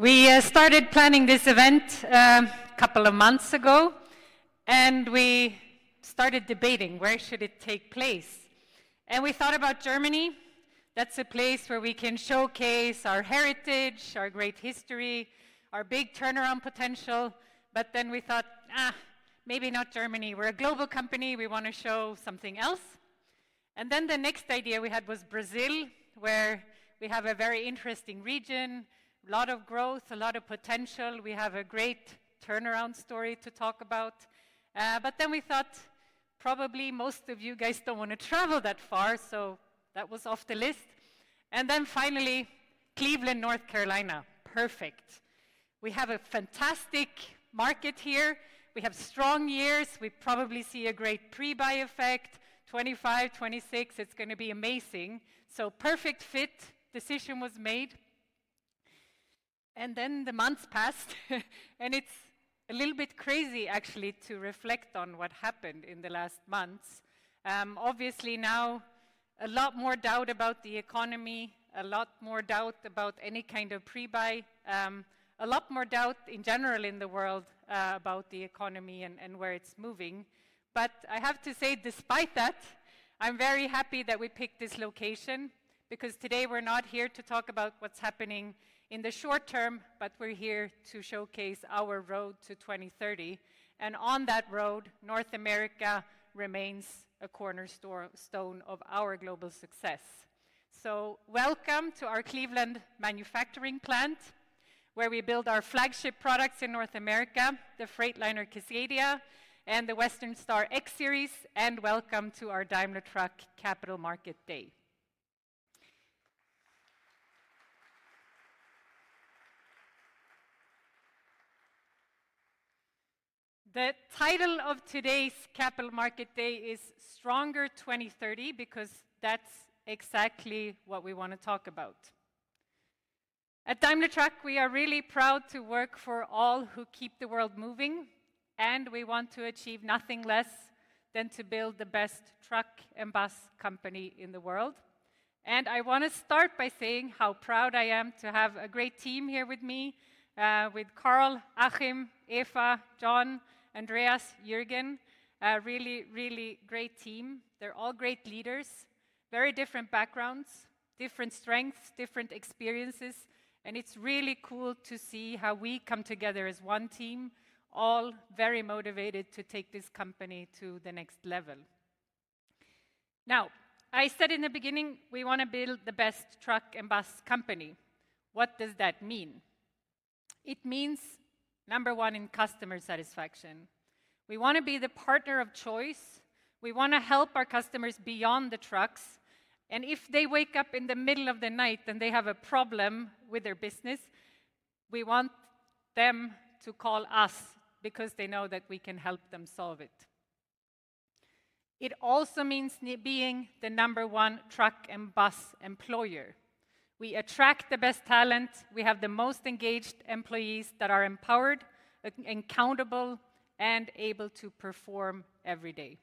We started planning this event a couple of months ago. We started debating where should it take place. We thought about Germany. That is a place where we can showcase our heritage, our great history, our big turnaround potential. We thought, maybe not Germany. We are a global company. We want to show something else. The next idea we had was Brazil, where we have a very interesting region, a lot of growth, a lot of potential. We have a great turnaround story to talk about. We thought, probably most of you guys do not want to travel that far, so that was off the list. Finally, Cleveland, North Carolina. Perfect. We have a fantastic market here. We have strong years. We probably see a great pre-buy effect. 2025, 2026, it is going to be amazing. Perfect fit. Decision was made. The months passed, and it's a little bit crazy, actually, to reflect on what happened in the last months. Obviously now, a lot more doubt about the economy, a lot more doubt about any kind of pre-buy, a lot more doubt in general in the world about the economy and where it's moving. I have to say, despite that, I'm very happy that we picked this location because today we're not here to talk about what's happening in the short term, but we're here to showcase our road to 2030. On that road, North America remains a cornerstone of our global success. Welcome to our Cleveland manufacturing plant, where we build our flagship products in North America, the Freightliner Cascadia and the Western Star X-Series. Welcome to our Daimler Truck Capital Market Day. The title of today's Capital Market Day is Stronger 2030 because that's exactly what we want to talk about. At Daimler Truck, we are really proud to work for all who keep the world moving, and we want to achieve nothing less than to build the best truck and bus company in the world. I want to start by saying how proud I am to have a great team here with me, with Karl, Achim, Eva, John, Andreas, Jürgen. Really, really great team. They're all great leaders, very different backgrounds, different strengths, different experiences. It's really cool to see how we come together as one team, all very motivated to take this company to the next level. I said in the beginning we want to build the best truck and bus company. What does that mean? It means number one in customer satisfaction. We want to be the partner of choice. We want to help our customers beyond the trucks. If they wake up in the middle of the night and they have a problem with their business, we want them to call us because they know that we can help them solve it. It also means being the number one truck and bus employer. We attract the best talent. We have the most engaged employees that are empowered, accountable, and able to perform every day.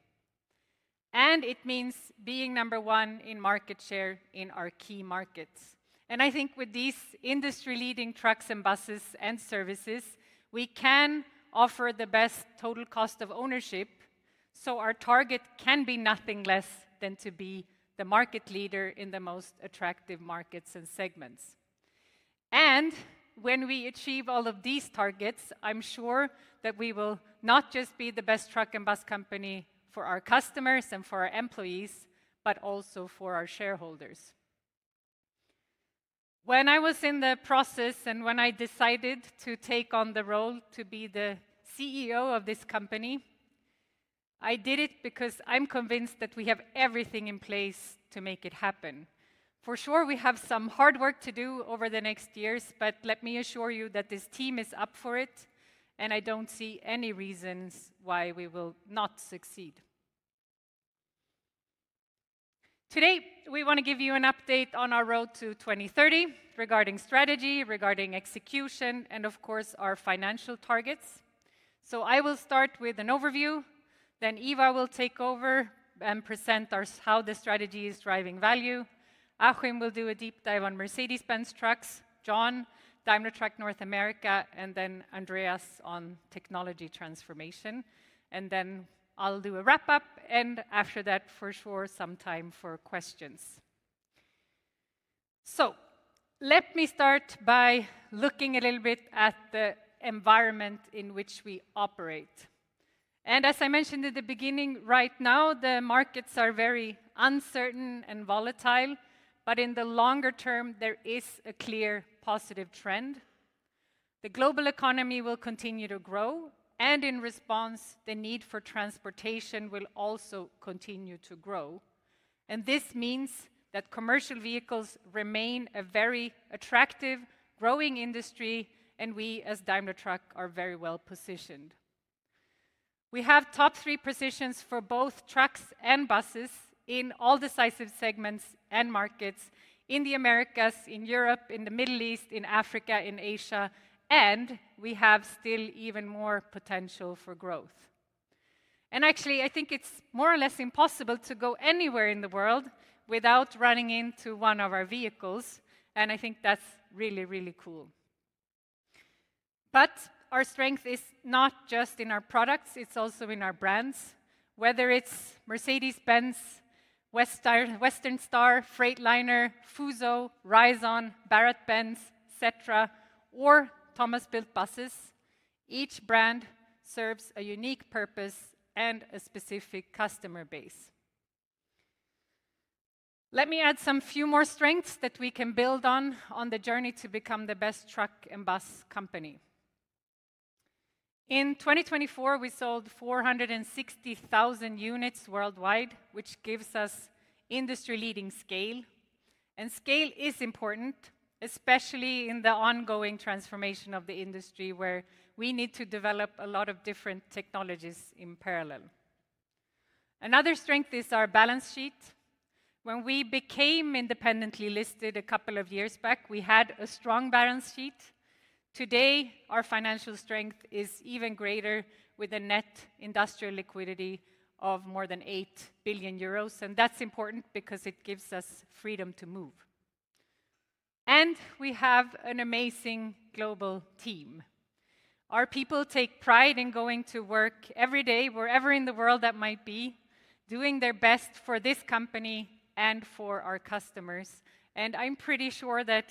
It means being number one in market share in our key markets. I think with these industry-leading trucks and buses and services, we can offer the best total cost of ownership. Our target can be nothing less than to be the market leader in the most attractive markets and segments. When we achieve all of these targets, I'm sure that we will not just be the best truck and bus company for our customers and for our employees, but also for our shareholders. When I was in the process and when I decided to take on the role to be the CEO of this company, I did it because I'm convinced that we have everything in place to make it happen. For sure, we have some hard work to do over the next years, but let me assure you that this team is up for it, and I don't see any reasons why we will not succeed. Today, we want to give you an update on our road to 2030 regarding strategy, regarding execution, and of course, our financial targets. I will start with an overview. Eva will take over and present how the strategy is driving value. Achim will do a deep dive on Mercedes-Benz Trucks, John, Daimler Truck North America, and Andreas on technology transformation. I'll do a wrap-up, and after that, for sure, some time for questions. Let me start by looking a little bit at the environment in which we operate. As I mentioned in the beginning, right now, the markets are very uncertain and volatile, but in the longer term, there is a clear positive trend. The global economy will continue to grow, and in response, the need for transportation will also continue to grow. This means that commercial vehicles remain a very attractive, growing industry, and we as Daimler Truck are very well positioned. We have top three positions for both trucks and buses in all decisive segments and markets in the Americas, in Europe, in the Middle East, in Africa, in Asia, and we have still even more potential for growth. Actually, I think it is more or less impossible to go anywhere in the world without running into one of our vehicles. I think that is really, really cool. Our strength is not just in our products. It is also in our brands. Whether it is Mercedes-Benz, Western Star, Freightliner, Fuso, Rizon, BharatBenz, etc., or Thomas Built Buses, each brand serves a unique purpose and a specific customer base. Let me add some few more strengths that we can build on on the journey to become the best truck and bus company. In 2024, we sold 460,000 units worldwide, which gives us industry-leading scale. Scale is important, especially in the ongoing transformation of the industry where we need to develop a lot of different technologies in parallel. Another strength is our balance sheet. When we became independently listed a couple of years back, we had a strong balance sheet. Today, our financial strength is even greater with a net industrial liquidity of 8 billion euros. That is important because it gives us freedom to move. We have an amazing global team. Our people take pride in going to work every day, wherever in the world that might be, doing their best for this company and for our customers. I'm pretty sure that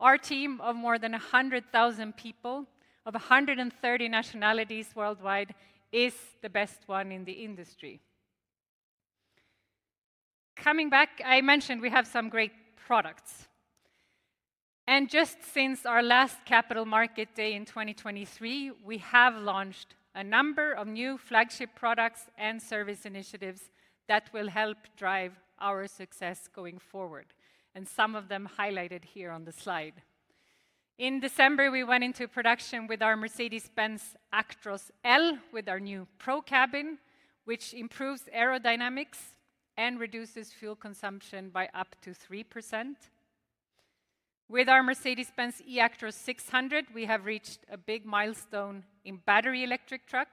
our team of more than 100,000 people of 130 nationalities worldwide is the best one in the industry. Coming back, I mentioned we have some great products. Just since our last Capital Market Day in 2023, we have launched a number of new flagship products and service initiatives that will help drive our success going forward, and some of them are highlighted here on the slide. In December, we went into production with our Mercedes-Benz Actros L with our new Pro cabin, which improves aerodynamics and reduces fuel consumption by up to 3%. With our Mercedes-Benz eActros 600, we have reached a big milestone in battery electric truck.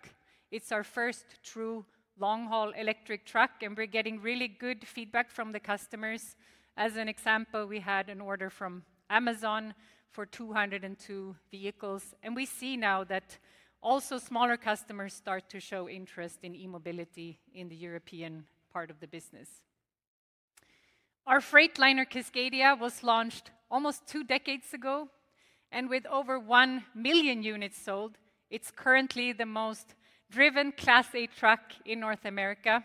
It's our first true long-haul electric truck, and we're getting really good feedback from the customers. As an example, we had an order from Amazon for 202 vehicles, and we see now that also smaller customers start to show interest in e-mobility in the European part of the business. Our Freightliner Cascadia was launched almost two decades ago, and with over 1 million units sold, it's currently the most driven Class 8 truck in North America.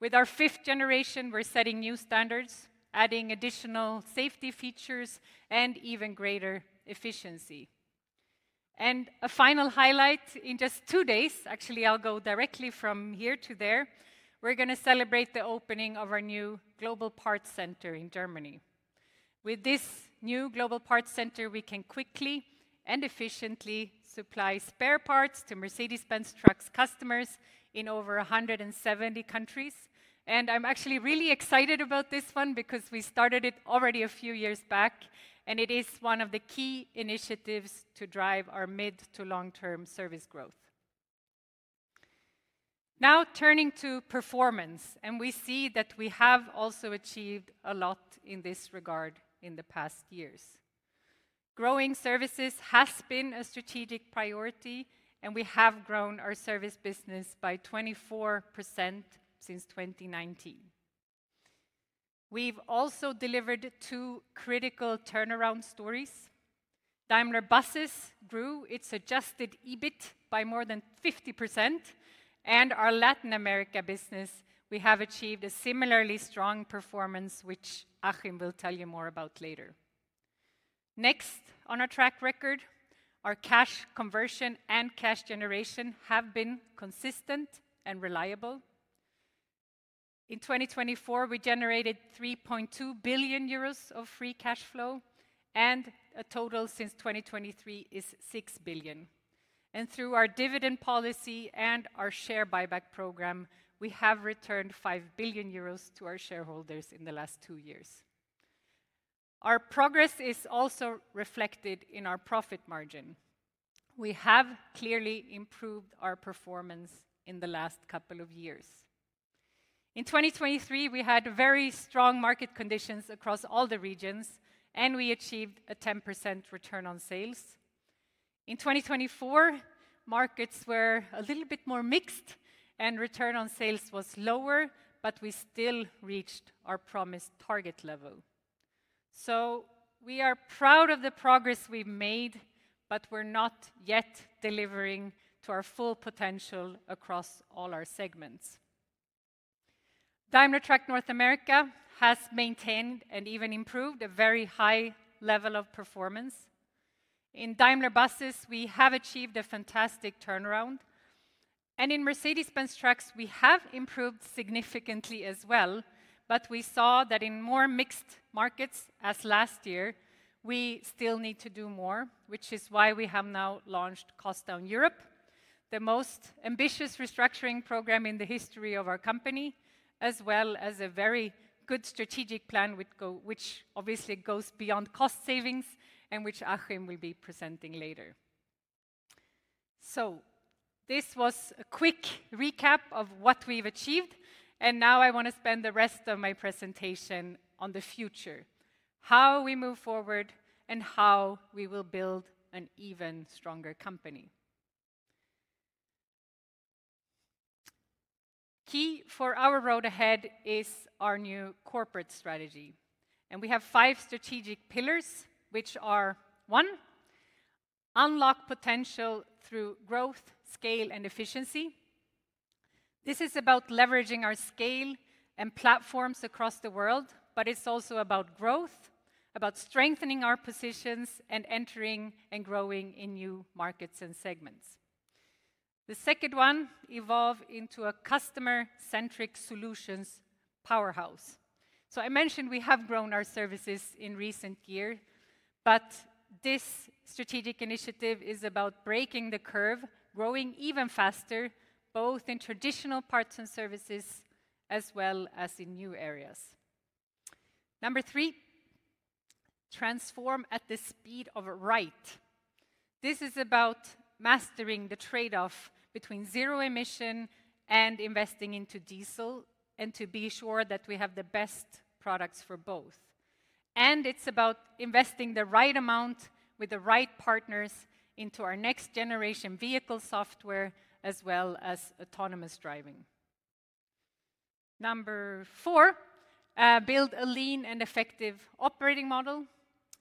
With our fifth generation, we're setting new standards, adding additional safety features, and even greater efficiency. A final highlight in just two days, actually, I'll go directly from here to there, we're going to celebrate the opening of our new Global Parts Center in Germany. With this new Global Parts Center, we can quickly and efficiently supply spare parts to Mercedes-Benz Trucks customers in over 170 countries. I'm actually really excited about this one because we started it already a few years back, and it is one of the key initiatives to drive our mid to long-term service growth. Now turning to performance, and we see that we have also achieved a lot in this regard in the past years. Growing services has been a strategic priority, and we have grown our service business by 24% since 2019. We've also delivered two critical turnaround stories. Daimler Buses grew its adjusted EBIT by more than 50%. In our Latin America business, we have achieved a similarly strong performance, which Achim will tell you more about later. Next, on our track record, our cash conversion and cash generation have been consistent and reliable. In 2024, we generated 3.2 billion euros of free cash flow, and a total since 2023 is 6 billion. Through our dividend policy and our share buyback program, we have returned 5 billion euros to our shareholders in the last two years. Our progress is also reflected in our profit margin. We have clearly improved our performance in the last couple of years. In 2023, we had very strong market conditions across all the regions, and we achieved a 10% return on sales. In 2024, markets were a little bit more mixed, and return on sales was lower, but we still reached our promised target level. We are proud of the progress we've made, but we're not yet delivering to our full potential across all our segments. Daimler Truck North America has maintained and even improved a very high level of performance. In Daimler Buses, we have achieved a fantastic turnaround. In Mercedes-Benz Trucks, we have improved significantly as well. We saw that in more mixed markets, as last year, we still need to do more, which is why we have now launched Cost Down Europe, the most ambitious restructuring program in the history of our company, as well as a very good strategic plan, which obviously goes beyond cost savings and which Achim will be presenting later. This was a quick recap of what we've achieved. I want to spend the rest of my presentation on the future. How we move forward and how we will build an even stronger company. Key for our road ahead is our new corporate strategy. We have five strategic pillars, which are: one, unlock potential through growth, scale, and efficiency. This is about leveraging our scale and platforms across the world, but it's also about growth, about strengthening our positions and entering and growing in new markets and segments. The second one evolves into a customer-centric solutions powerhouse. I mentioned we have grown our services in recent years, but this strategic initiative is about breaking the curve, growing even faster, both in traditional parts and services as well as in new areas. Number three. Transform at the speed of a right. This is about mastering the trade-off between zero emission and investing into diesel and to be sure that we have the best products for both. It is about investing the right amount with the right partners into our next generation vehicle software as well as autonomous driving. Number four. Build a lean and effective operating model.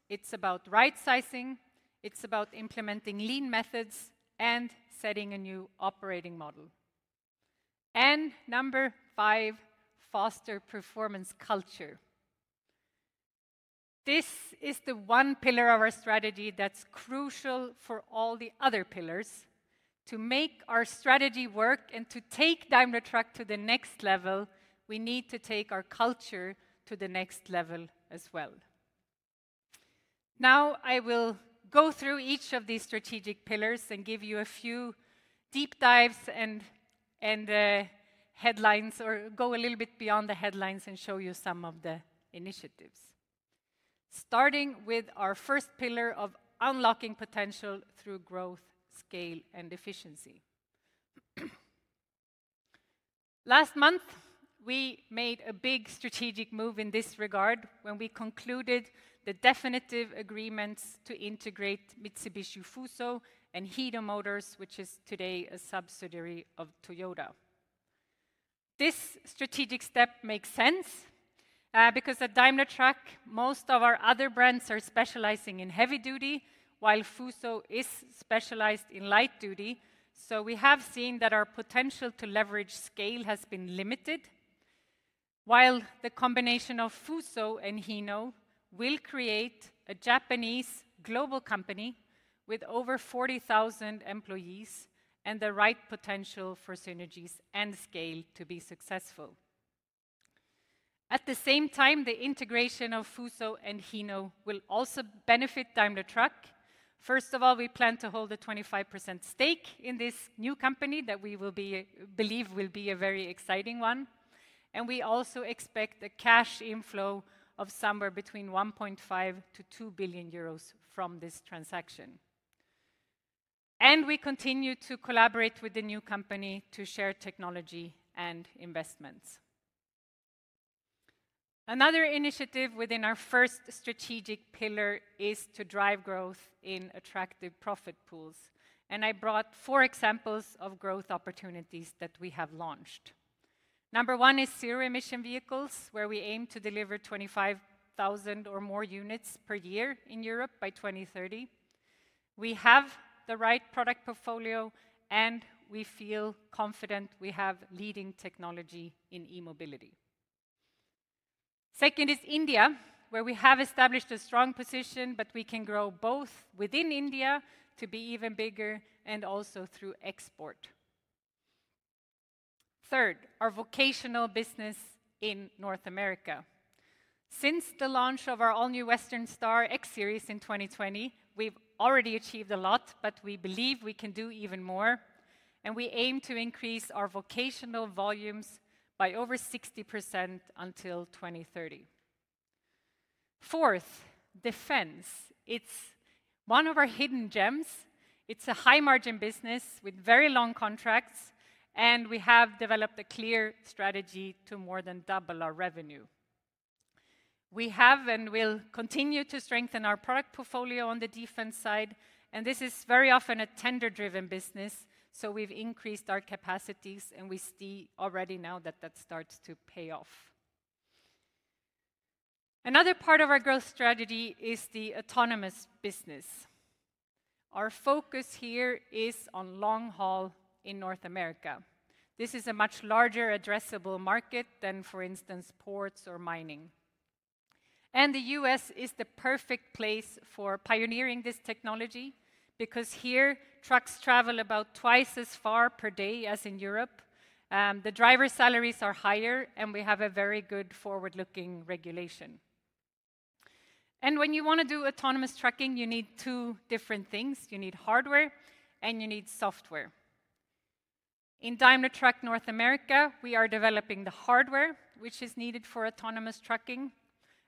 It's about right sizing. It's about implementing lean methods and setting a new operating model. Number five, foster performance culture. This is the one pillar of our strategy that's crucial for all the other pillars. To make our strategy work and to take Daimler Truck to the next level, we need to take our culture to the next level as well. Now I will go through each of these strategic pillars and give you a few deep dives. Headlines, or go a little bit beyond the headlines and show you some of the initiatives. Starting with our first pillar of unlocking potential through growth, scale, and efficiency. Last month, we made a big strategic move in this regard when we concluded the definitive agreements to integrate Mitsubishi Fuso and Hino Motors, which is today a subsidiary of Toyota. This strategic step makes sense. Because at Daimler Truck, most of our other brands are specializing in heavy duty, while Fuso is specialized in light duty. We have seen that our potential to leverage scale has been limited. The combination of Fuso and Hino will create a Japanese global company with over 40,000 employees and the right potential for synergies and scale to be successful. At the same time, the integration of Fuso and Hino will also benefit Daimler Truck. First of all, we plan to hold a 25% stake in this new company that we believe will be a very exciting one. We also expect a cash inflow of somewhere between 1.5 billion-2 billion euros from this transaction. We continue to collaborate with the new company to share technology and investments. Another initiative within our first strategic pillar is to drive growth in attractive profit pools. I brought four examples of growth opportunities that we have launched. Number one is zero-emission vehicles, where we aim to deliver 25,000 or more units per year in Europe by 2030. We have the right product portfolio, and we feel confident we have leading technology in e-mobility. Second is India, where we have established a strong position, but we can grow both within India to be even bigger and also through export. Third, our vocational business in North America. Since the launch of our all-new Western Star X-Series in 2020, we have already achieved a lot, but we believe we can do even more. We aim to increase our vocational volumes by over 60% until 2030. Fourth, defense. It is one of our hidden gems. It is a high-margin business with very long contracts, and we have developed a clear strategy to more than double our revenue. We have and will continue to strengthen our product portfolio on the defense side. This is very often a tender-driven business. We have increased our capacities, and we see already now that that starts to pay off. Another part of our growth strategy is the autonomous business. Our focus here is on long haul in North America. This is a much larger addressable market than, for instance, ports or mining. The US is the perfect place for pioneering this technology because here trucks travel about twice as far per day as in Europe. The driver salaries are higher, and we have a very good forward-looking regulation. When you want to do autonomous trucking, you need two different things. You need hardware, and you need software. In Daimler Truck North America, we are developing the hardware, which is needed for autonomous trucking,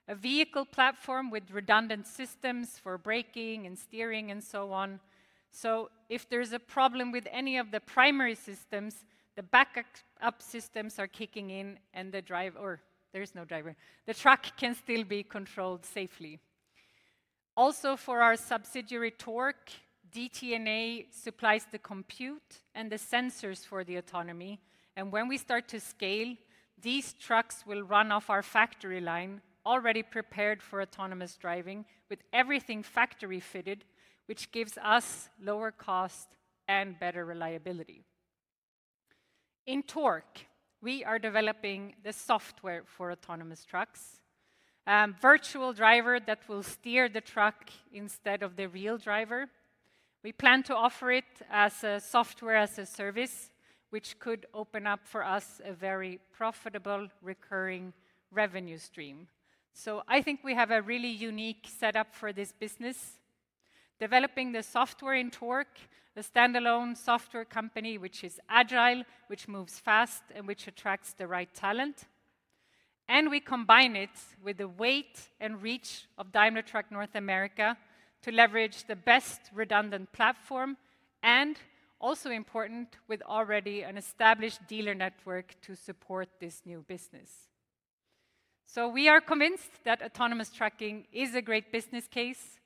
a vehicle platform with redundant systems for braking and steering and so on. If there is a problem with any of the primary systems, the backup systems are kicking in, and the driver, or there is no driver, the truck can still be controlled safely. Also, for our subsidiary Torque, DTNA supplies the compute and the sensors for the autonomy. When we start to scale, these trucks will run off our factory line, already prepared for autonomous driving with everything factory fitted, which gives us lower cost and better reliability. In Torque, we are developing the software for autonomous trucks. Virtual driver that will steer the truck instead of the real driver. We plan to offer it as a software as a service, which could open up for us a very profitable recurring revenue stream. I think we have a really unique setup for this business. Developing the software in Torque, a standalone software company which is agile, which moves fast, and which attracts the right talent. We combine it with the weight and reach of Daimler Truck North America to leverage the best redundant platform and, also important, with already an established dealer network to support this new business. We are convinced that autonomous trucking is a great business case.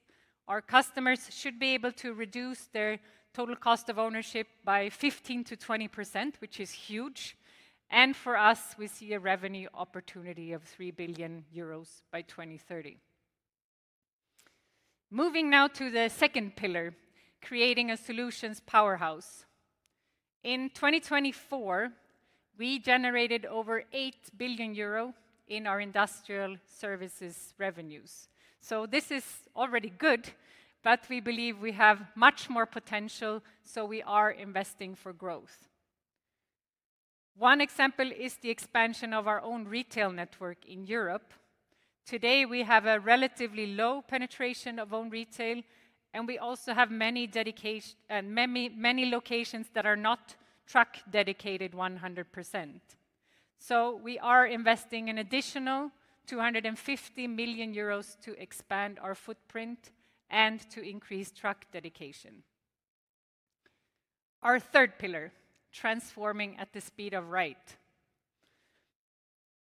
Our customers should be able to reduce their total cost of ownership by 15%-20%, which is huge. For us, we see a revenue opportunity of 3 billion euros by 2030. Moving now to the second pillar, creating a solutions powerhouse. In 2024. We generated over 8 billion euro in our industrial services revenues. This is already good, but we believe we have much more potential, so we are investing for growth. One example is the expansion of our own retail network in Europe. Today, we have a relatively low penetration of own retail, and we also have many locations that are not truck dedicated 100%. We are investing an additional 250 million euros to expand our footprint and to increase truck dedication. Our third pillar, transforming at the speed of right.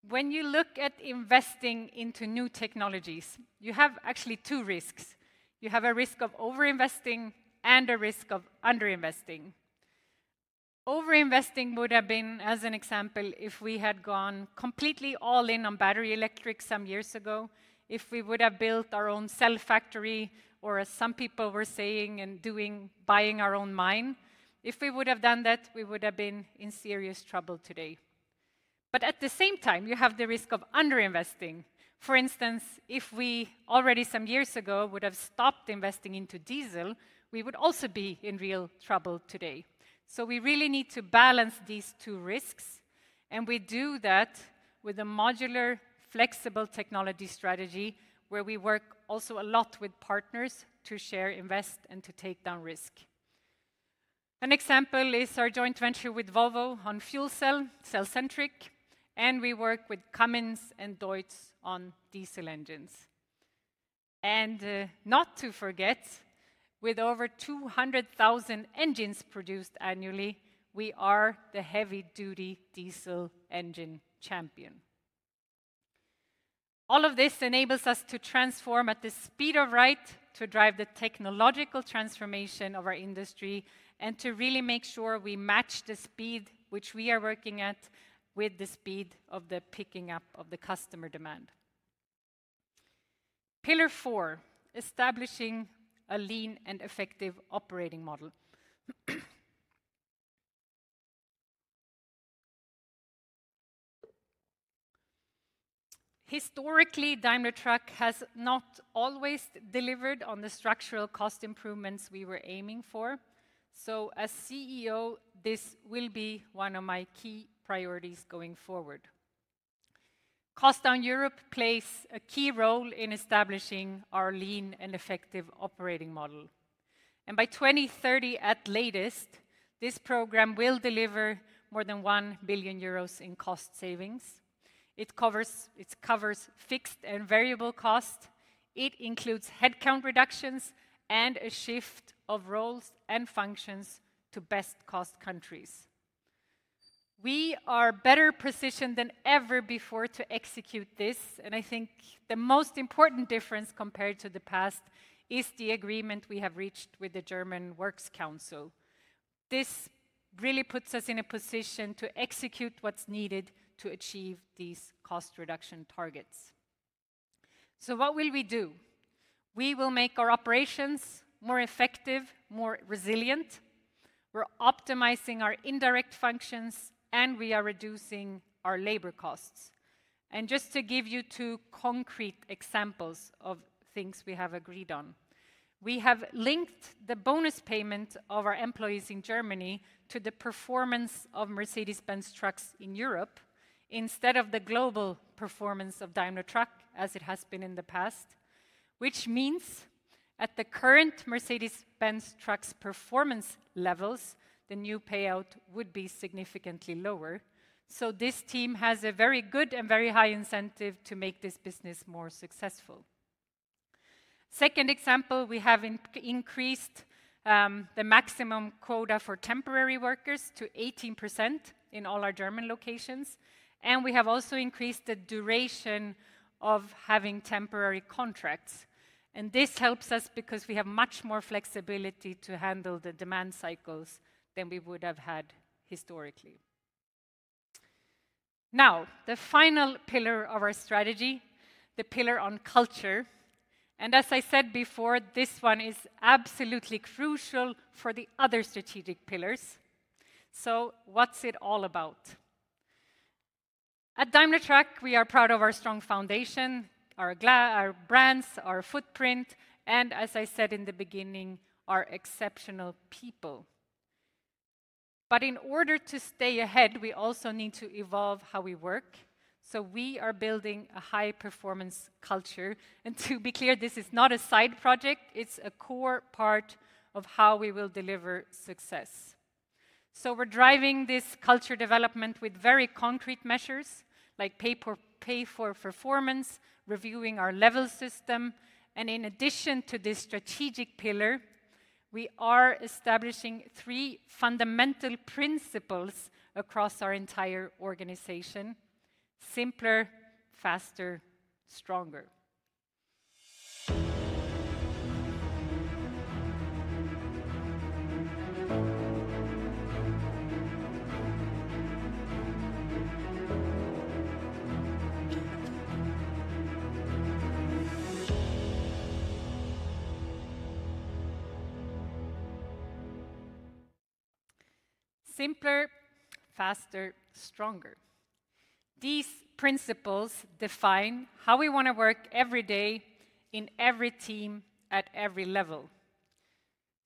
When you look at investing into new technologies, you have actually two risks. You have a risk of overinvesting and a risk of underinvesting. Overinvesting would have been, as an example, if we had gone completely all in on battery electric some years ago, if we would have built our own cell factory, or as some people were saying, and doing, buying our own mine. If we would have done that, we would have been in serious trouble today. At the same time, you have the risk of underinvesting. For instance, if we already some years ago would have stopped investing into diesel, we would also be in real trouble today. We really need to balance these two risks. We do that with a modular, flexible technology strategy where we work also a lot with partners to share, invest, and to take down risk. An example is our joint venture with Volvo on fuel cell, Cellcentric, and we work with Cummins and Deutz on diesel engines. Not to forget, with over 200,000 engines produced annually, we are the heavy-duty diesel engine champion. All of this enables us to transform at the speed of right to drive the technological transformation of our industry and to really make sure we match the speed which we are working at with the speed of the picking up of the customer demand. Pillar four, establishing a lean and effective operating model. Historically, Daimler Truck has not always delivered on the structural cost improvements we were aiming for. As CEO, this will be one of my key priorities going forward. Cost Down Europe plays a key role in establishing our lean and effective operating model. By 2030 at latest, this program will deliver more than 1 billion euros in cost savings. It covers fixed and variable costs. It includes headcount reductions and a shift of roles and functions to best cost countries. We are better positioned than ever before to execute this. I think the most important difference compared to the past is the agreement we have reached with the German Works Council. This really puts us in a position to execute what is needed to achieve these cost reduction targets. What will we do? We will make our operations more effective, more resilient. We are optimizing our indirect functions, and we are reducing our labor costs. Just to give you two concrete examples of things we have agreed on, we have linked the bonus payment of our employees in Germany to the performance of Mercedes-Benz Trucks in Europe instead of the global performance of Daimler Truck, as it has been in the past. Which means at the current Mercedes-Benz Trucks performance levels, the new payout would be significantly lower. This team has a very good and very high incentive to make this business more successful. Second example, we have increased the maximum quota for temporary workers to 18% in all our German locations. We have also increased the duration of having temporary contracts. This helps us because we have much more flexibility to handle the demand cycles than we would have had historically. Now, the final pillar of our strategy, the pillar on culture. As I said before, this one is absolutely crucial for the other strategic pillars. What is it all about? At Daimler Truck, we are proud of our strong foundation, our brands, our footprint, and, as I said in the beginning, our exceptional people. In order to stay ahead, we also need to evolve how we work. We are building a high-performance culture. To be clear, this is not a side project. It is a core part of how we will deliver success. We are driving this culture development with very concrete measures like pay-for-performance, reviewing our level system. In addition to this strategic pillar, we are establishing three fundamental principles across our entire organization: simpler, faster, stronger. Simpler, faster, stronger. These principles define how we want to work every day in every team at every level.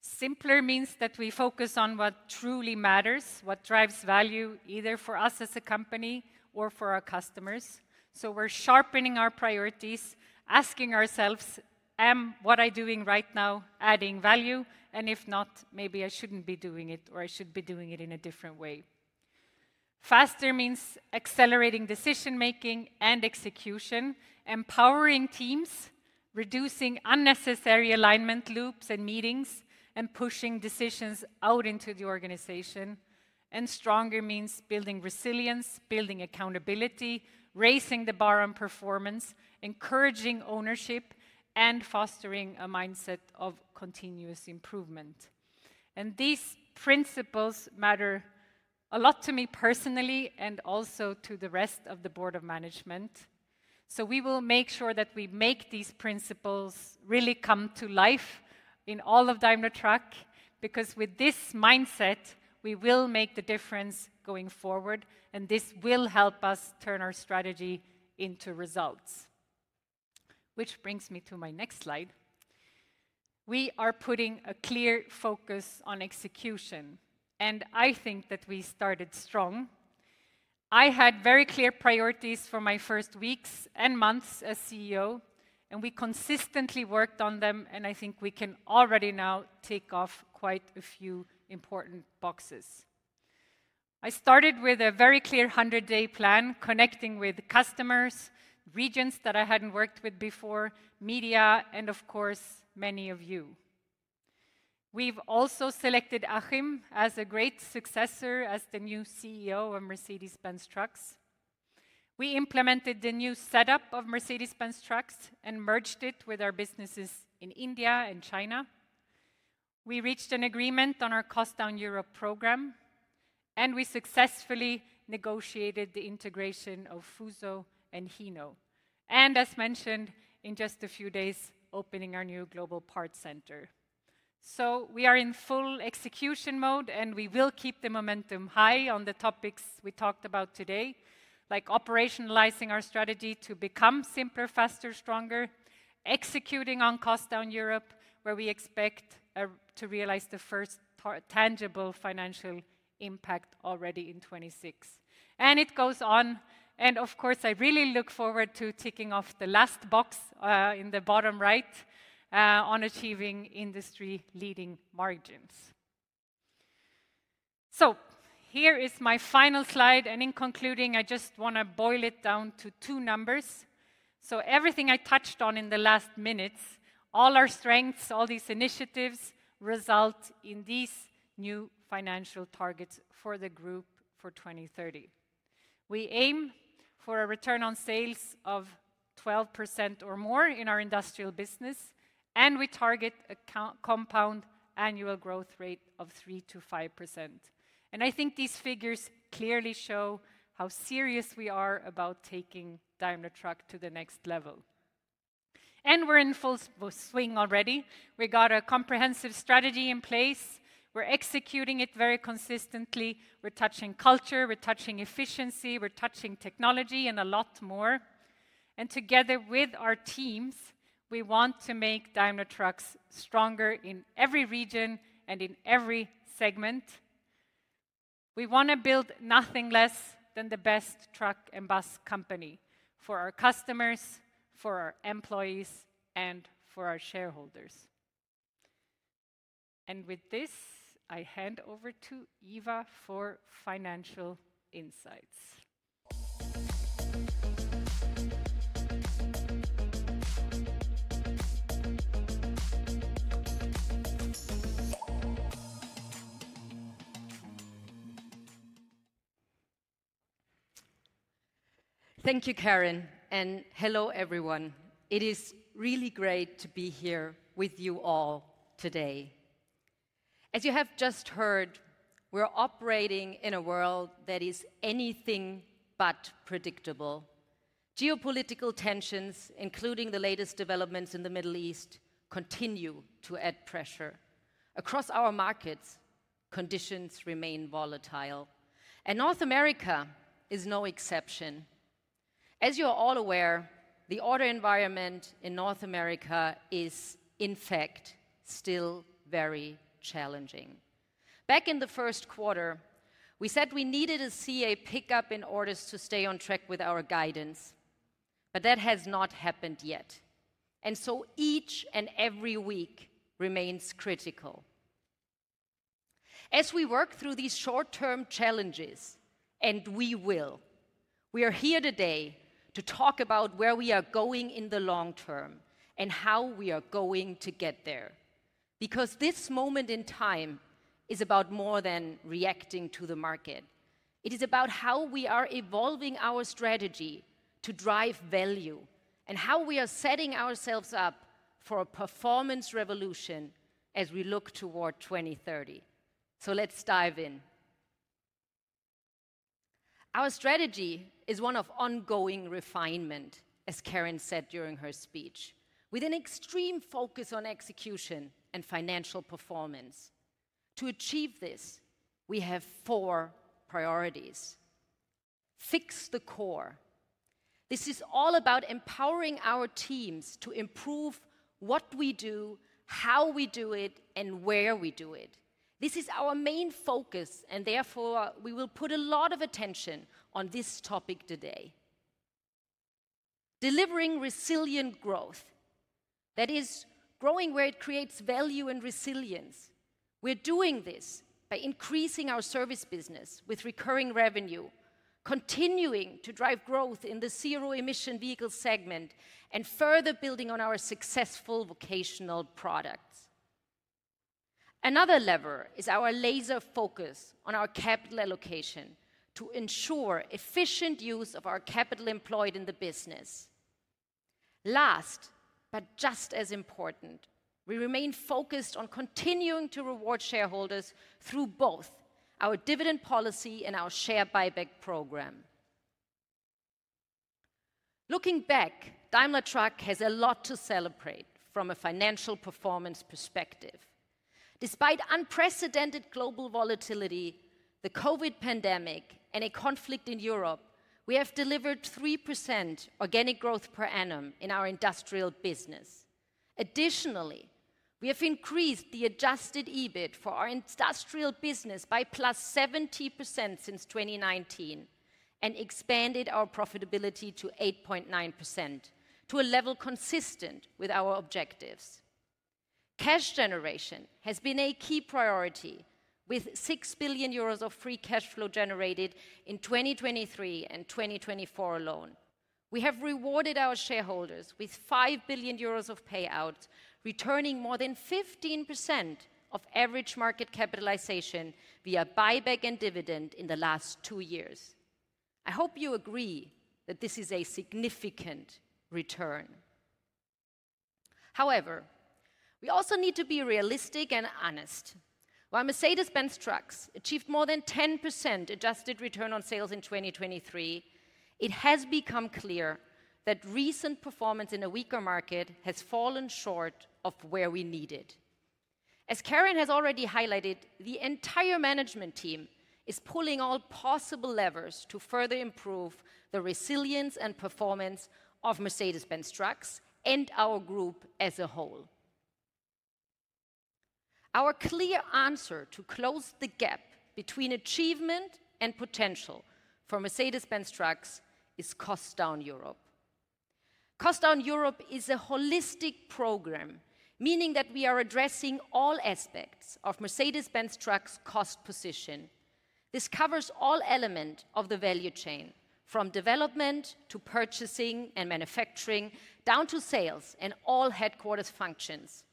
Simpler means that we focus on what truly matters, what drives value, either for us as a company or for our customers. We are sharpening our priorities, asking ourselves, "Am what I'm doing right now adding value? If not, maybe I shouldn't be doing it, or I should be doing it in a different way. Faster means accelerating decision-making and execution, empowering teams, reducing unnecessary alignment loops and meetings, and pushing decisions out into the organization. Stronger means building resilience, building accountability, raising the bar on performance, encouraging ownership, and fostering a mindset of continuous improvement. These principles matter a lot to me personally and also to the rest of the board of management. We will make sure that we make these principles really come to life in all of Daimler Truck because with this mindset, we will make the difference going forward. This will help us turn our strategy into results. Which brings me to my next slide. We are putting a clear focus on execution. I think that we started strong. I had very clear priorities for my first weeks and months as CEO, and we consistently worked on them. I think we can already now tick off quite a few important boxes. I started with a very clear 100-day plan, connecting with customers, regions that I had not worked with before, media, and of course, many of you. We have also selected Achim as a great successor as the new CEO of Mercedes-Benz Trucks. We implemented the new setup of Mercedes-Benz Trucks and merged it with our businesses in India and China. We reached an agreement on our Cost Down Europe program. We successfully negotiated the integration of Fuso and Hino. As mentioned, in just a few days, we are opening our new global parts center. We are in full execution mode, and we will keep the momentum high on the topics we talked about today, like operationalizing our strategy to become simpler, faster, stronger, executing on Cost Down Europe, where we expect to realize the first tangible financial impact already in 2026. It goes on. Of course, I really look forward to ticking off the last box in the bottom right on achieving industry-leading margins. Here is my final slide. In concluding, I just want to boil it down to two numbers. Everything I touched on in the last minutes, all our strengths, all these initiatives result in these new financial targets for the group for 2030. We aim for a return on sales of 12% or more in our industrial business. We target a compound annual growth rate of 3%-5%. I think these figures clearly show how serious we are about taking Daimler Truck to the next level. We are in full swing already. We have a comprehensive strategy in place. We are executing it very consistently. We are touching culture, we are touching efficiency, we are touching technology, and a lot more. Together with our teams, we want to make Daimler Truck stronger in every region and in every segment. We want to build nothing less than the best truck and bus company for our customers, for our employees, and for our shareholders. With this, I hand over to Eva for financial insights. Thank you, Karin. Hello, everyone. It is really great to be here with you all today. As you have just heard, we are operating in a world that is anything but predictable. Geopolitical tensions, including the latest developments in the Middle East, continue to add pressure. Across our markets, conditions remain volatile. North America is no exception. As you are all aware, the order environment in North America is, in fact, still very challenging. Back in the first quarter, we said we needed to see a pickup in orders to stay on track with our guidance. That has not happened yet. Each and every week remains critical. As we work through these short-term challenges, and we will, we are here today to talk about where we are going in the long term and how we are going to get there. This moment in time is about more than reacting to the market. It is about how we are evolving our strategy to drive value and how we are setting ourselves up for a performance revolution as we look toward 2030. Let's dive in. Our strategy is one of ongoing refinement, as Karin said during her speech, with an extreme focus on execution and financial performance. To achieve this, we have four priorities. Fix the core. This is all about empowering our teams to improve what we do, how we do it, and where we do it. This is our main focus. Therefore, we will put a lot of attention on this topic today. Delivering resilient growth. That is growing where it creates value and resilience. We're doing this by increasing our service business with recurring revenue, continuing to drive growth in the zero-emission vehicle segment, and further building on our successful vocational products. Another lever is our laser focus on our capital allocation to ensure efficient use of our capital employed in the business. Last, but just as important, we remain focused on continuing to reward shareholders through both our dividend policy and our share buyback program. Looking back, Daimler Truck has a lot to celebrate from a financial performance perspective. Despite unprecedented global volatility, the COVID pandemic, and a conflict in Europe, we have delivered 3% organic growth per annum in our industrial business. Additionally, we have increased the adjusted EBIT for our industrial business by +70% since 2019 and expanded our profitability to 8.9% to a level consistent with our objectives. Cash generation has been a key priority, with 6 billion euros of free cash flow generated in 2023 and 2024 alone. We have rewarded our shareholders with 5 billion euros of payout, returning more than 15% of average market capitalization via buyback and dividend in the last two years. I hope you agree that this is a significant return. However, we also need to be realistic and honest. While Mercedes-Benz Trucks achieved more than 10% adjusted return on sales in 2023, it has become clear that recent performance in a weaker market has fallen short of where we needed. As Karin has already highlighted, the entire management team is pulling all possible levers to further improve the resilience and performance of Mercedes-Benz Trucks and our group as a whole. Our clear answer to close the gap between achievement and potential for Mercedes-Benz Trucks is Cost Down Europe. Cost Down Europe is a holistic program, meaning that we are addressing all aspects of Mercedes-Benz Trucks' cost position. This covers all elements of the value chain, from development to purchasing and manufacturing down to sales and all headquarters functions.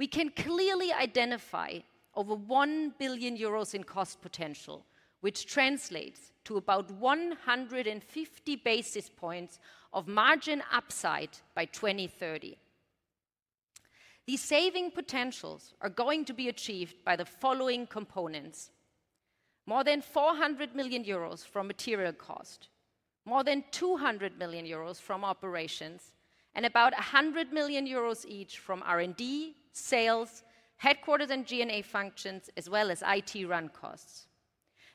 We can clearly identify over 1 billion euros in cost potential, which translates to about 150 basis points of margin upside by 2030. These saving potentials are going to be achieved by the following components. More than 400 million euros from material cost, more than 200 million euros from operations, and about 100 million euros each from R&D, sales, headquarters, and G&A functions, as well as IT run costs.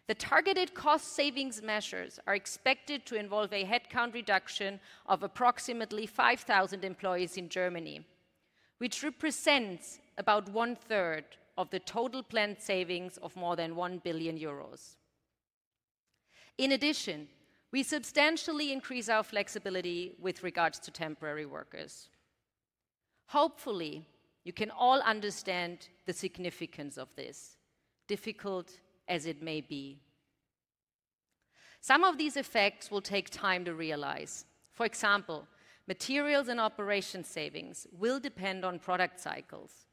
The targeted cost savings measures are expected to involve a headcount reduction of approximately 5,000 employees in Germany, which represents about one-third of the total planned savings of more than 1 billion euros. In addition, we substantially increase our flexibility with regards to temporary workers. Hopefully, you can all understand the significance of this, difficult as it may be. Some of these effects will take time to realize. For example, materials and operation savings will depend on product cycles.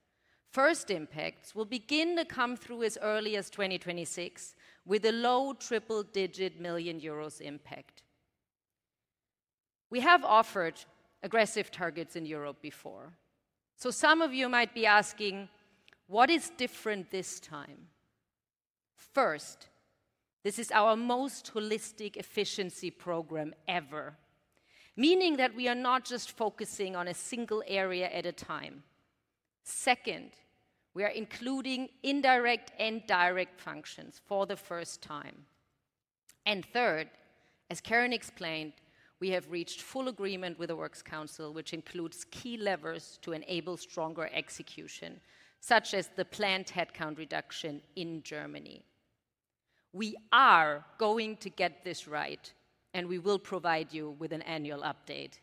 First impacts will begin to come through as early as 2026, with a low triple-digit million euros impact. We have offered aggressive targets in Europe before. Some of you might be asking, what is different this time? First. This is our most holistic efficiency program ever, meaning that we are not just focusing on a single area at a time. Second, we are including indirect and direct functions for the first time. Third, as Karin explained, we have reached full agreement with the Works Council, which includes key levers to enable stronger execution, such as the planned headcount reduction in Germany. We are going to get this right, and we will provide you with an annual update.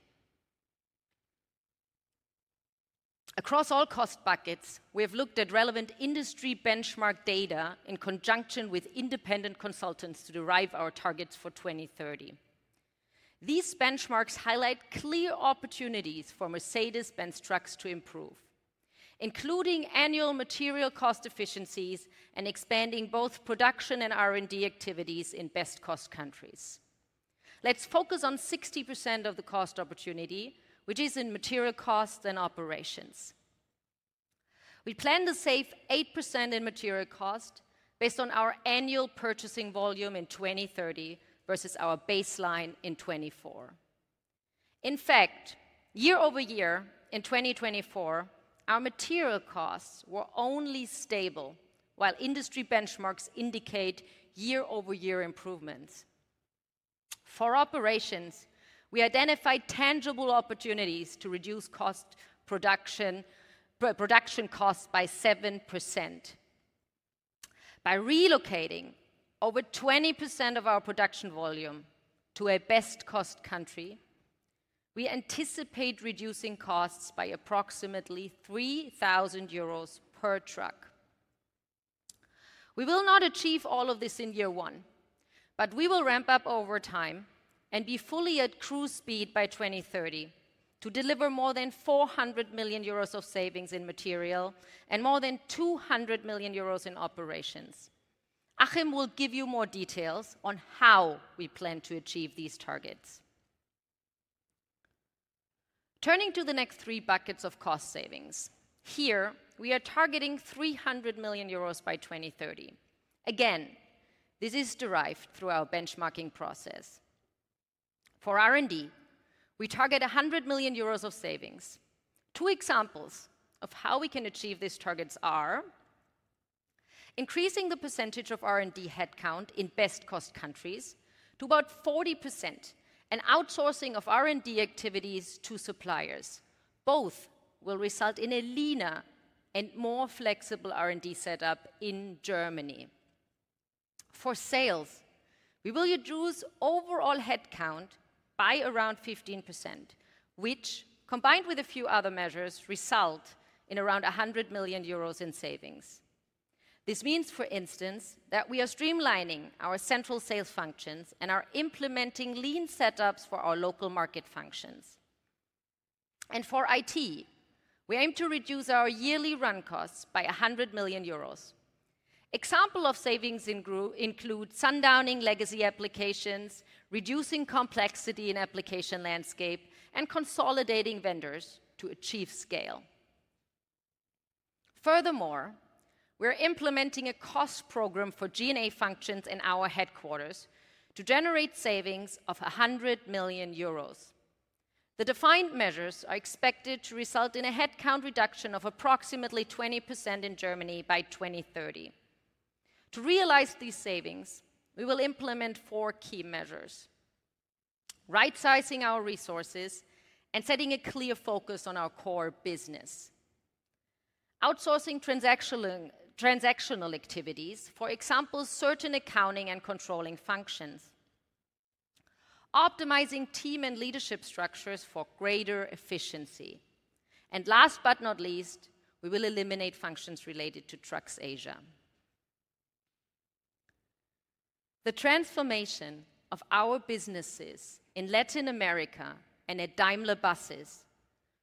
Across all cost buckets, we have looked at relevant industry benchmark data in conjunction with independent consultants to derive our targets for 2030. These benchmarks highlight clear opportunities for Mercedes-Benz Trucks to improve, including annual material cost efficiencies and expanding both production and R&D activities in best-cost countries. Let's focus on 60% of the cost opportunity, which is in material costs and operations. We plan to save 8% in material cost based on our annual purchasing volume in 2030 versus our baseline in 2024. In fact, year over year in 2024, our material costs were only stable, while industry benchmarks indicate year-over-year improvements. For operations, we identified tangible opportunities to reduce production costs by 7%. By relocating over 20% of our production volume to a best-cost country, we anticipate reducing costs by approximately 3,000 euros per truck. We will not achieve all of this in year one, but we will ramp up over time and be fully at cruise speed by 2030 to deliver more than 400 million euros of savings in material and more than 200 million euros in operations. Achim will give you more details on how we plan to achieve these targets. Turning to the next three buckets of cost savings, here we are targeting 300 million euros by 2030. Again, this is derived through our benchmarking process. For R&D, we target 100 million euros of savings. Two examples of how we can achieve these targets are. Increasing the percentage of R&D headcount in best-cost countries to about 40% and outsourcing of R&D activities to suppliers. Both will result in a leaner and more flexible R&D setup in Germany. For sales, we will reduce overall headcount by around 15%, which, combined with a few other measures, results in around 100 million euros in savings. This means, for instance, that we are streamlining our central sales functions and are implementing lean setups for our local market functions. For IT, we aim to reduce our yearly run costs by 100 million euros. Examples of savings include sundowning legacy applications, reducing complexity in the application landscape, and consolidating vendors to achieve scale. Furthermore, we are implementing a cost program for G&A functions in our headquarters to generate savings of 100 million euros. The defined measures are expected to result in a headcount reduction of approximately 20% in Germany by 2030. To realize these savings, we will implement four key measures. Right-sizing our resources and setting a clear focus on our core business. Outsourcing transactional activities, for example, certain accounting and controlling functions. Optimizing team and leadership structures for greater efficiency. Last but not least, we will eliminate functions related to Trucks Asia. The transformation of our businesses in Latin America and at Daimler Buses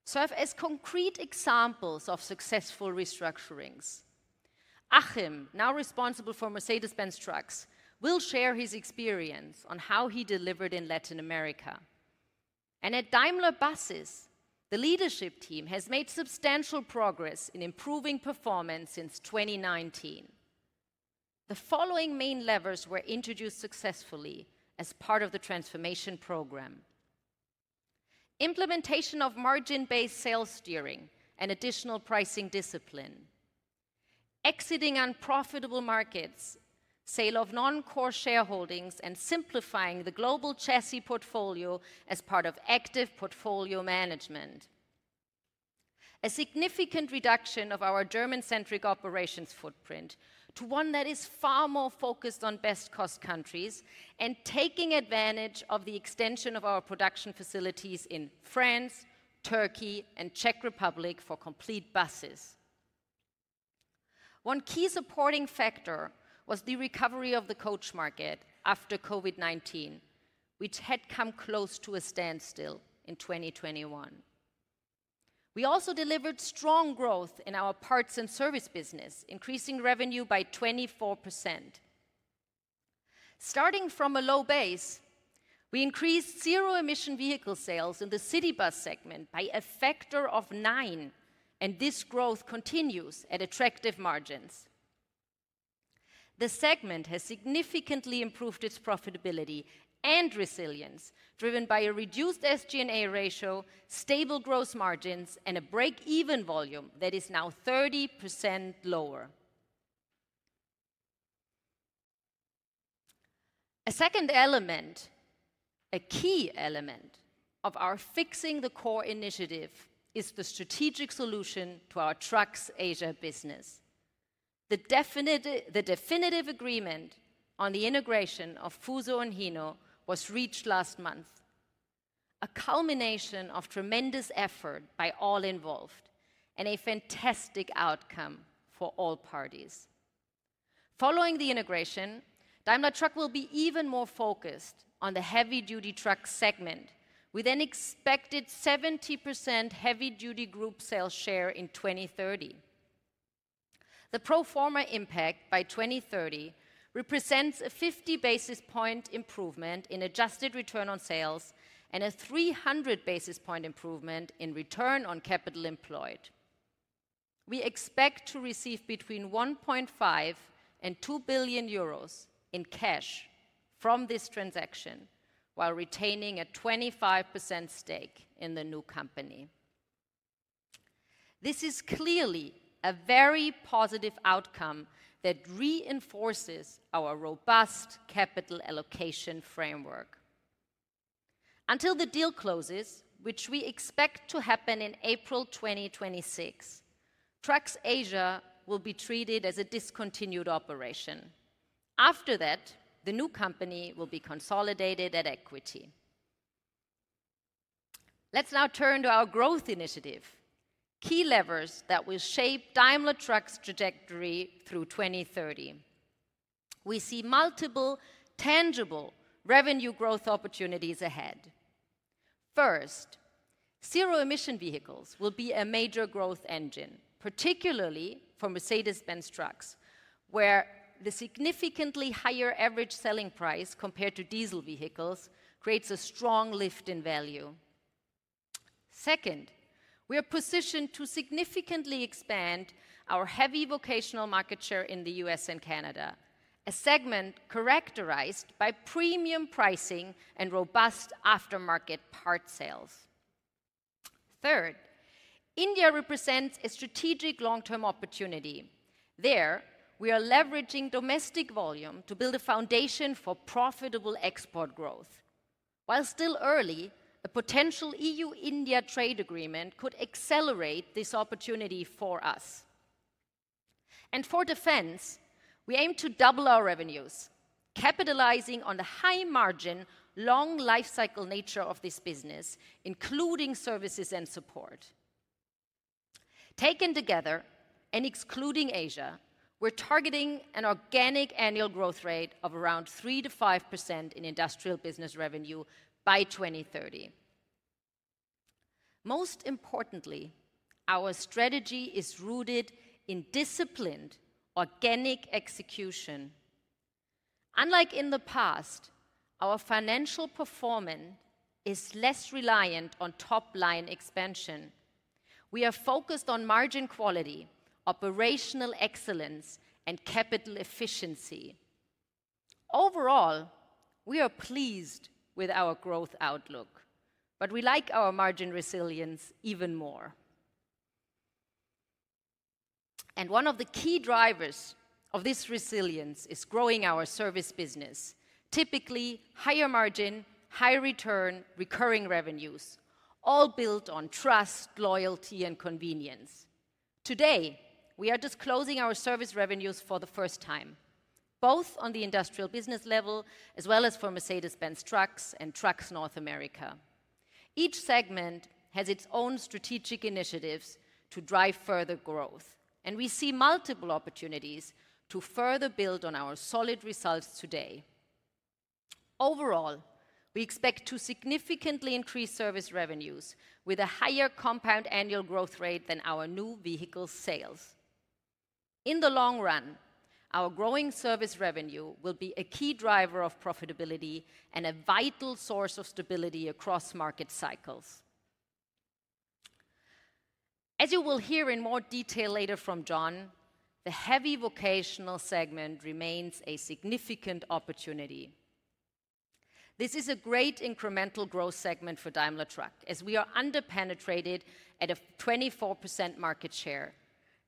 serve as concrete examples of successful restructurings. Achim, now responsible for Mercedes-Benz Trucks, will share his experience on how he delivered in Latin America. At Daimler Buses, the leadership team has made substantial progress in improving performance since 2019. The following main levers were introduced successfully as part of the transformation program. Implementation of margin-based sales steering and additional pricing discipline. Exiting unprofitable markets, sale of non-core shareholdings, and simplifying the global chassis portfolio as part of active portfolio management. A significant reduction of our German-centric operations footprint to one that is far more focused on best-cost countries and taking advantage of the extension of our production facilities in France, Turkey, and Czech Republic for complete buses. One key supporting factor was the recovery of the coach market after COVID-19, which had come close to a standstill in 2021. We also delivered strong growth in our parts and service business, increasing revenue by 24%. Starting from a low base, we increased zero-emission vehicle sales in the city bus segment by a factor of nine, and this growth continues at attractive margins. The segment has significantly improved its profitability and resilience, driven by a reduced SG&A ratio, stable gross margins, and a break-even volume that is now 30% lower. A second element. A key element of our fixing the core initiative is the strategic solution to our Trucks Asia business. The definitive agreement on the integration of Fuso and Hino was reached last month. A culmination of tremendous effort by all involved and a fantastic outcome for all parties. Following the integration, Daimler Truck will be even more focused on the heavy-duty truck segment, with an expected 70% heavy-duty group sales share in 2030. The pro forma impact by 2030 represents a 50 basis point improvement in adjusted return on sales and a 300 basis point improvement in return on capital employed. We expect to receive between 1.5 billion and 2 billion euros in cash from this transaction, while retaining a 25% stake in the new company. This is clearly a very positive outcome that reinforces our robust capital allocation framework. Until the deal closes, which we expect to happen in April 2026, Trucks Asia will be treated as a discontinued operation. After that, the new company will be consolidated at equity. Let's now turn to our growth initiative, key levers that will shape Daimler Truck's trajectory through 2030. We see multiple tangible revenue growth opportunities ahead. First. Zero-emission vehicles will be a major growth engine, particularly for Mercedes-Benz Trucks, where the significantly higher average selling price compared to diesel vehicles creates a strong lift in value. Second, we are positioned to significantly expand our heavy vocational market share in the U.S. and Canada, a segment characterized by premium pricing and robust aftermarket part sales. Third, India represents a strategic long-term opportunity. There, we are leveraging domestic volume to build a foundation for profitable export growth. While still early, a potential EU-India trade agreement could accelerate this opportunity for us. For defense, we aim to double our revenues, capitalizing on the high-margin, long-life-cycle nature of this business, including services and support. Taken together and excluding Asia, we're targeting an organic annual growth rate of around 3%-5% in industrial business revenue by 2030. Most importantly, our strategy is rooted in disciplined, organic execution. Unlike in the past, our financial performance is less reliant on top-line expansion. We are focused on margin quality, operational excellence, and capital efficiency. Overall, we are pleased with our growth outlook. We like our margin resilience even more. One of the key drivers of this resilience is growing our service business, typically higher margin, higher return, recurring revenues, all built on trust, loyalty, and convenience. Today, we are just closing our service revenues for the first time, both on the industrial business level as well as for Mercedes-Benz Trucks and Trucks North America. Each segment has its own strategic initiatives to drive further growth, and we see multiple opportunities to further build on our solid results today. Overall, we expect to significantly increase service revenues with a higher compound annual growth rate than our new vehicle sales. In the long run, our growing service revenue will be a key driver of profitability and a vital source of stability across market cycles. As you will hear in more detail later from John, the heavy vocational segment remains a significant opportunity. This is a great incremental growth segment for Daimler Truck, as we are under-penetrated at a 24% market share.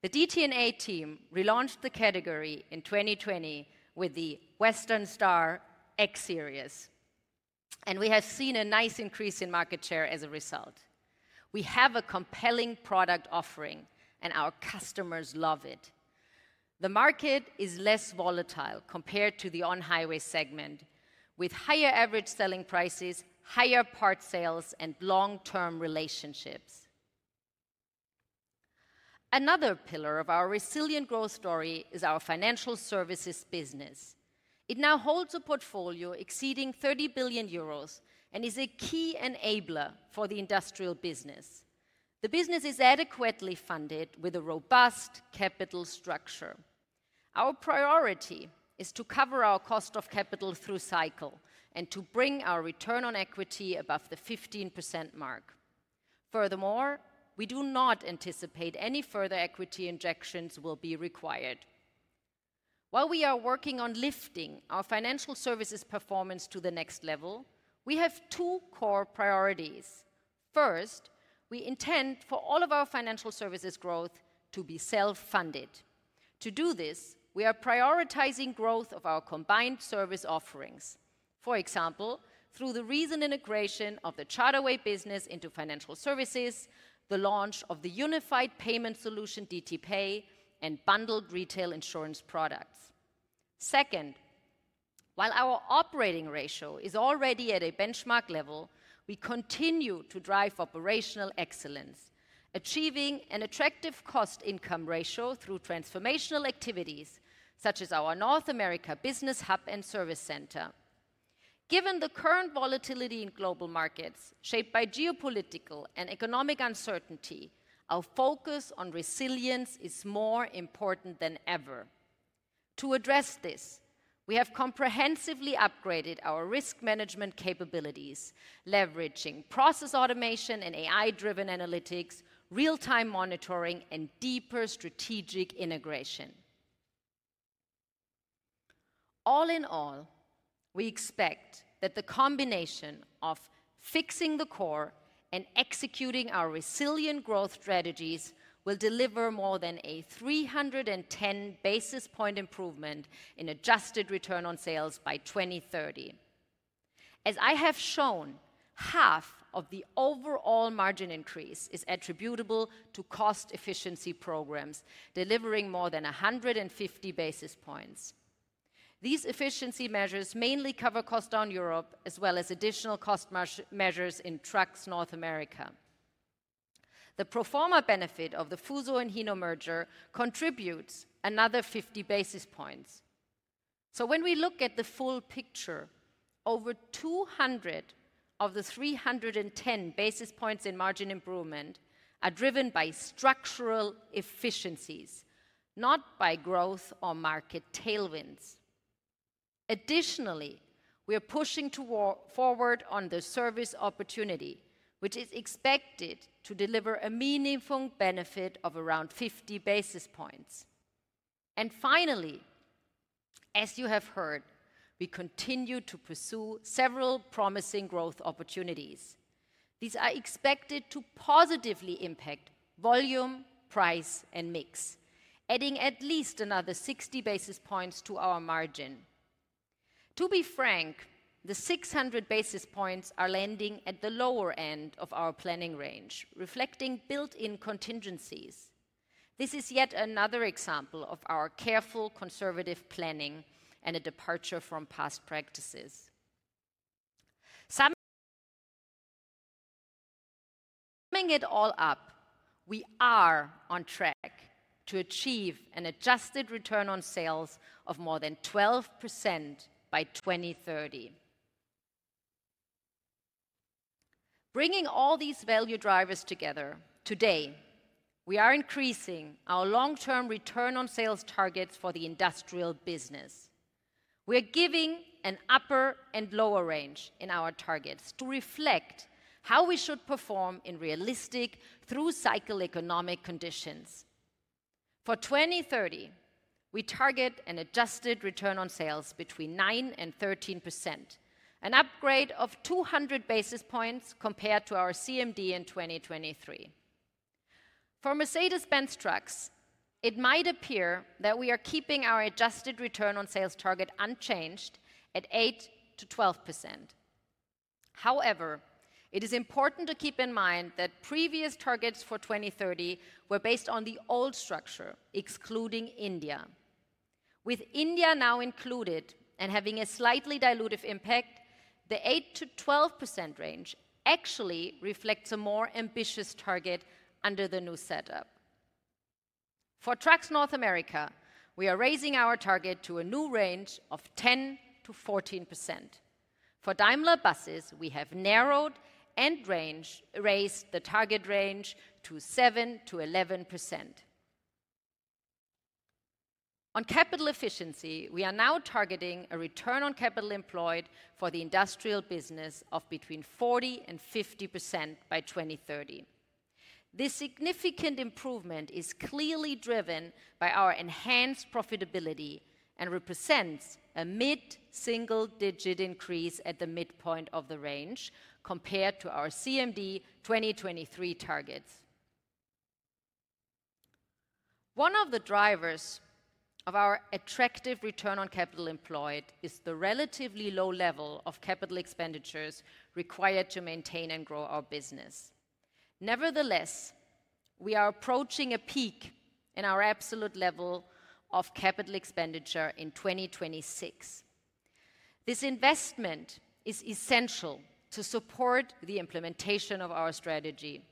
The DT&A team relaunched the category in 2020 with the Western Star X-Series. We have seen a nice increase in market share as a result. We have a compelling product offering, and our customers love it. The market is less volatile compared to the on-highway segment, with higher average selling prices, higher part sales, and long-term relationships. Another pillar of our resilient growth story is our financial services business. It now holds a portfolio exceeding 30 billion euros and is a key enabler for the industrial business. The business is adequately funded with a robust capital structure. Our priority is to cover our cost of capital through cycle and to bring our return on equity above the 15% mark. Furthermore, we do not anticipate any further equity injections will be required. While we are working on lifting our financial services performance to the next level, we have two core priorities. First, we intend for all of our financial services growth to be self-funded. To do this, we are prioritizing growth of our combined service offerings, for example, through the recent integration of the Chataway business into financial services, the launch of the unified payment solution DTPay, and bundled retail insurance products. Second, while our operating ratio is already at a benchmark level, we continue to drive operational excellence, achieving an attractive cost-income ratio through transformational activities such as our North America Business Hub and Service Center. Given the current volatility in global markets shaped by geopolitical and economic uncertainty, our focus on resilience is more important than ever. To address this, we have comprehensively upgraded our risk management capabilities, leveraging process automation and AI-driven analytics, real-time monitoring, and deeper strategic integration. All in all, we expect that the combination of fixing the core and executing our resilient growth strategies will deliver more than a 310 basis point improvement in adjusted return on sales by 2030. As I have shown, half of the overall margin increase is attributable to cost efficiency programs delivering more than 150 basis points. These efficiency measures mainly cover cost down Europe, as well as additional cost measures in Trucks North America. The pro forma benefit of the Fuso and Hino merger contributes another 50 basis points. When we look at the full picture, over 200 of the 310 basis points in margin improvement are driven by structural efficiencies, not by growth or market tailwinds. Additionally, we are pushing forward on the service opportunity, which is expected to deliver a meaningful benefit of around 50 basis points. Finally, as you have heard, we continue to pursue several promising growth opportunities. These are expected to positively impact volume, price, and mix, adding at least another 60 basis points to our margin. To be frank, the 600 basis points are landing at the lower end of our planning range, reflecting built-in contingencies. This is yet another example of our careful conservative planning and a departure from past practices. Sum it all up, we are on track to achieve an adjusted return on sales of more than 12% by 2030. Bringing all these value drivers together, today, we are increasing our long-term return on sales targets for the industrial business. We are giving an upper and lower range in our targets to reflect how we should perform in realistic through-cycle economic conditions. For 2030, we target an adjusted return on sales between 9%-13%, an upgrade of 200 basis points compared to our CMD in 2023. For Mercedes-Benz Trucks, it might appear that we are keeping our adjusted return on sales target unchanged at 8%-12%. However, it is important to keep in mind that previous targets for 2030 were based on the old structure, excluding India. With India now included and having a slightly dilutive impact, the 8%-12% range actually reflects a more ambitious target under the new setup. For Trucks North America, we are raising our target to a new range of 10%-14%. For Daimler Buses, we have narrowed and raised the target range to 7%-11%. On capital efficiency, we are now targeting a return on capital employed for the industrial business of between 40% and 50% by 2030. This significant improvement is clearly driven by our enhanced profitability and represents a mid-single-digit increase at the midpoint of the range compared to our CMD 2023 targets. One of the drivers of our attractive return on capital employed is the relatively low level of capital expenditures required to maintain and grow our business. Nevertheless, we are approaching a peak in our absolute level of capital expenditure in 2026. This investment is essential to support the implementation of our strategy,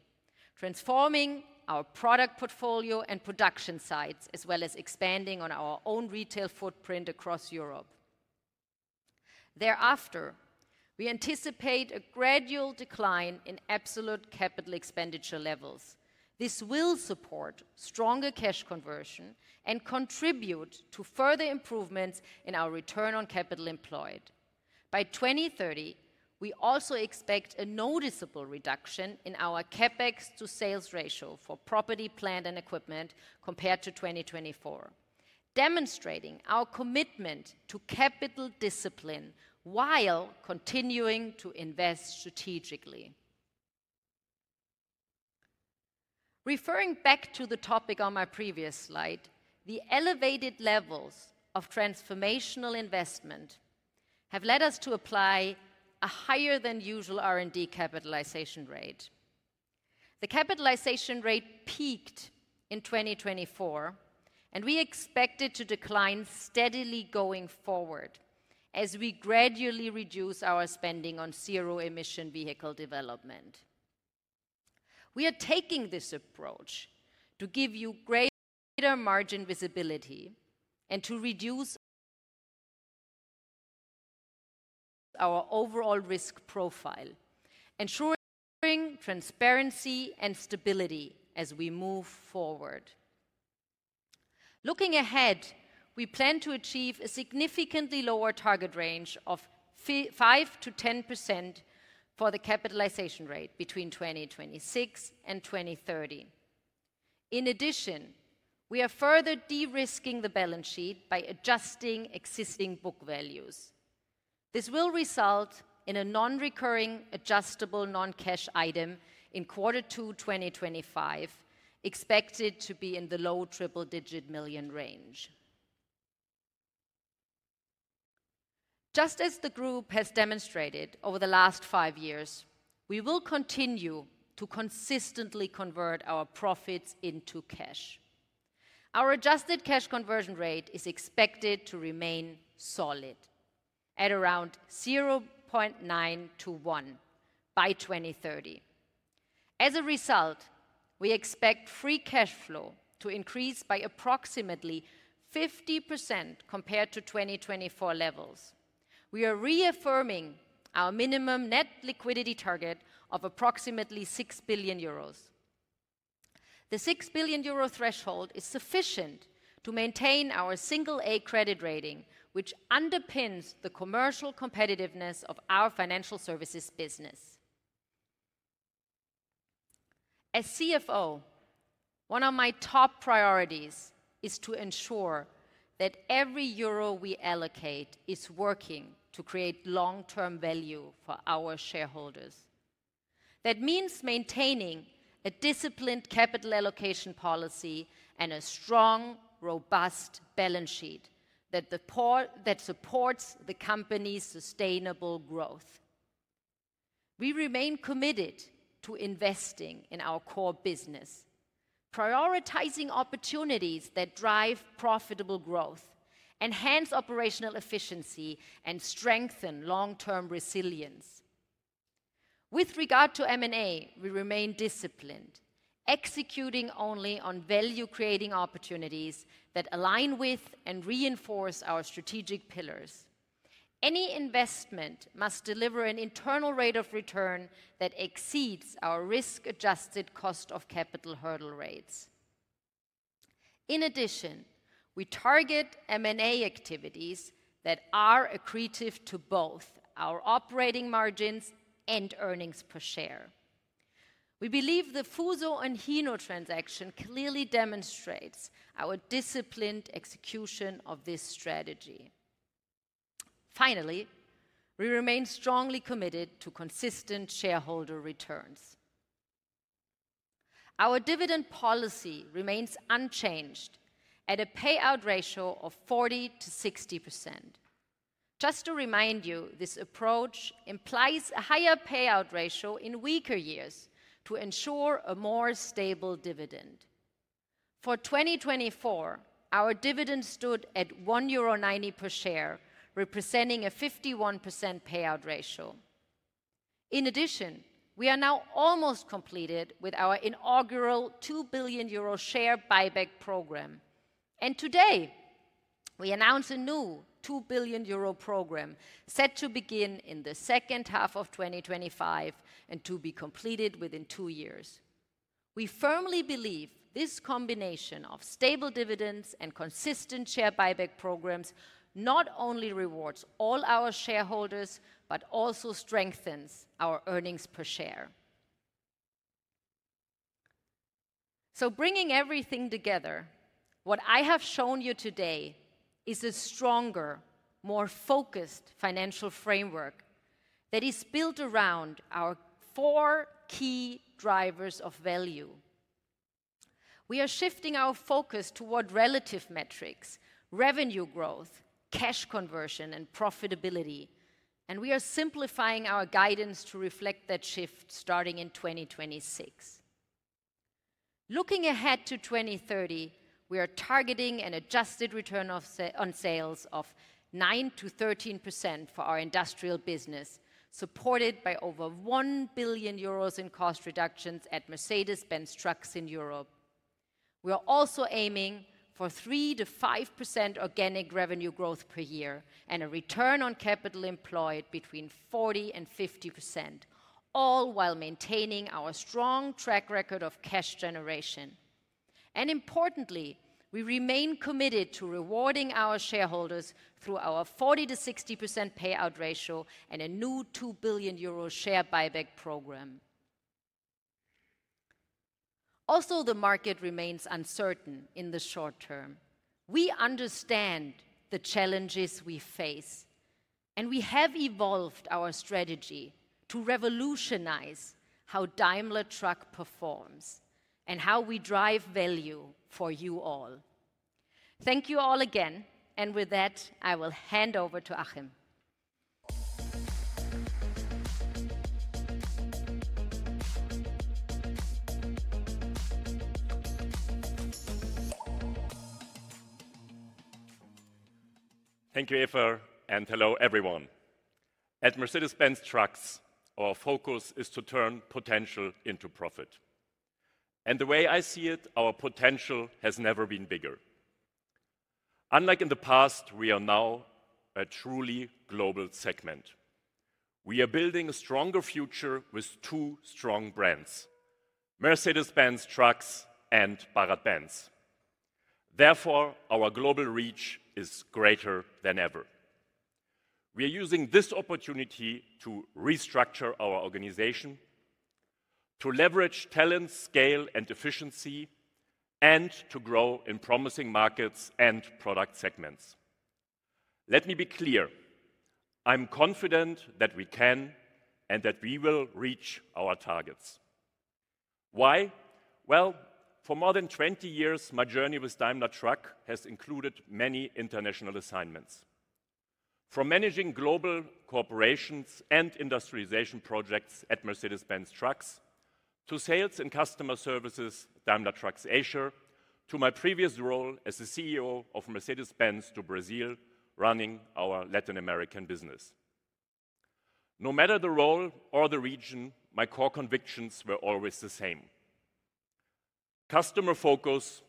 transforming our product portfolio and production sites, as well as expanding on our own retail footprint across Europe. Thereafter, we anticipate a gradual decline in absolute capital expenditure levels. This will support stronger cash conversion and contribute to further improvements in our return on capital employed. By 2030, we also expect a noticeable reduction in our CapEx to sales ratio for property, plant, and equipment compared to 2024, demonstrating our commitment to capital discipline while continuing to invest strategically. Referring back to the topic on my previous slide, the elevated levels of transformational investment have led us to apply a higher-than-usual R&D capitalization rate. The capitalization rate peaked in 2024, and we expect it to decline steadily going forward as we gradually reduce our spending on zero-emission vehicle development. We are taking this approach to give you greater margin visibility and to reduce our overall risk profile, ensuring transparency and stability as we move forward. Looking ahead, we plan to achieve a significantly lower target range of 5%-10% for the capitalization rate between 2026 and 2030. In addition, we are further de-risking the balance sheet by adjusting existing book values. This will result in a non-recurring adjustable non-cash item in Q2 2025, expected to be in the low triple-digit million range. Just as the group has demonstrated over the last five years, we will continue to consistently convert our profits into cash. Our adjusted cash conversion rate is expected to remain solid at around 0.9%-1% by 2030. As a result, we expect free cash flow to increase by approximately 50% compared to 2024 levels. We are reaffirming our minimum net liquidity target of approximately 6 billion euros. The 6 billion euro threshold is sufficient to maintain our single-A credit rating, which underpins the commercial competitiveness of our financial services business. As CFO, one of my top priorities is to ensure that every euro we allocate is working to create long-term value for our shareholders. That means maintaining a disciplined capital allocation policy and a strong, robust balance sheet that supports the company's sustainable growth. We remain committed to investing in our core business, prioritizing opportunities that drive profitable growth, enhance operational efficiency, and strengthen long-term resilience. With regard to M&A, we remain disciplined, executing only on value-creating opportunities that align with and reinforce our strategic pillars. Any investment must deliver an internal rate of return that exceeds our risk-adjusted cost of capital hurdle rates. In addition, we target M&A activities that are accretive to both our operating margins and earnings per share. We believe the Fuso and Hino transaction clearly demonstrates our disciplined execution of this strategy. Finally, we remain strongly committed to consistent shareholder returns. Our dividend policy remains unchanged at a payout ratio of 40%-60%. Just to remind you, this approach implies a higher payout ratio in weaker years to ensure a more stable dividend. For 2024, our dividend stood at 1.90 euro per share, representing a 51% payout ratio. In addition, we are now almost completed with our inaugural 2 billion euro share buyback program. Today, we announce a new 2 billion euro program set to begin in the second half of 2025 and to be completed within two years. We firmly believe this combination of stable dividends and consistent share buyback programs not only rewards all our shareholders but also strengthens our earnings per share. Bringing everything together, what I have shown you today is a stronger, more focused financial framework that is built around our four key drivers of value. We are shifting our focus toward relative metrics, revenue growth, cash conversion, and profitability, and we are simplifying our guidance to reflect that shift starting in 2026. Looking ahead to 2030, we are targeting an adjusted return on sales of 9%-13% for our industrial business, supported by over 1 billion euros in cost reductions at Mercedes-Benz Trucks in Europe. We are also aiming for 3%-5% organic revenue growth per year and a return on capital employed between 40%-50%. All while maintaining our strong track record of cash generation. Importantly, we remain committed to rewarding our shareholders through our 40%-60% payout ratio and a new 2 billion euro share buyback program. Although the market remains uncertain in the short term, we understand the challenges we face. We have evolved our strategy to revolutionize how Daimler Truck performs and how we drive value for you all. Thank you all again. With that, I will hand over to Achim. Thank you, Eva, and hello everyone. At Mercedes-Benz Trucks, our focus is to turn potential into profit. The way I see it, our potential has never been bigger. Unlike in the past, we are now a truly global segment. We are building a stronger future with two strong brands, Mercedes-Benz Trucks and BharatBenz. Therefore, our global reach is greater than ever. We are using this opportunity to restructure our organization. To leverage talent, scale, and efficiency, and to grow in promising markets and product segments. Let me be clear. I'm confident that we can and that we will reach our targets. Why? For more than 20 years, my journey with Daimler Truck has included many international assignments. From managing global corporations and industrialization projects at Mercedes-Benz Trucks to sales and customer services, Daimler Trucks Asia to my previous role as the CEO of Mercedes-Benz to Brazil, running our Latin American business. No matter the role or the region, my core convictions were always the same. Customer focus.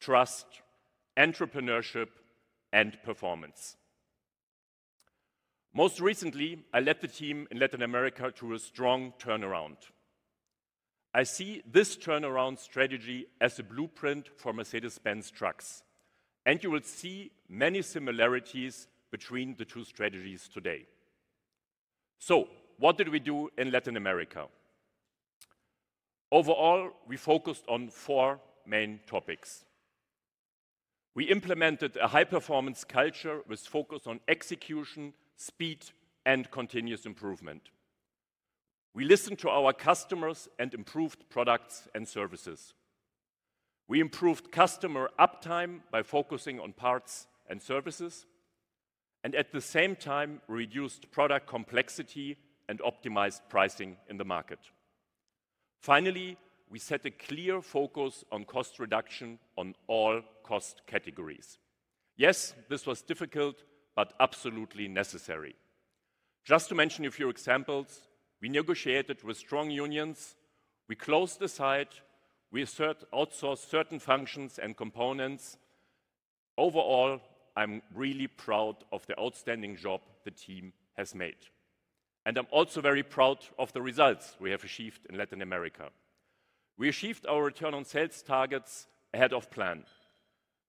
Trust, entrepreneurship, and performance. Most recently, I led the team in Latin America to a strong turnaround. I see this turnaround strategy as a blueprint for Mercedes-Benz Trucks, and you will see many similarities between the two strategies today. What did we do in Latin America? Overall, we focused on four main topics. We implemented a high-performance culture with focus on execution, speed, and continuous improvement. We listened to our customers and improved products and services. We improved customer uptime by focusing on parts and services, and at the same time, reduced product complexity and optimized pricing in the market. Finally, we set a clear focus on cost reduction on all cost categories. Yes, this was difficult, but absolutely necessary. Just to mention a few examples, we negotiated with strong unions, we closed the site, we outsourced certain functions and components. Overall, I'm really proud of the outstanding job the team has made. I'm also very proud of the results we have achieved in Latin America. We achieved our return on sales targets ahead of plan.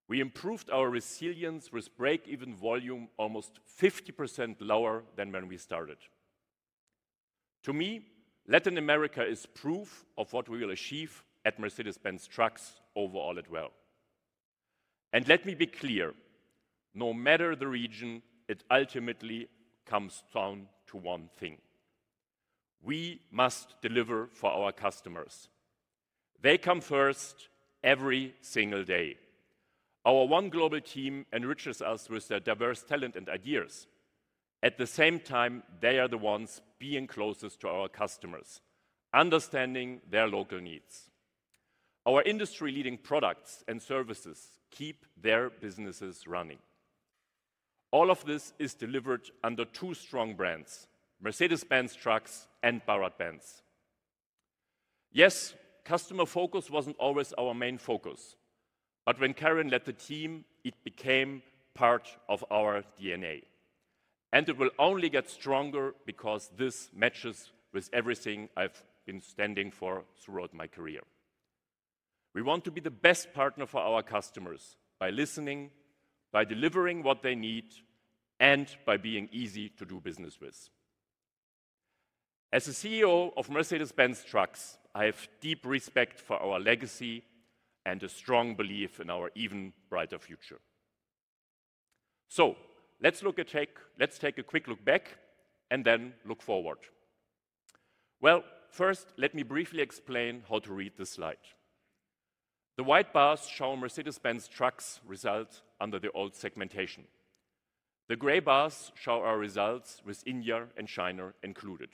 We improved our resilience with break-even volume almost 50% lower than when we started. To me, Latin America is proof of what we will achieve at Mercedes-Benz Trucks overall as well. Let me be clear. No matter the region, it ultimately comes down to one thing. We must deliver for our customers. They come first every single day. Our one global team enriches us with their diverse talent and ideas. At the same time, they are the ones being closest to our customers, understanding their local needs. Our industry-leading products and services keep their businesses running. All of this is delivered under two strong brands, Mercedes-Benz Trucks and BharatBenz. Yes, customer focus was not always our main focus, but when Karin led the team, it became part of our DNA. It will only get stronger because this matches with everything I have been standing for throughout my career. We want to be the best partner for our customers by listening, by delivering what they need, and by being easy to do business with. As the CEO of Mercedes-Benz Trucks, I have deep respect for our legacy and a strong belief in our even brighter future. Let's take a quick look back and then look forward. First, let me briefly explain how to read this slide. The white bars show Mercedes-Benz Trucks' results under the old segmentation. The gray bars show our results with India and China included.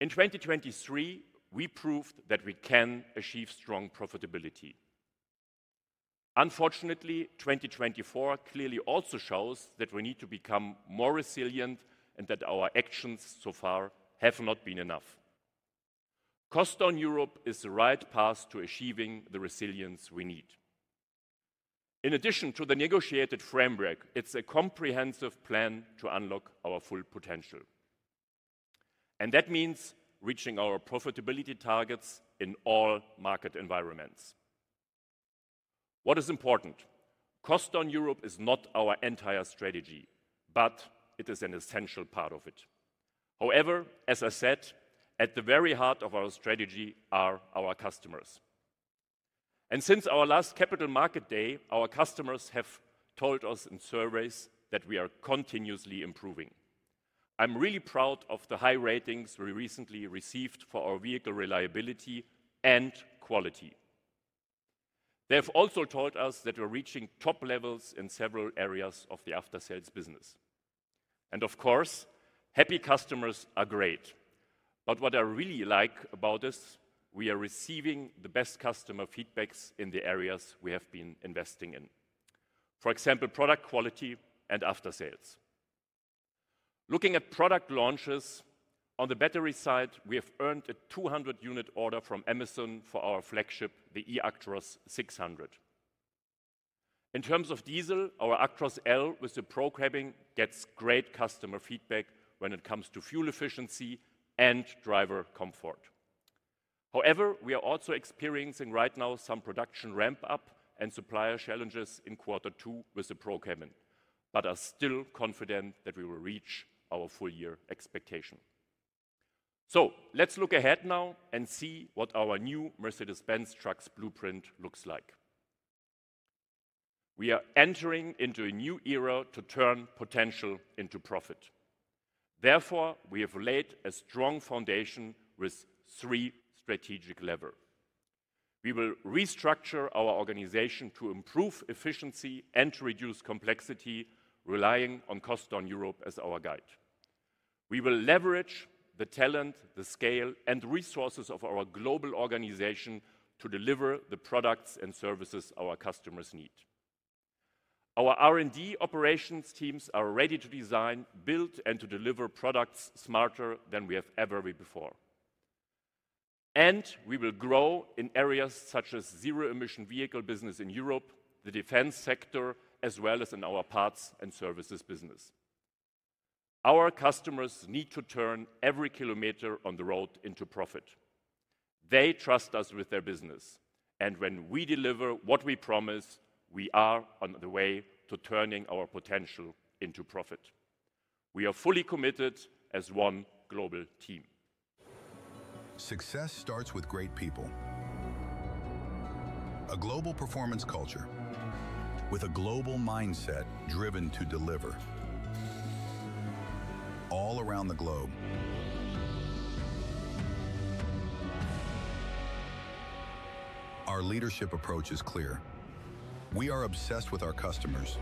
In 2023, we proved that we can achieve strong profitability. Unfortunately, 2024 clearly also shows that we need to become more resilient and that our actions so far have not been enough. Cost on Europe is the right path to achieving the resilience we need. In addition to the negotiated framework, it's a comprehensive plan to unlock our full potential. That means reaching our profitability targets in all market environments. What is important? Cost on Europe is not our entire strategy, but it is an essential part of it. However, as I said, at the very heart of our strategy are our customers. Since our last capital market day, our customers have told us in surveys that we are continuously improving. I'm really proud of the high ratings we recently received for our vehicle reliability and quality. They have also told us that we're reaching top levels in several areas of the after-sales business. Of course, happy customers are great. What I really like about this, we are receiving the best customer feedbacks in the areas we have been investing in. For example, product quality and after-sales. Looking at product launches, on the battery side, we have earned a 200-unit order from Amazon for our flagship, the eActros 600. In terms of diesel, our Actros L with the Pro cabin gets great customer feedback when it comes to fuel efficiency and driver comfort. However, we are also experiencing right now some production ramp-up and supplier challenges in quarter two with the Pro cabin, but are still confident that we will reach our full-year expectation. Let's look ahead now and see what our new Mercedes-Benz Trucks blueprint looks like. We are entering into a new era to turn potential into profit. Therefore, we have laid a strong foundation with three strategic levers. We will restructure our organization to improve efficiency and to reduce complexity, relying on cost on Europe as our guide. We will leverage the talent, the scale, and resources of our global organization to deliver the products and services our customers need. Our R&D operations teams are ready to design, build, and to deliver products smarter than we have ever before. We will grow in areas such as zero-emission vehicle business in Europe, the defense sector, as well as in our parts and services business. Our customers need to turn every kilometer on the road into profit. They trust us with their business. When we deliver what we promise, we are on the way to turning our potential into profit. We are fully committed as one global team. Success starts with great people. A global performance culture. With a global mindset driven to deliver. All around the globe. Our leadership approach is clear. We are obsessed with our customers.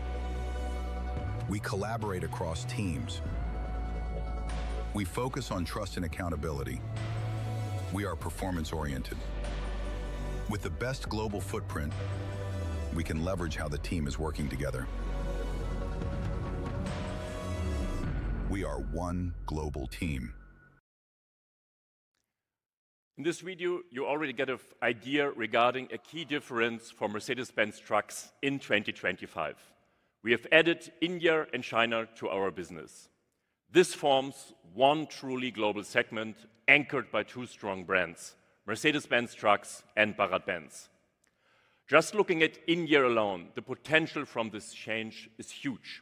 We collaborate across teams. We focus on trust and accountability. We are performance-oriented. With the best global footprint, we can leverage how the team is working together. We are one global team. In this video, you already get an idea regarding a key difference for Mercedes-Benz Trucks in 2025. We have added India and China to our business. This forms one truly global segment anchored by two strong brands, Mercedes-Benz Trucks and BharatBenz. Just looking at India alone, the potential from this change is huge.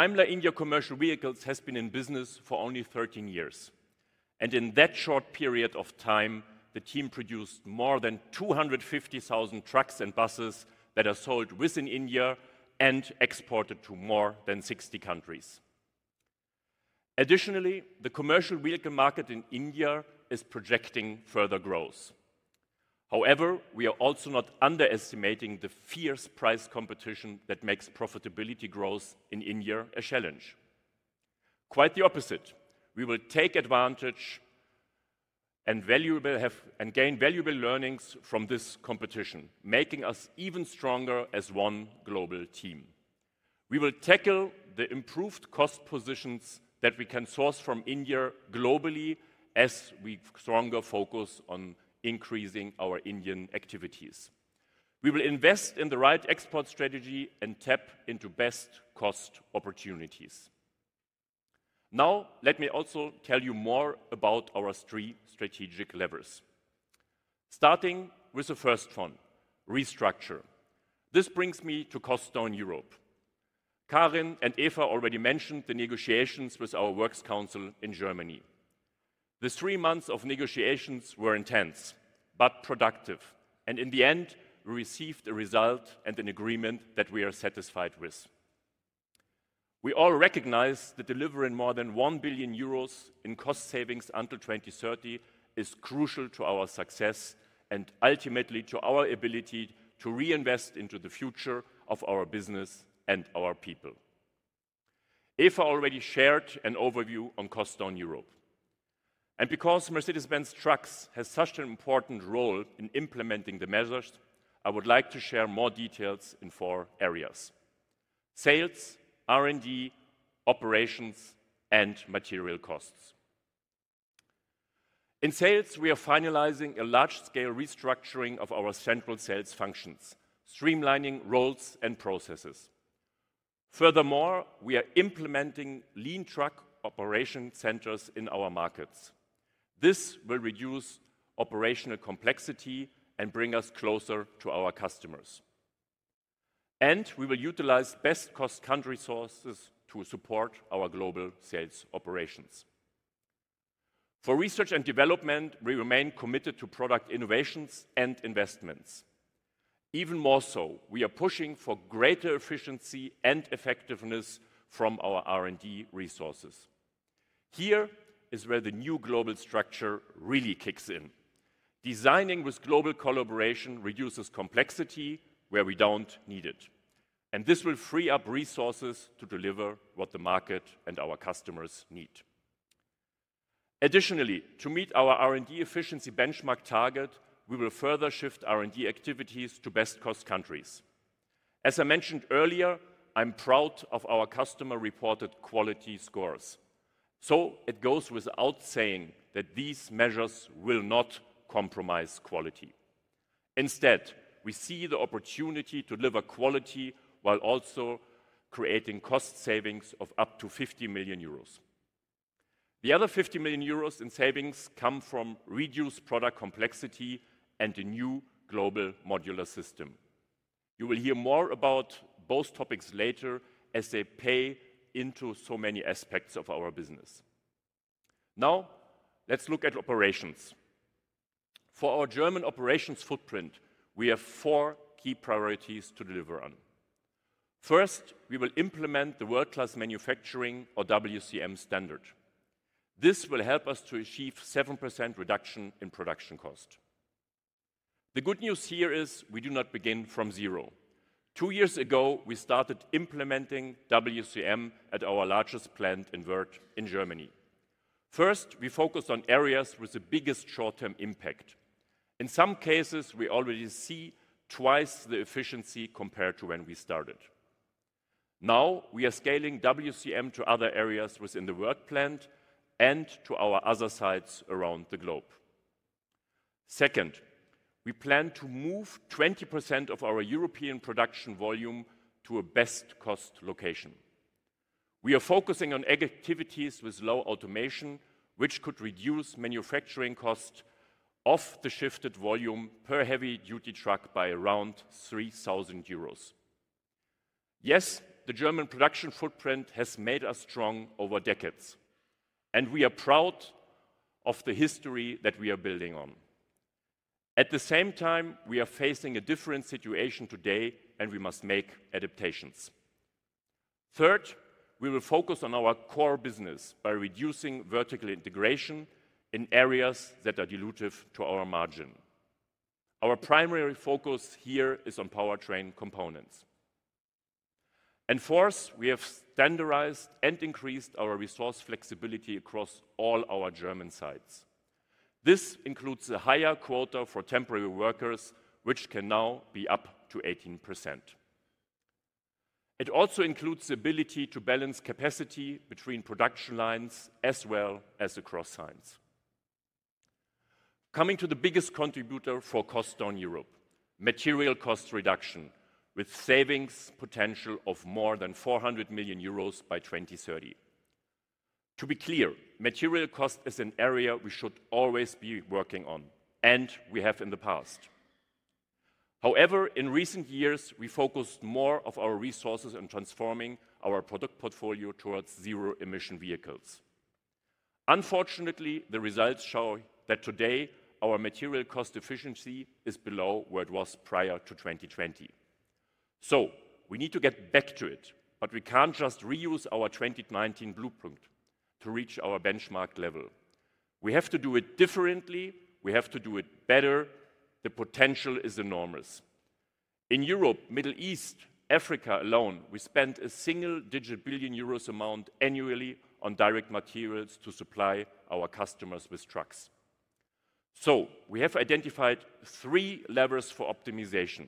Daimler India Commercial Vehicles has been in business for only 13 years. In that short period of time, the team produced more than 250,000 trucks and buses that are sold within India and exported to more than 60 countries. Additionally, the commercial vehicle market in India is projecting further growth. However, we are also not underestimating the fierce price competition that makes profitability growth in India a challenge. Quite the opposite, we will take advantage and gain valuable learnings from this competition, making us even stronger as one global team. We will tackle the improved cost positions that we can source from India globally as we stronger focus on increasing our Indian activities. We will invest in the right export strategy and tap into best cost opportunities. Now, let me also tell you more about our three strategic levers. Starting with the first one, restructure. This brings me to cost on Europe. Karin and Eva already mentioned the negotiations with our works council in Germany. The three months of negotiations were intense but productive. In the end, we received a result and an agreement that we are satisfied with. We all recognize the delivery in more than 1 billion euros in cost savings until 2030 is crucial to our success and ultimately to our ability to reinvest into the future of our business and our people. Eva already shared an overview on cost on Europe. Because Mercedes-Benz Trucks has such an important role in implementing the measures, I would like to share more details in four areas: sales, R&D, operations, and material costs. In sales, we are finalizing a large-scale restructuring of our central sales functions, streamlining roles and processes. Furthermore, we are implementing lean truck operation centers in our markets. This will reduce operational complexity and bring us closer to our customers. We will utilize best cost country sources to support our global sales operations. For research and development, we remain committed to product innovations and investments. Even more so, we are pushing for greater efficiency and effectiveness from our R&D resources. Here is where the new global structure really kicks in. Designing with global collaboration reduces complexity where we do not need it. This will free up resources to deliver what the market and our customers need. Additionally, to meet our R&D efficiency benchmark target, we will further shift R&D activities to best cost countries. As I mentioned earlier, I am proud of our customer-reported quality scores. It goes without saying that these measures will not compromise quality. Instead, we see the opportunity to deliver quality while also creating cost savings of up to 50 million euros. The other 50 million euros in savings come from reduced product complexity and the new global modular system. You will hear more about those topics later as they play into so many aspects of our business. Now, let's look at operations. For our German operations footprint, we have four key priorities to deliver on. First, we will implement the world-class manufacturing or WCM standard. This will help us to achieve a 7% reduction in production cost. The good news here is we do not begin from zero. Two years ago, we started implementing WCM at our largest plant in Germany. First, we focused on areas with the biggest short-term impact. In some cases, we already see twice the efficiency compared to when we started. Now, we are scaling WCM to other areas within the work plant and to our other sites around the globe. Second, we plan to move 20% of our European production volume to a best cost location. We are focusing on activities with low automation, which could reduce manufacturing cost of the shifted volume per heavy-duty truck by around 3,000 euros. Yes, the German production footprint has made us strong over decades, and we are proud of the history that we are building on. At the same time, we are facing a different situation today, and we must make adaptations. Third, we will focus on our core business by reducing vertical integration in areas that are dilutive to our margin. Our primary focus here is on powertrain components. Fourth, we have standardized and increased our resource flexibility across all our German sites. This includes a higher quota for temporary workers, which can now be up to 18%. It also includes the ability to balance capacity between production lines as well as across sites. Coming to the biggest contributor for cost on Europe: material cost reduction with savings potential of more than 400 million euros by 2030. To be clear, material cost is an area we should always be working on, and we have in the past. However, in recent years, we focused more on our resources and transforming our product portfolio towards zero-emission vehicles. Unfortunately, the results show that today our material cost efficiency is below where it was prior to 2020. We need to get back to it, but we can't just reuse our 2019 blueprint to reach our benchmark level. We have to do it differently. We have to do it better. The potential is enormous. In Europe, the Middle East, and Africa alone, we spend a single-digit billion EUR amount annually on direct materials to supply our customers with trucks. We have identified three levers for optimization.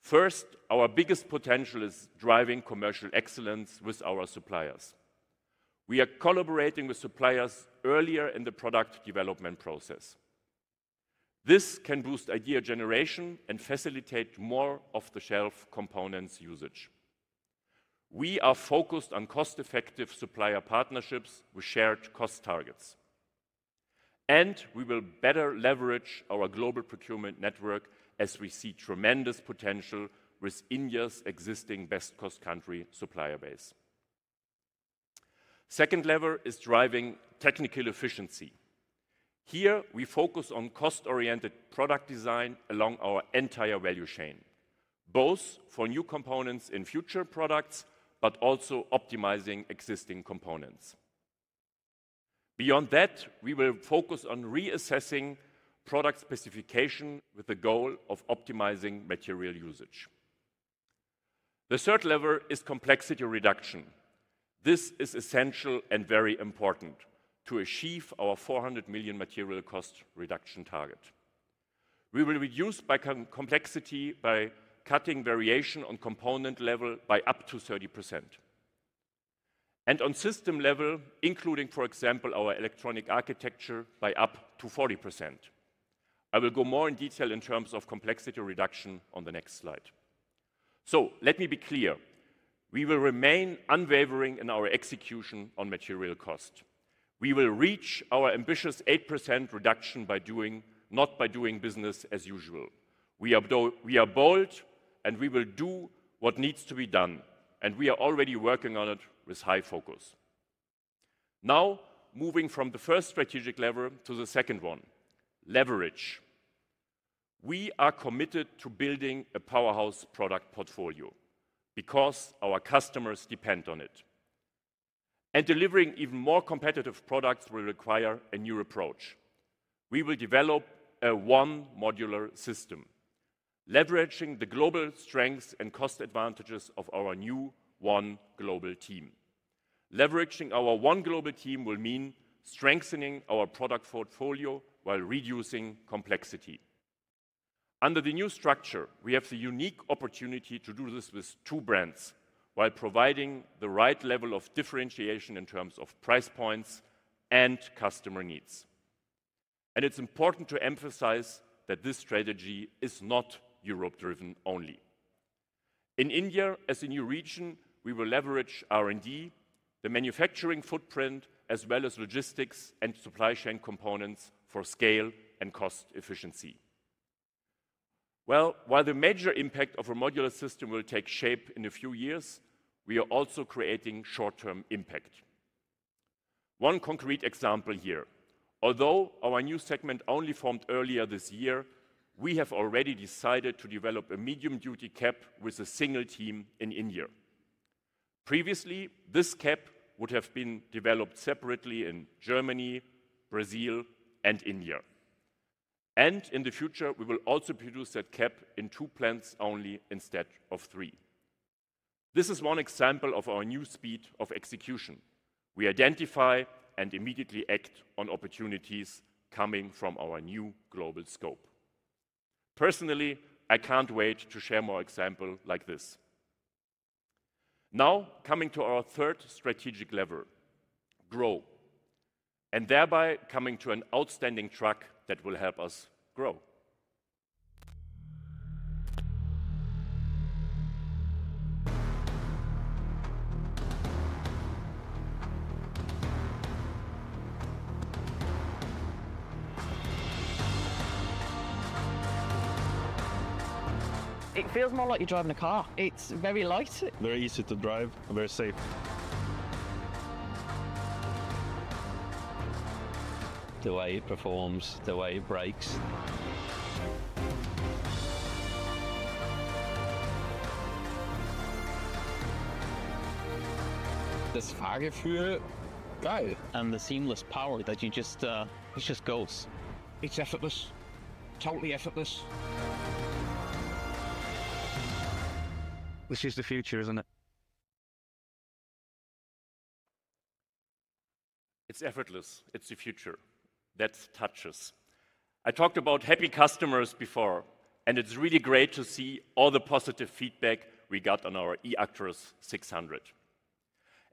First, our biggest potential is driving commercial excellence with our suppliers. We are collaborating with suppliers earlier in the product development process. This can boost idea generation and facilitate more off-the-shelf components usage. We are focused on cost-effective supplier partnerships with shared cost targets. We will better leverage our global procurement network as we see tremendous potential with India's existing best cost country supplier base. The second lever is driving technical efficiency. Here, we focus on cost-oriented product design along our entire value chain, both for new components in future products, but also optimizing existing components. Beyond that, we will focus on reassessing product specification with the goal of optimizing material usage. The third lever is complexity reduction. This is essential and very important to achieve our 400 million material cost reduction target. We will reduce complexity by cutting variation on component level by up to 30%. On system level, including, for example, our electronic architecture, by up to 40%. I will go more in detail in terms of complexity reduction on the next slide. Let me be clear. We will remain unwavering in our execution on material cost. We will reach our ambitious 8% reduction by doing, not by doing business as usual. We are bold, and we will do what needs to be done. We are already working on it with high focus. Now, moving from the first strategic lever to the second one, leverage. We are committed to building a powerhouse product portfolio because our customers depend on it. Delivering even more competitive products will require a new approach. We will develop a one modular system, leveraging the global strengths and cost advantages of our new one global team. Leveraging our one global team will mean strengthening our product portfolio while reducing complexity. Under the new structure, we have the unique opportunity to do this with two brands while providing the right level of differentiation in terms of price points and customer needs. It is important to emphasize that this strategy is not Europe-driven only. In India, as a new region, we will leverage R&D, the manufacturing footprint, as well as logistics and supply chain components for scale and cost efficiency. While the major impact of a modular system will take shape in a few years, we are also creating short-term impact. One concrete example here. Although our new segment only formed earlier this year, we have already decided to develop a medium-duty cap with a single team in India. Previously, this cap would have been developed separately in Germany, Brazil, and India. In the future, we will also produce that cap in two plants only instead of three. This is one example of our new speed of execution. We identify and immediately act on opportunities coming from our new global scope. Personally, I can't wait to share more examples like this. Now, coming to our third strategic lever, grow. Thereby coming to an outstanding truck that will help us grow. It feels more like you're driving a car. It's very light. Very easy to drive. Very safe. The way it performs, the way it brakes. This cargo. Feel good. And the seamless power that you just, it just goes. It's effortless. Totally effortless. This is the future, isn't it? It's effortless. It's the future. That touches. I talked about happy customers before, and it's really great to see all the positive feedback we got on our eActros 600.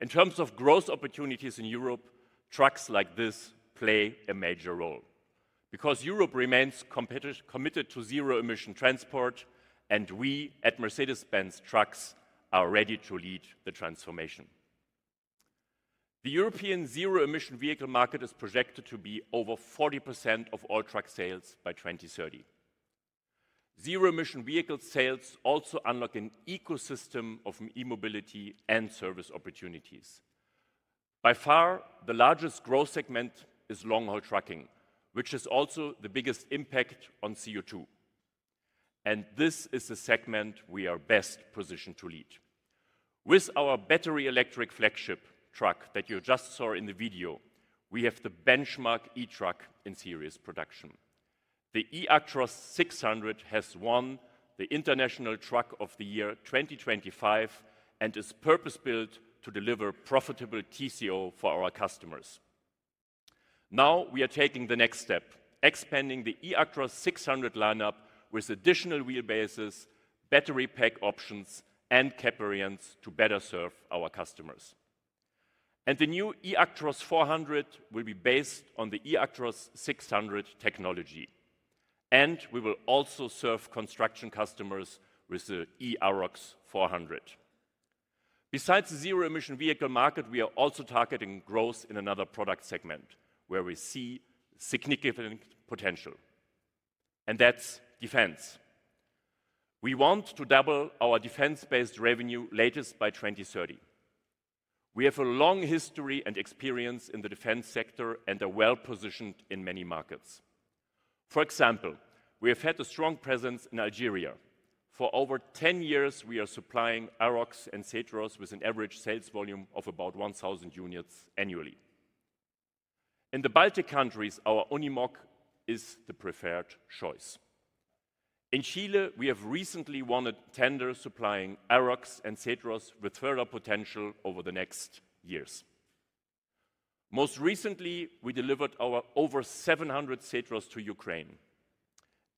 In terms of growth opportunities in Europe, trucks like this play a major role because Europe remains committed to zero-emission transport, and we at Mercedes-Benz Trucks are ready to lead the transformation. The European zero-emission vehicle market is projected to be over 40% of all truck sales by 2030. Zero-emission vehicle sales also unlock an ecosystem of e-mobility and service opportunities. By far, the largest growth segment is long-haul trucking, which is also the biggest impact on CO2. This is the segment we are best positioned to lead. With our battery electric flagship truck that you just saw in the video, we have the benchmark e-truck in series production. The eActros 600 has won the International Truck of the Year 2025 and is purpose-built to deliver profitable TCO for our customers. Now we are taking the next step, expanding the eActros 600 lineup with additional wheelbases, battery pack options, and cab variants to better serve our customers. The new eActros 400 will be based on the eActros 600 technology. We will also serve construction customers with the eActros 400. Besides the zero-emission vehicle market, we are also targeting growth in another product segment where we see significant potential. That is defense. We want to double our defense-based revenue latest by 2030. We have a long history and experience in the defense sector and are well positioned in many markets. For example, we have had a strong presence in Algeria. For over 10 years, we are supplying Arocs and Zetros with an average sales volume of about 1,000 units annually. In the Baltic countries, our Unimog is the preferred choice. In Chile, we have recently won a tender supplying Arocs and Zetros with further potential over the next years. Most recently, we delivered our over 700 Zetros to Ukraine.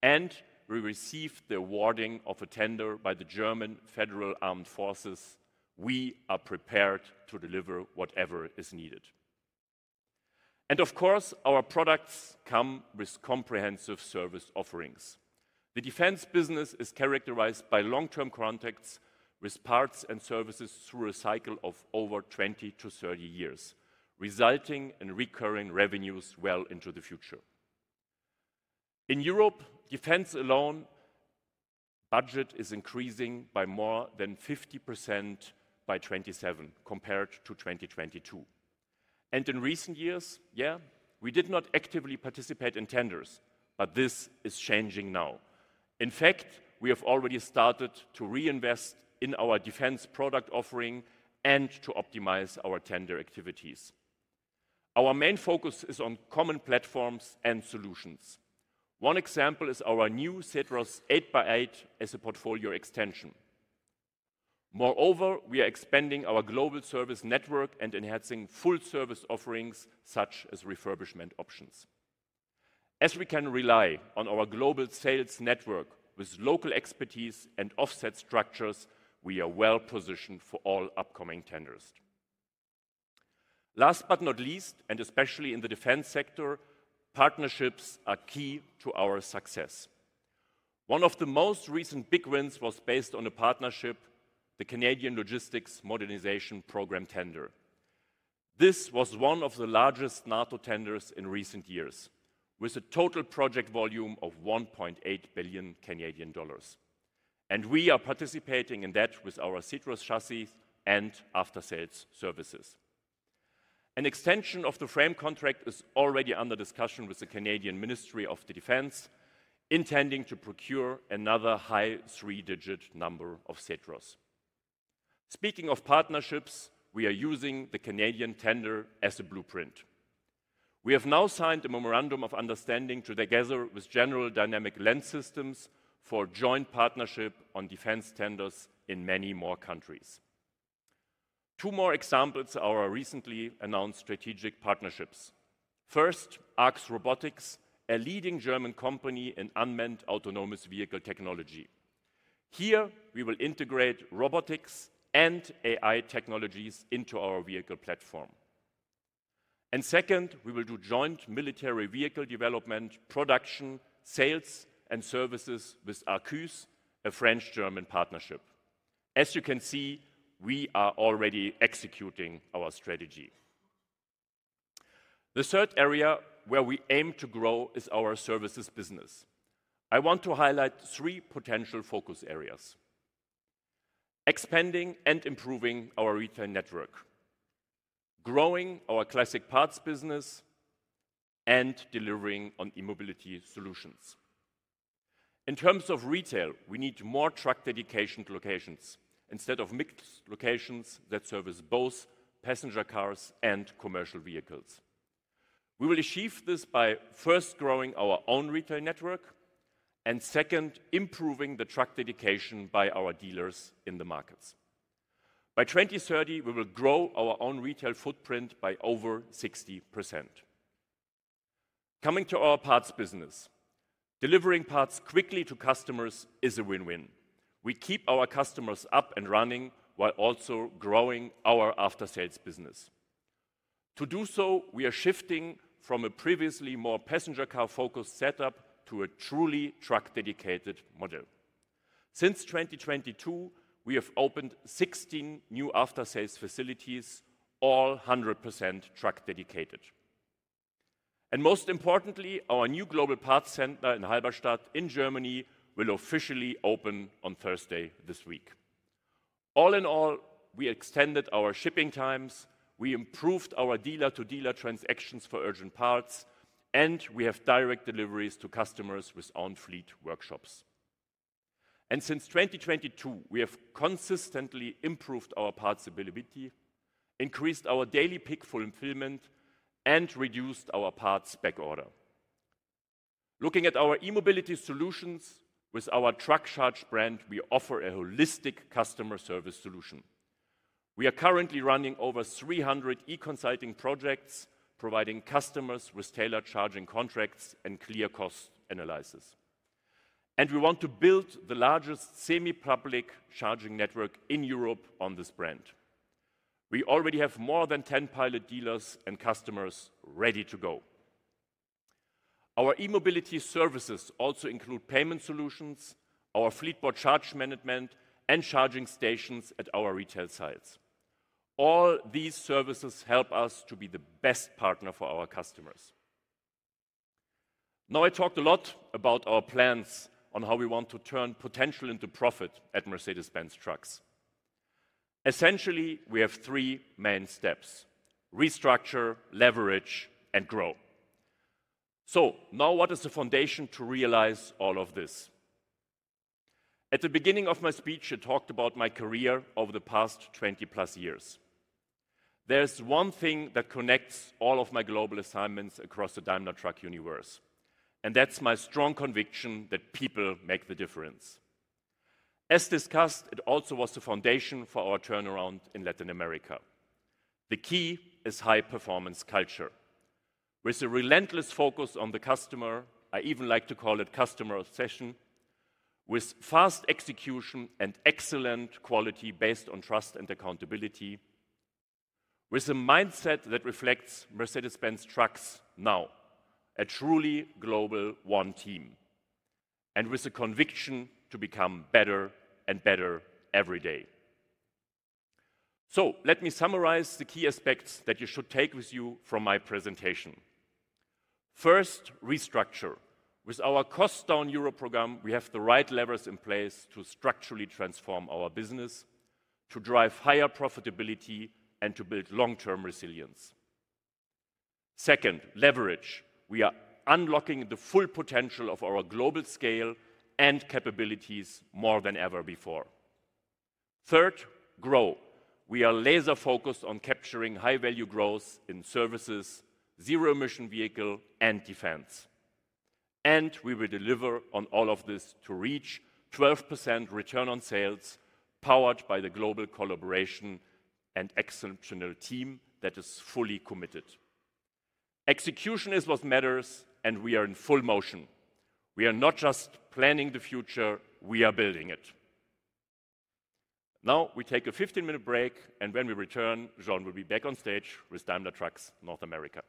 We received the awarding of a tender by the German Federal Armed Forces. We are prepared to deliver whatever is needed. Of course, our products come with comprehensive service offerings. The defense business is characterized by long-term contracts with parts and services through a cycle of over 20 to 30 years, resulting in recurring revenues well into the future. In Europe, defense alone. Budget is increasing by more than 50% by 2027 compared to 2022. In recent years, yeah, we did not actively participate in tenders, but this is changing now. In fact, we have already started to reinvest in our defense product offering and to optimize our tender activities. Our main focus is on common platforms and solutions. One example is our new Zetros 8x8 as a portfolio extension. Moreover, we are expanding our global service network and enhancing full service offerings such as refurbishment options. As we can rely on our global sales network with local expertise and offset structures, we are well positioned for all upcoming tenders. Last but not least, and especially in the defense sector, partnerships are key to our success. One of the most recent big wins was based on a partnership, the Canadian Logistics Modernization Program tender. This was one of the largest NATO tenders in recent years, with a total project volume of 1.8 billion Canadian dollars. We are participating in that with our Zetros chassis and after-sales services. An extension of the frame contract is already under discussion with the Canadian Ministry of Defense, intending to procure another high three-digit number of Zetros. Speaking of partnerships, we are using the Canadian tender as a blueprint. We have now signed a memorandum of understanding together with General Dynamics Land Systems for a joint partnership on defense tenders in many more countries. Two more examples are our recently announced strategic partnerships. First, ARX Robotics, a leading German company in unmanned autonomous vehicle technology. Here, we will integrate robotics and AI technologies into our vehicle platform. Second, we will do joint military vehicle development, production, sales, and services with Arquus, a French-German partnership. As you can see, we are already executing our strategy. The third area where we aim to grow is our services business. I want to highlight three potential focus areas. Expanding and improving our retail network. Growing our classic parts business. Delivering on e-mobility solutions. In terms of retail, we need more truck dedication locations instead of mixed locations that service both passenger cars and commercial vehicles. We will achieve this by first growing our own retail network and second, improving the truck dedication by our dealers in the markets. By 2030, we will grow our own retail footprint by over 60%. Coming to our parts business. Delivering parts quickly to customers is a win-win. We keep our customers up and running while also growing our after-sales business. To do so, we are shifting from a previously more passenger car-focused setup to a truly truck-dedicated model. Since 2022, we have opened 16 new after-sales facilities, all 100% truck dedicated. Most importantly, our new global parts center in Halberstadt in Germany will officially open on Thursday this week. All in all, we extended our shipping times, we improved our dealer-to-dealer transactions for urgent parts, and we have direct deliveries to customers with on-fleet workshops. Since 2022, we have consistently improved our parts availability, increased our daily pick-full fulfillment, and reduced our parts backorder. Looking at our e-mobility solutions, with our Truck Charge brand, we offer a holistic customer service solution. We are currently running over 300 e-consulting projects, providing customers with tailored charging contracts and clear cost analysis. We want to build the largest semi-public charging network in Europe on this brand. We already have more than 10 pilot dealers and customers ready to go. Our e-mobility services also include payment solutions, our Fleetboard charge management, and charging stations at our retail sites. All these services help us to be the best partner for our customers. Now I talked a lot about our plans on how we want to turn potential into profit at Mercedes-Benz Trucks. Essentially, we have three main steps: restructure, leverage, and grow. What is the foundation to realize all of this? At the beginning of my speech, I talked about my career over the past 20 plus years. There is one thing that connects all of my global assignments across the Daimler Truck universe, and that is my strong conviction that people make the difference. As discussed, it also was the foundation for our turnaround in Latin America. The key is high-performance culture. With a relentless focus on the customer, I even like to call it customer obsession, with fast execution and excellent quality based on trust and accountability. With a mindset that reflects Mercedes-Benz Trucks now, a truly global one team, and with a conviction to become better and better every day. Let me summarize the key aspects that you should take with you from my presentation. First, restructure. With our cost-down Europe program, we have the right levers in place to structurally transform our business. To drive higher profitability and to build long-term resilience. Second, leverage. We are unlocking the full potential of our global scale and capabilities more than ever before. Third, grow. We are laser-focused on capturing high-value growth in services, zero-emission vehicles, and defense. We will deliver on all of this to reach 12% return on sales, powered by the global collaboration and exceptional team that is fully committed. Execution is what matters, and we are in full motion. We are not just planning the future; we are building it. Now we take a 15-minute break, and when we return, John will be back on stage with Daimler Trucks North America.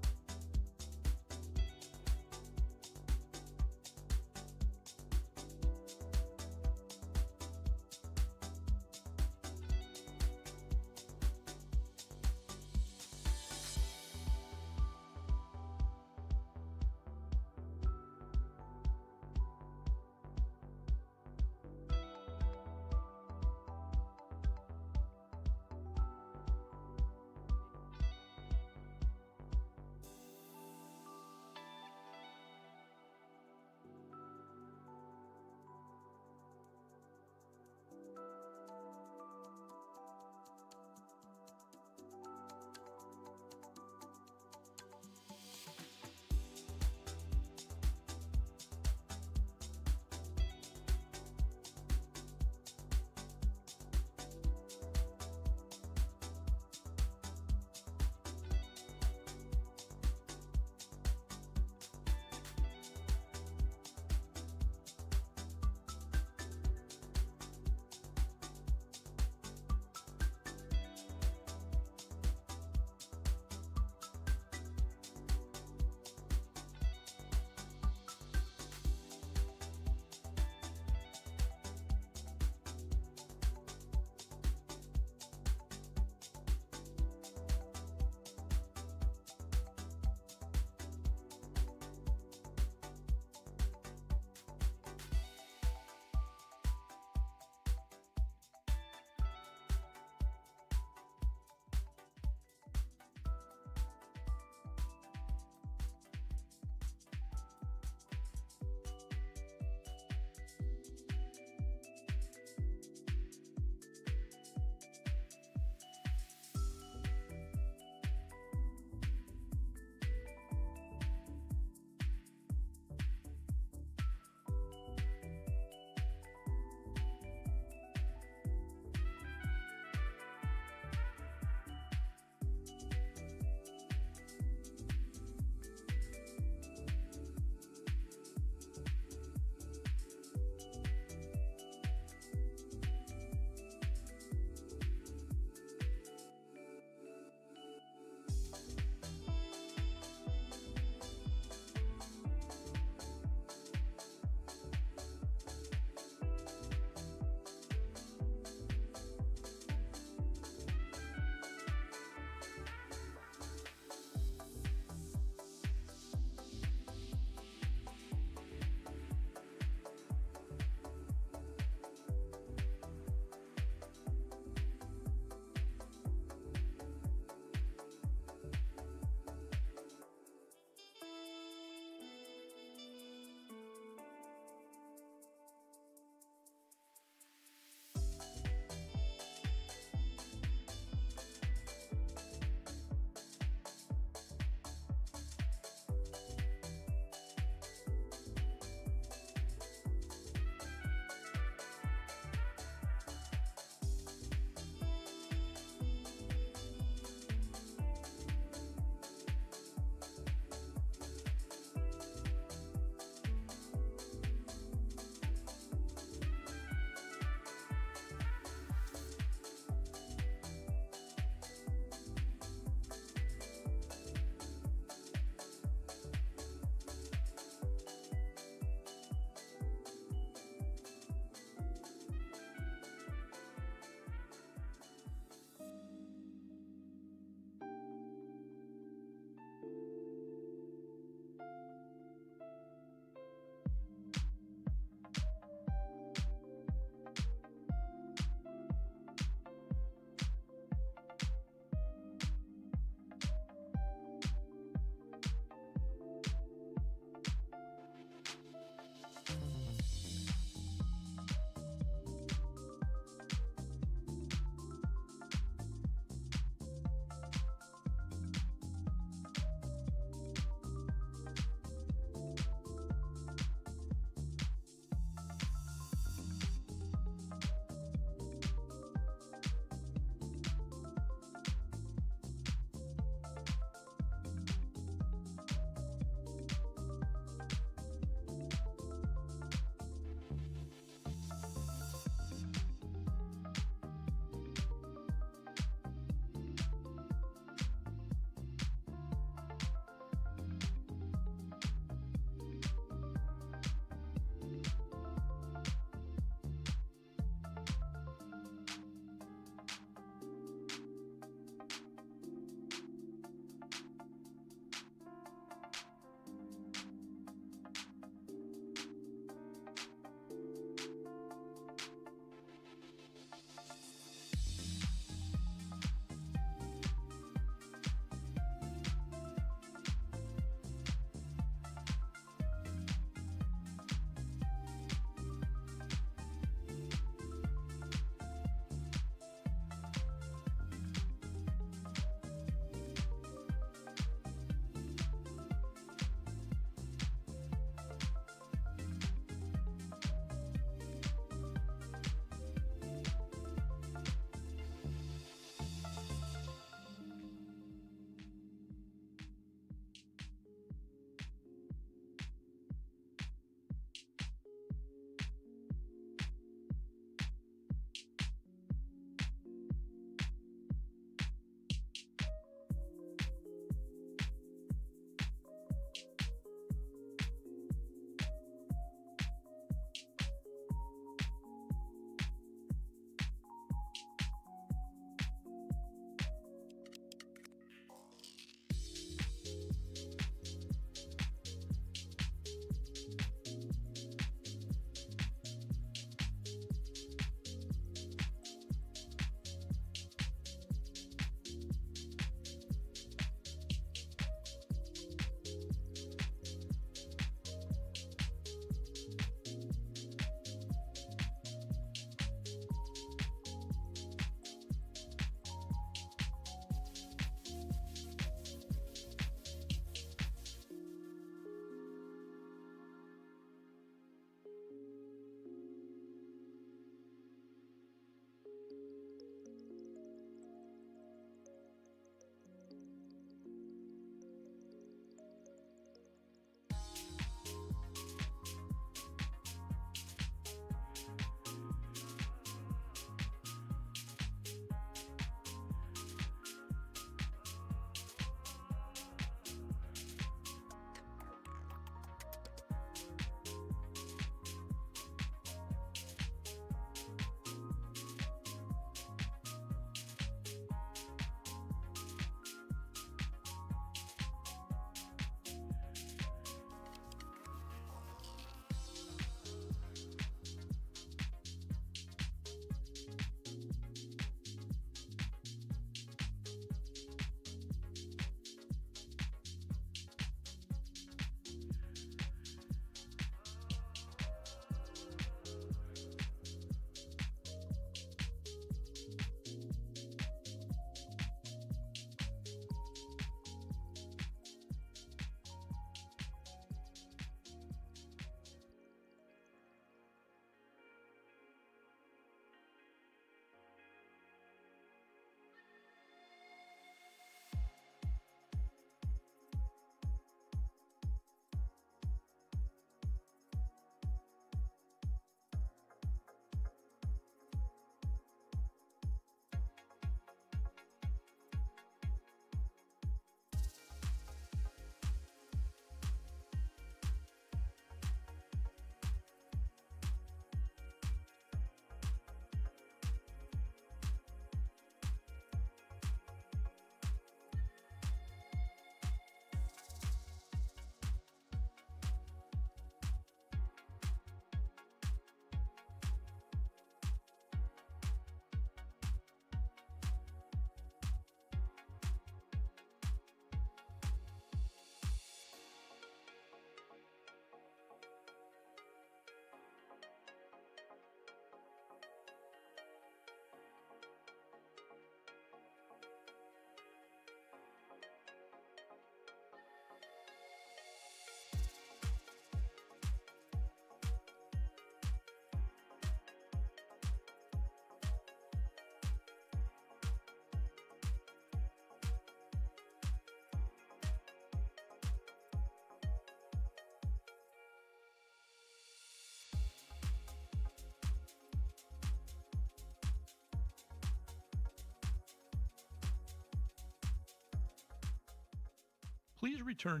Please return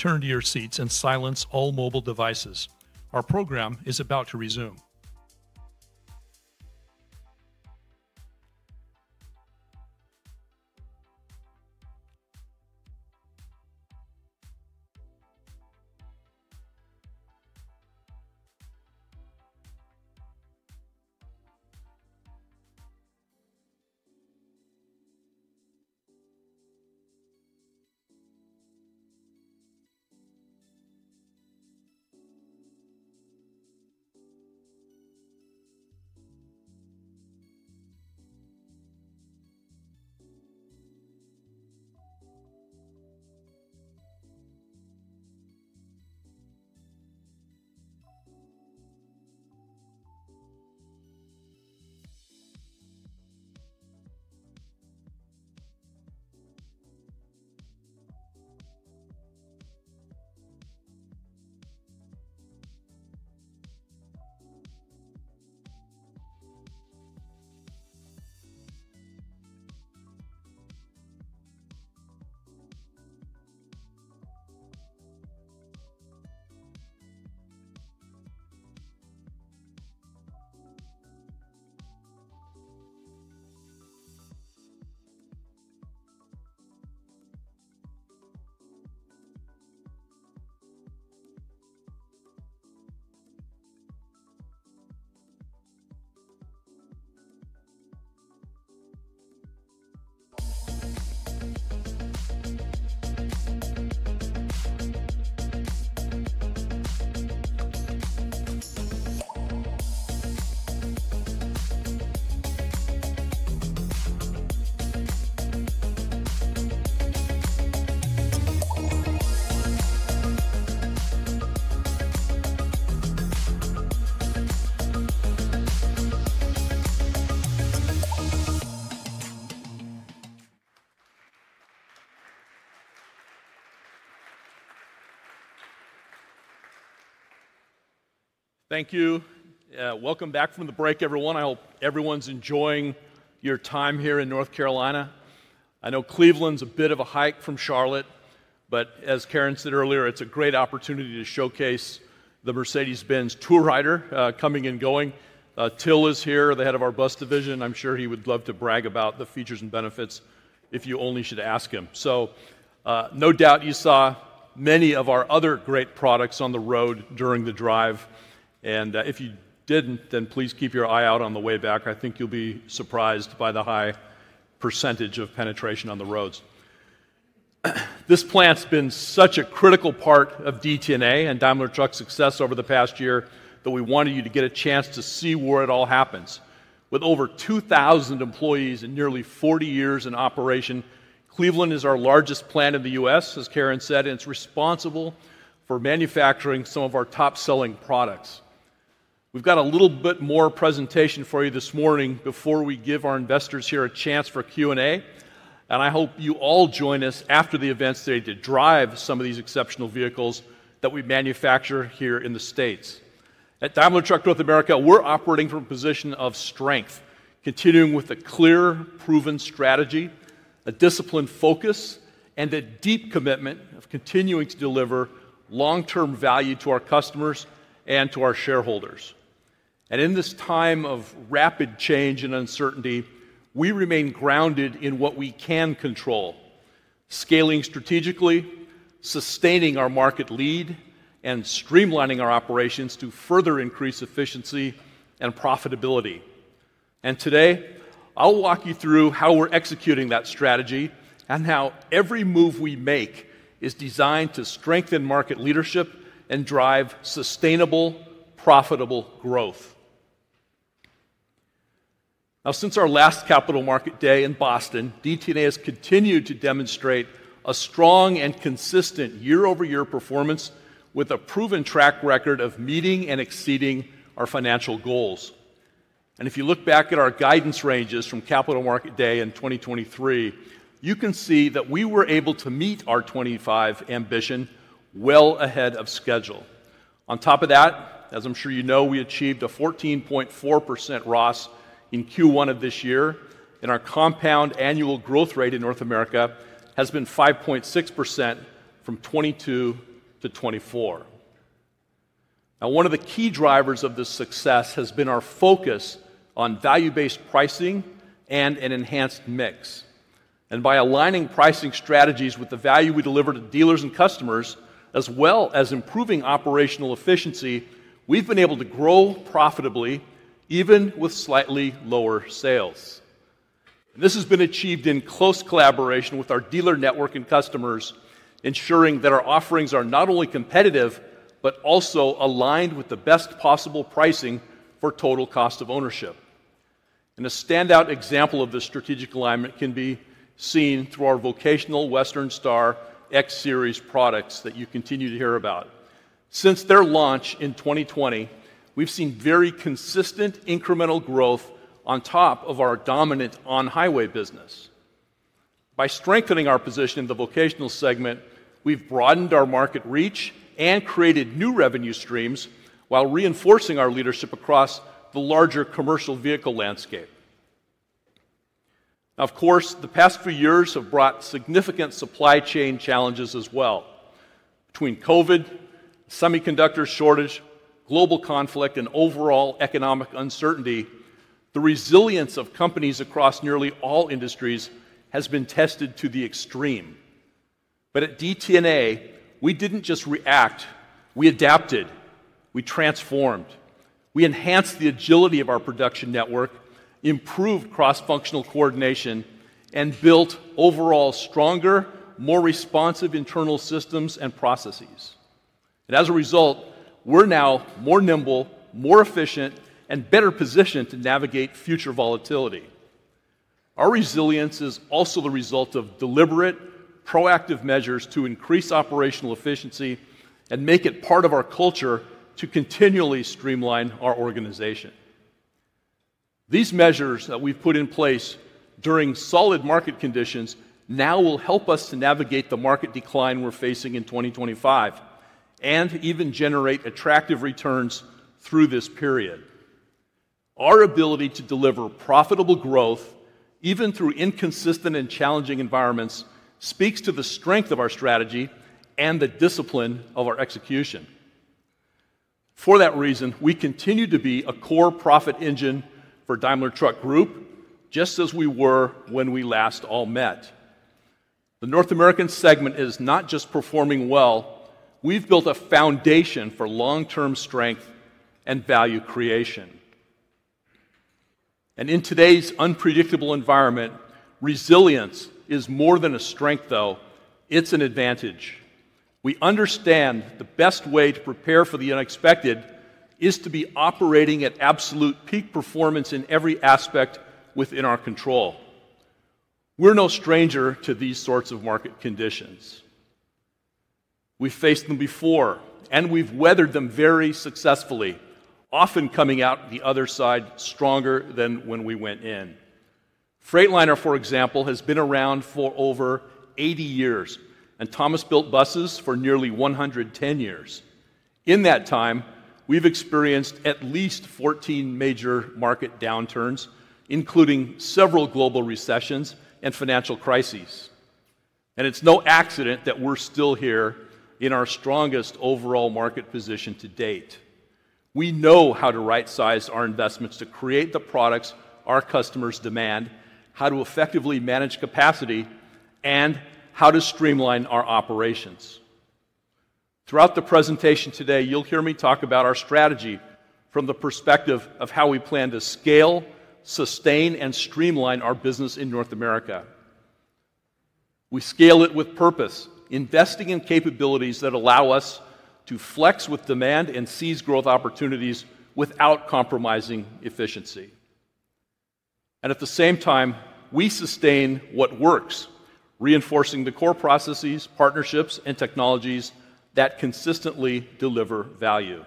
to your seats and silence all mobile devices. Our program is about to resume. Thank you. Welcome back from the break, everyone. I hope everyone's enjoying your time here in North Carolina. I know Cleveland's a bit of a hike from Charlotte, but as Karin said earlier, it's a great opportunity to showcase the Mercedes-Benz Tour Rider coming and going. Till is here, the head of our bus division. I'm sure he would love to brag about the features and benefits if you only should ask him. No doubt you saw many of our other great products on the road during the drive. If you did not, then please keep your eye out on the way back. I think you will be surprised by the high % of penetration on the roads. This plant has been such a critical part of DTNA and Daimler Truck's success over the past year that we wanted you to get a chance to see where it all happens. With over 2,000 employees and nearly 40 years in operation, Cleveland is our largest plant in the U.S., as Karin said, and it is responsible for manufacturing some of our top-selling products. We've got a little bit more presentation for you this morning before we give our investors here a chance for Q&A, and I hope you all join us after the events today to drive some of these exceptional vehicles that we manufacture here in the States. At Daimler Truck North America, we're operating from a position of strength, continuing with a clear, proven strategy, a disciplined focus, and a deep commitment of continuing to deliver long-term value to our customers and to our shareholders. In this time of rapid change and uncertainty, we remain grounded in what we can control, scaling strategically, sustaining our market lead, and streamlining our operations to further increase efficiency and profitability. Today, I'll walk you through how we're executing that strategy and how every move we make is designed to strengthen market leadership and drive sustainable, profitable growth. Now, since our last capital market day in Boston, DTNA has continued to demonstrate a strong and consistent year-over-year performance with a proven track record of meeting and exceeding our financial goals. If you look back at our guidance ranges from capital market day in 2023, you can see that we were able to meet our 2025 ambition well ahead of schedule. On top of that, as I'm sure you know, we achieved a 14.4% ROS in Q1 of this year, and our compound annual growth rate in North America has been 5.6% from 2022 to 2024. Now, one of the key drivers of this success has been our focus on value-based pricing and an enhanced mix. By aligning pricing strategies with the value we deliver to dealers and customers, as well as improving operational efficiency, we've been able to grow profitably even with slightly lower sales. This has been achieved in close collaboration with our dealer network and customers, ensuring that our offerings are not only competitive but also aligned with the best possible pricing for total cost of ownership. A standout example of this strategic alignment can be seen through our vocational Western Star X-Series products that you continue to hear about. Since their launch in 2020, we've seen very consistent incremental growth on top of our dominant on-highway business. By strengthening our position in the vocational segment, we've broadened our market reach and created new revenue streams while reinforcing our leadership across the larger commercial vehicle landscape. Of course, the past few years have brought significant supply chain challenges as well. Between COVID, semiconductor shortage, global conflict, and overall economic uncertainty, the resilience of companies across nearly all industries has been tested to the extreme. At DTNA, we did not just react; we adapted, we transformed, we enhanced the agility of our production network, improved cross-functional coordination, and built overall stronger, more responsive internal systems and processes. As a result, we are now more nimble, more efficient, and better positioned to navigate future volatility. Our resilience is also the result of deliberate, proactive measures to increase operational efficiency and make it part of our culture to continually streamline our organization. These measures that we have put in place during solid market conditions now will help us to navigate the market decline we are facing in 2025 and even generate attractive returns through this period. Our ability to deliver profitable growth, even through inconsistent and challenging environments, speaks to the strength of our strategy and the discipline of our execution. For that reason, we continue to be a core profit engine for Daimler Truck Group, just as we were when we last all met. The North American segment is not just performing well. We have built a foundation for long-term strength and value creation. In today's unpredictable environment, resilience is more than a strength, though; it is an advantage. We understand the best way to prepare for the unexpected is to be operating at absolute peak performance in every aspect within our control. We are no stranger to these sorts of market conditions. We have faced them before, and we have weathered them very successfully, often coming out the other side stronger than when we went in. Freightliner, for example, has been around for over 80 years, and Thomas Built Buses for nearly 110 years. In that time, we have experienced at least 14 major market downturns, including several global recessions and financial crises. It is no accident that we're still here in our strongest overall market position to date. We know how to right-size our investments to create the products our customers demand, how to effectively manage capacity, and how to streamline our operations. Throughout the presentation today, you'll hear me talk about our strategy from the perspective of how we plan to scale, sustain, and streamline our business in North America. We scale it with purpose, investing in capabilities that allow us to flex with demand and seize growth opportunities without compromising efficiency. At the same time, we sustain what works, reinforcing the core processes, partnerships, and technologies that consistently deliver value.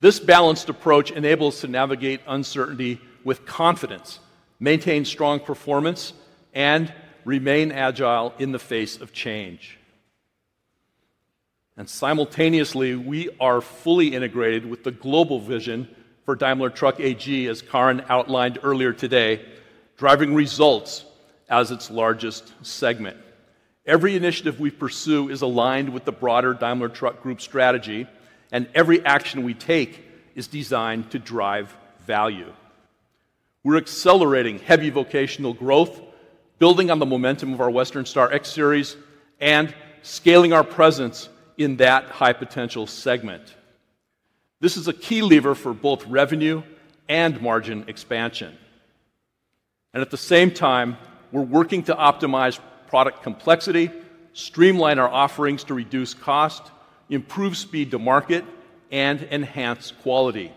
This balanced approach enables us to navigate uncertainty with confidence, maintain strong performance, and remain agile in the face of change. Simultaneously, we are fully integrated with the global vision for Daimler Truck, as Karin outlined earlier today, driving results as its largest segment. Every initiative we pursue is aligned with the broader Daimler Truck Group strategy, and every action we take is designed to drive value. We are accelerating heavy vocational growth, building on the momentum of our Western Star X-Series, and scaling our presence in that high-potential segment. This is a key lever for both revenue and margin expansion. At the same time, we are working to optimize product complexity, streamline our offerings to reduce cost, improve speed to market, and enhance quality.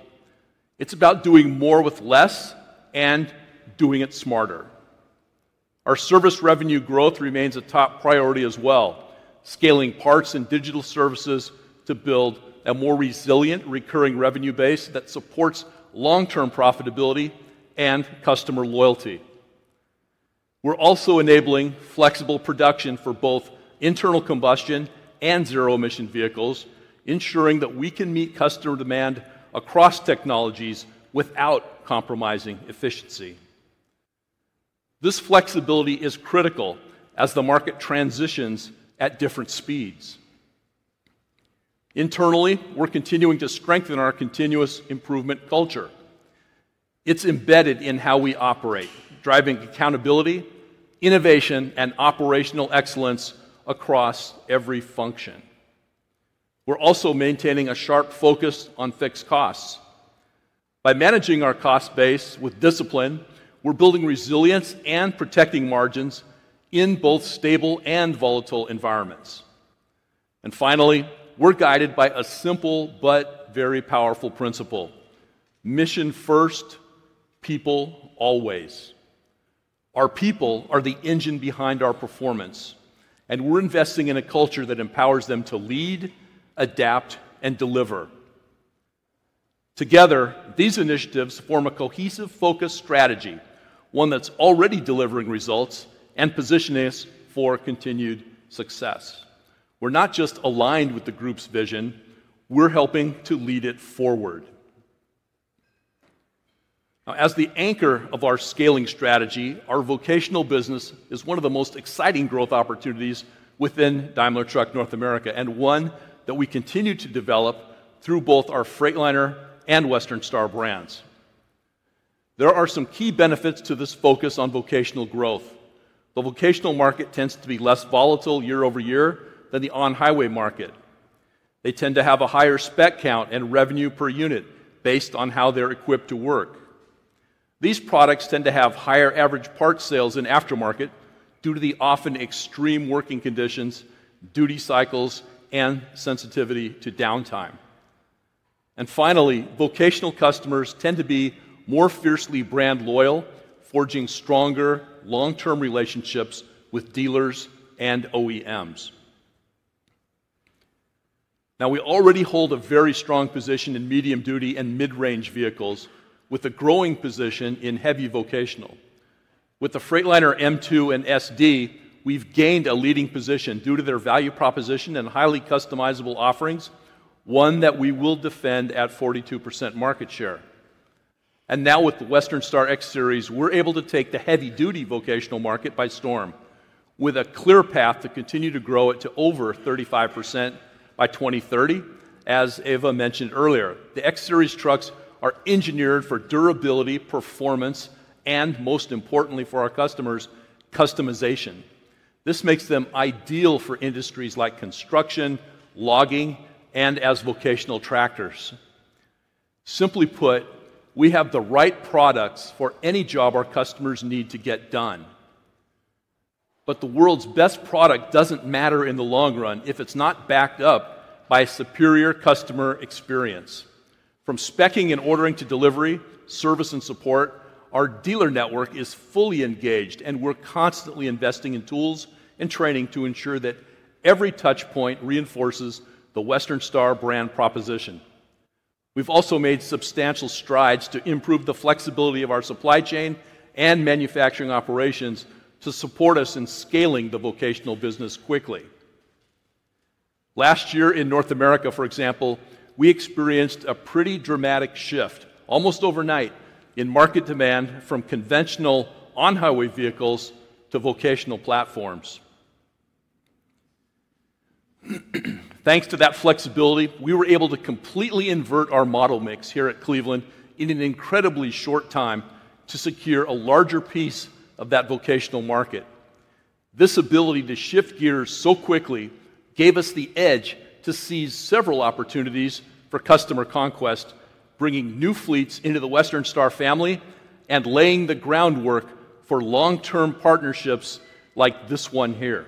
It is about doing more with less and doing it smarter. Our service revenue growth remains a top priority as well, scaling parts and digital services to build a more resilient recurring revenue base that supports long-term profitability and customer loyalty. We're also enabling flexible production for both internal combustion and zero-emission vehicles, ensuring that we can meet customer demand across technologies without compromising efficiency. This flexibility is critical as the market transitions at different speeds. Internally, we're continuing to strengthen our continuous improvement culture. It's embedded in how we operate, driving accountability, innovation, and operational excellence across every function. We're also maintaining a sharp focus on fixed costs. By managing our cost base with discipline, we're building resilience and protecting margins in both stable and volatile environments. Finally, we're guided by a simple but very powerful principle: Mission first. People always. Our people are the engine behind our performance, and we're investing in a culture that empowers them to lead, adapt, and deliver. Together, these initiatives form a cohesive focus strategy, one that's already delivering results and positioning us for continued success. We're not just aligned with the group's vision; we're helping to lead it forward. Now, as the anchor of our scaling strategy, our vocational business is one of the most exciting growth opportunities within Daimler Truck North America and one that we continue to develop through both our Freightliner and Western Star brands. There are some key benefits to this focus on vocational growth. The vocational market tends to be less volatile year over year than the on-highway market. They tend to have a higher spec count and revenue per unit based on how they're equipped to work. These products tend to have higher average parts sales in aftermarket due to the often extreme working conditions, duty cycles, and sensitivity to downtime. Finally, vocational customers tend to be more fiercely brand loyal, forging stronger long-term relationships with dealers and OEMs. Now, we already hold a very strong position in medium-duty and mid-range vehicles, with a growing position in heavy vocational. With the Freightliner M2 and SD, we've gained a leading position due to their value proposition and highly customizable offerings, one that we will defend at 42% market share. Now, with the Western Star X-Series, we're able to take the heavy-duty vocational market by storm with a clear path to continue to grow it to over 35% by 2030. As Ava mentioned earlier, the X-Series trucks are engineered for durability, performance, and, most importantly, for our customers, customization. This makes them ideal for industries like construction, logging, and as vocational tractors. Simply put, we have the right products for any job our customers need to get done. The world's best product does not matter in the long run if it's not backed up by superior customer experience. From speccing and ordering to delivery, service, and support, our dealer network is fully engaged, and we're constantly investing in tools and training to ensure that every touchpoint reinforces the Western Star brand proposition. We've also made substantial strides to improve the flexibility of our supply chain and manufacturing operations to support us in scaling the vocational business quickly. Last year in North America, for example, we experienced a pretty dramatic shift, almost overnight, in market demand from conventional on-highway vehicles to vocational platforms. Thanks to that flexibility, we were able to completely invert our model mix here at Cleveland in an incredibly short time to secure a larger piece of that vocational market. This ability to shift gears so quickly gave us the edge to seize several opportunities for customer conquest, bringing new fleets into the Western Star family and laying the groundwork for long-term partnerships like this one here.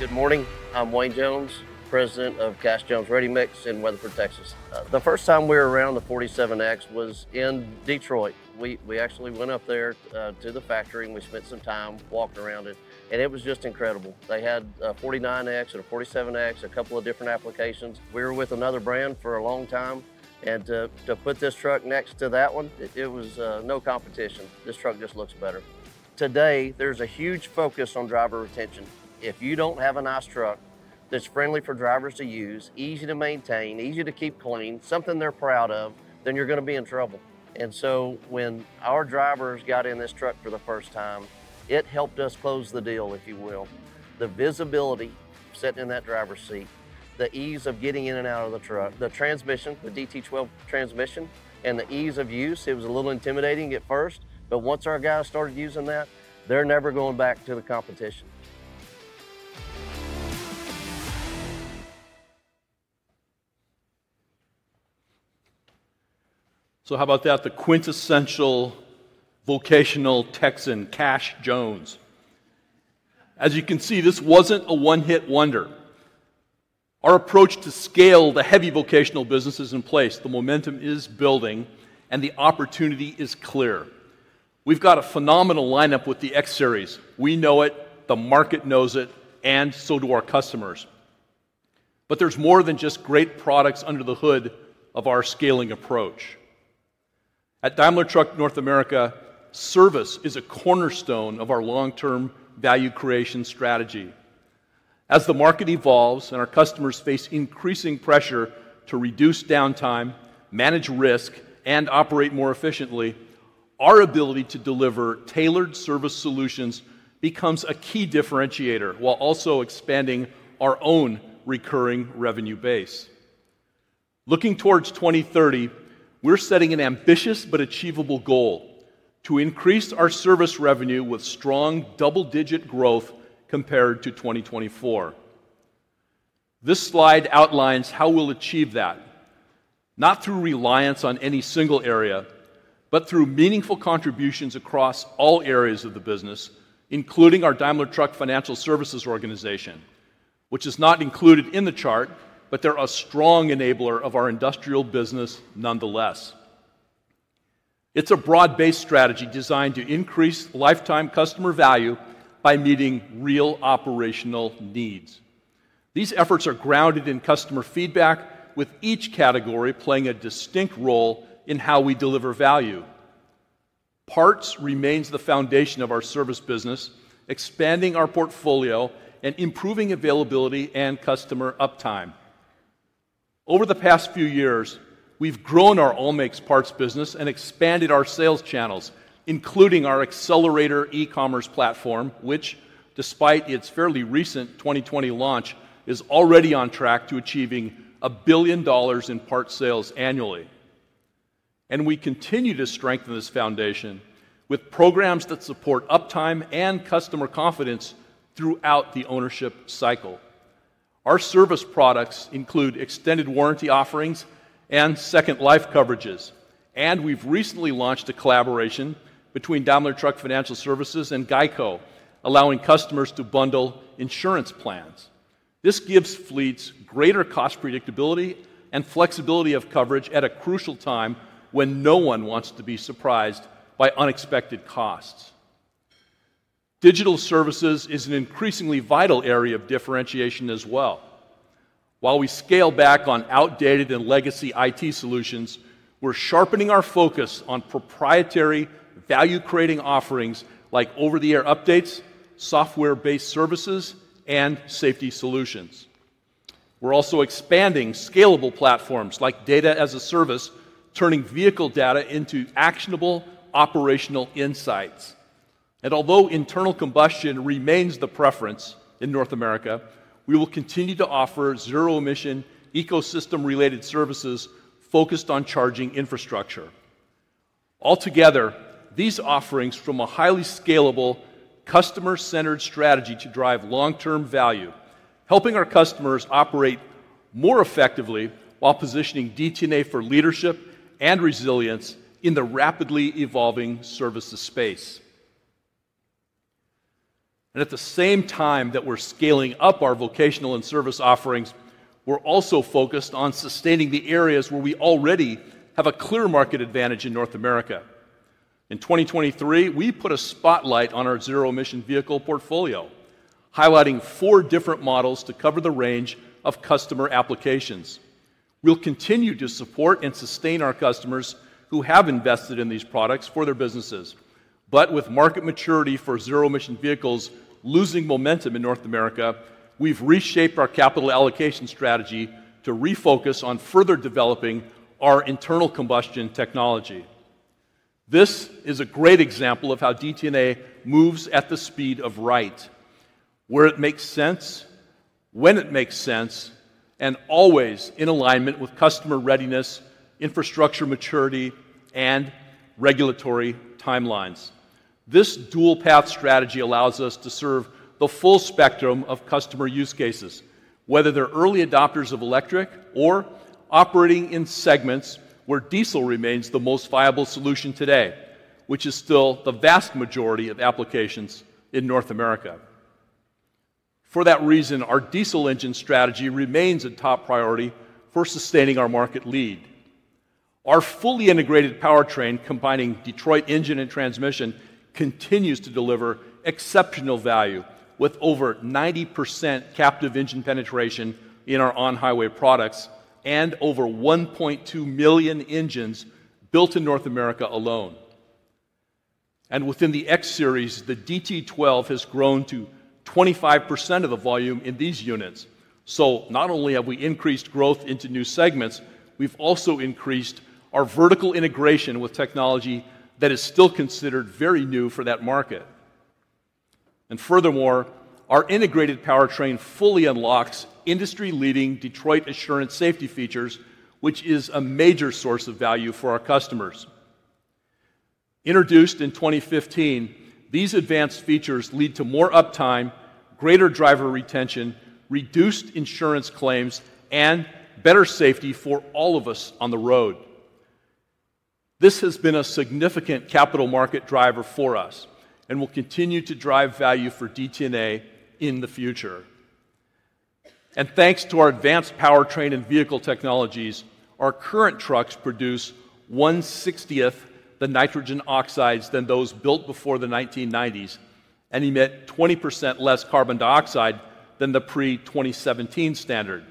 Good morning. I'm Wayne Jones, President of Cass Jones Ready Mix in Weatherford, Texas. The first time we were around the 47X was in Detroit. We actually went up there to the factory, and we spent some time walking around it, and it was just incredible. They had a 49X and a 47X, a couple of different applications. We were with another brand for a long time, and to put this truck next to that one, it was no competition. This truck just looks better. Today, there's a huge focus on driver retention. If you do not have a nice truck that is friendly for drivers to use, easy to maintain, easy to keep clean, something they are proud of, then you are going to be in trouble. When our drivers got in this truck for the first time, it helped us close the deal, if you will. The visibility sitting in that driver's seat, the ease of getting in and out of the truck, the transmission, the DT12 transmission, and the ease of use, it was a little intimidating at first, but once our guys started using that, they are never going back to the competition. How about that? The quintessential vocational Texan, Cass Jones. As you can see, this was not a one-hit wonder. Our approach to scale the heavy vocational business is in place. The momentum is building, and the opportunity is clear. We have got a phenomenal lineup with the X-Series. We know it, the market knows it, and so do our customers. There is more than just great products under the hood of our scaling approach. At Daimler Truck North America, service is a cornerstone of our long-term value creation strategy. As the market evolves and our customers face increasing pressure to reduce downtime, manage risk, and operate more efficiently, our ability to deliver tailored service solutions becomes a key differentiator while also expanding our own recurring revenue base. Looking towards 2030, we are setting an ambitious but achievable goal to increase our service revenue with strong double-digit growth compared to 2024. This slide outlines how we will achieve that. Not through reliance on any single area, but through meaningful contributions across all areas of the business. Including our Daimler Truck Financial Services organization, which is not included in the chart, but they are a strong enabler of our industrial business nonetheless. It's a broad-based strategy designed to increase lifetime customer value by meeting real operational needs. These efforts are grounded in customer feedback, with each category playing a distinct role in how we deliver value. Parts remains the foundation of our service business, expanding our portfolio and improving availability and customer uptime. Over the past few years, we've grown our all-makes parts business and expanded our sales channels, including our accelerator e-commerce platform, which, despite its fairly recent 2020 launch, is already on track to achieving $1 billion in parts sales annually. We continue to strengthen this foundation with programs that support uptime and customer confidence throughout the ownership cycle. Our service products include extended warranty offerings and second life coverages. We've recently launched a collaboration between Daimler Truck Financial Services and Geico, allowing customers to bundle insurance plans. This gives fleets greater cost predictability and flexibility of coverage at a crucial time when no one wants to be surprised by unexpected costs. Digital services is an increasingly vital area of differentiation as well. While we scale back on outdated and legacy IT solutions, we're sharpening our focus on proprietary value-creating offerings like over-the-air updates, software-based services, and safety solutions. We are also expanding scalable platforms like data as a service, turning vehicle data into actionable operational insights. Although internal combustion remains the preference in North America, we will continue to offer zero-emission ecosystem-related services focused on charging infrastructure. Altogether, these offerings form a highly scalable, customer-centered strategy to drive long-term value, helping our customers operate more effectively while positioning DTNA for leadership and resilience in the rapidly evolving services space. At the same time that we're scaling up our vocational and service offerings, we're also focused on sustaining the areas where we already have a clear market advantage in North America. In 2023, we put a spotlight on our zero-emission vehicle portfolio, highlighting four different models to cover the range of customer applications. We'll continue to support and sustain our customers who have invested in these products for their businesses. With market maturity for zero-emission vehicles losing momentum in North America, we've reshaped our capital allocation strategy to refocus on further developing our internal combustion technology. This is a great example of how DTNA moves at the speed of right. Where it makes sense, when it makes sense, and always in alignment with customer readiness, infrastructure maturity, and regulatory timelines. This dual-path strategy allows us to serve the full spectrum of customer use cases, whether they're early adopters of electric or operating in segments where diesel remains the most viable solution today, which is still the vast majority of applications in North America. For that reason, our diesel engine strategy remains a top priority for sustaining our market lead. Our fully integrated powertrain, combining Detroit engine and transmission, continues to deliver exceptional value with over 90% captive engine penetration in our on-highway products and over 1.2 million engines built in North America alone. Within the X-Series, the DT12 has grown to 25% of the volume in these units. Not only have we increased growth into new segments, we've also increased our vertical integration with technology that is still considered very new for that market. Furthermore, our integrated powertrain fully unlocks industry-leading Detroit Assurance safety features, which is a major source of value for our customers. Introduced in 2015, these advanced features lead to more uptime, greater driver retention, reduced insurance claims, and better safety for all of us on the road. This has been a significant capital market driver for us and will continue to drive value for DTNA in the future. Thanks to our advanced powertrain and vehicle technologies, our current trucks produce 1/60th the nitrogen oxides than those built before the 1990s and emit 20% less carbon dioxide than the pre-2017 standard.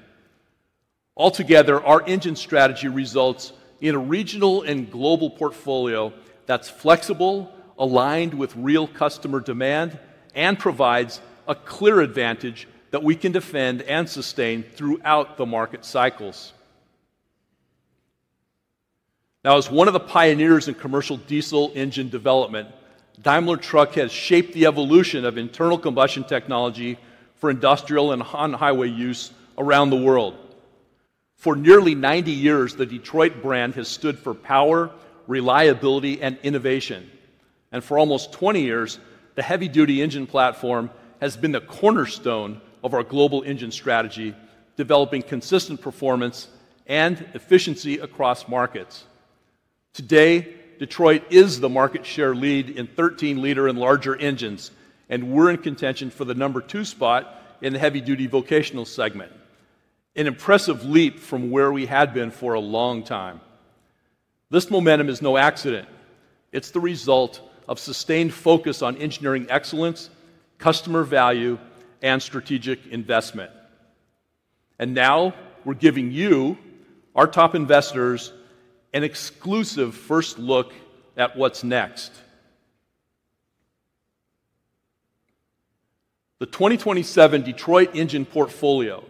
Altogether, our engine strategy results in a regional and global portfolio that is flexible, aligned with real customer demand, and provides a clear advantage that we can defend and sustain throughout the market cycles. Now, as one of the pioneers in commercial diesel engine development, Daimler Truck has shaped the evolution of internal combustion technology for industrial and on-highway use around the world. For nearly 90 years, the Detroit brand has stood for power, reliability, and innovation. For almost 20 years, the heavy-duty engine platform has been the cornerstone of our global engine strategy, developing consistent performance and efficiency across markets. Today, Detroit is the market share lead in 13-liter and larger engines, and we're in contention for the number two spot in the heavy-duty vocational segment. An impressive leap from where we had been for a long time. This momentum is no accident. It is the result of sustained focus on engineering excellence, customer value, and strategic investment. Now we're giving you, our top investors, an exclusive first look at what's next. The 2027 Detroit engine portfolio.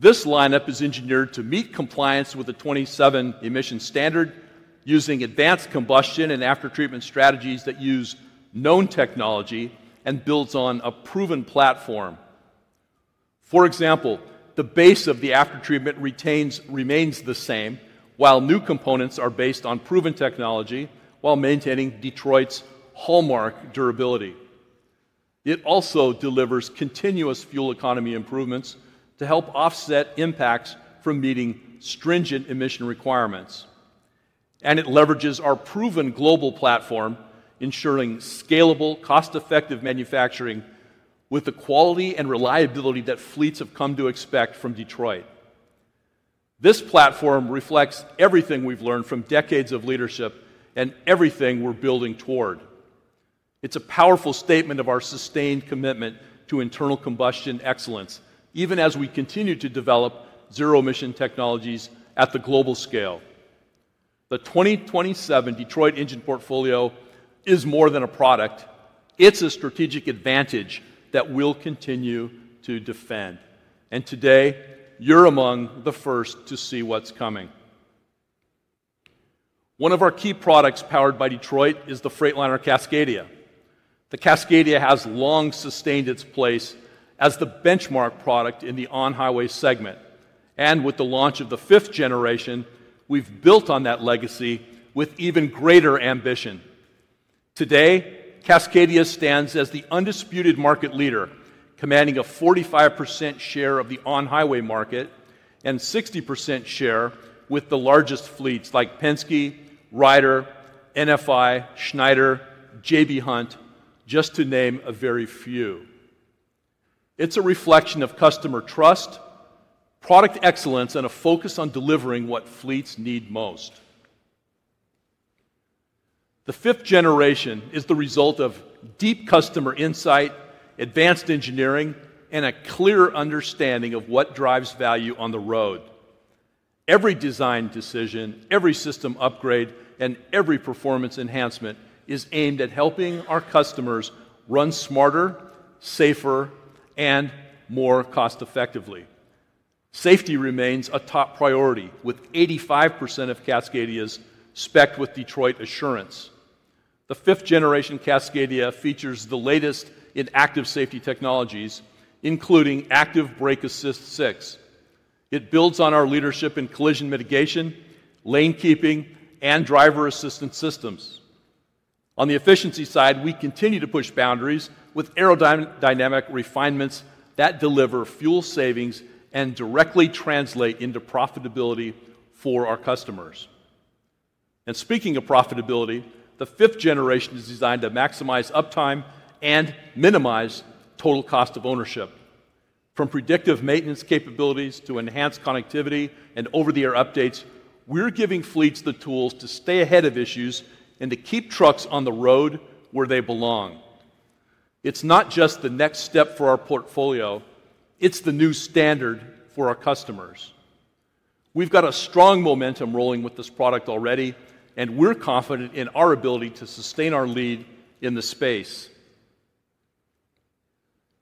This lineup is engineered to meet compliance with the 2027 emission standard using advanced combustion and aftertreatment strategies that use known technology and builds on a proven platform. For example, the base of the aftertreatment remains the same, while new components are based on proven technology while maintaining Detroit's hallmark durability. It also delivers continuous fuel economy improvements to help offset impacts from meeting stringent emission requirements. It leverages our proven global platform, ensuring scalable, cost-effective manufacturing with the quality and reliability that fleets have come to expect from Detroit. This platform reflects everything we've learned from decades of leadership and everything we're building toward. It's a powerful statement of our sustained commitment to internal combustion excellence, even as we continue to develop zero-emission technologies at the global scale. The 2027 Detroit engine portfolio is more than a product. It's a strategic advantage that we'll continue to defend. Today, you're among the first to see what's coming. One of our key products powered by Detroit is the Freightliner Cascadia. The Cascadia has long sustained its place as the benchmark product in the on-highway segment. With the launch of the fifth generation, we've built on that legacy with even greater ambition. Today, Cascadia stands as the undisputed market leader, commanding a 45% share of the on-highway market and 60% share with the largest fleets like Penske, Ryder, NFI, Schneider, JB Hunt, just to name a very few. It's a reflection of customer trust, product excellence, and a focus on delivering what fleets need most. The fifth generation is the result of deep customer insight, advanced engineering, and a clear understanding of what drives value on the road. Every design decision, every system upgrade, and every performance enhancement is aimed at helping our customers run smarter, safer, and more cost-effectively. Safety remains a top priority, with 85% of Cascadia's specced with Detroit Assurance. The fifth generation Cascadia features the latest in active safety technologies, including Active Brake Assist 6. It builds on our leadership in collision mitigation, lane keeping, and driver assistance systems. On the efficiency side, we continue to push boundaries with aerodynamic refinements that deliver fuel savings and directly translate into profitability for our customers. Speaking of profitability, the fifth generation is designed to maximize uptime and minimize total cost of ownership. From predictive maintenance capabilities to enhanced connectivity and over-the-air updates, we are giving fleets the tools to stay ahead of issues and to keep trucks on the road where they belong. It's not just the next step for our portfolio. It's the new standard for our customers. We've got a strong momentum rolling with this product already, and we're confident in our ability to sustain our lead in the space.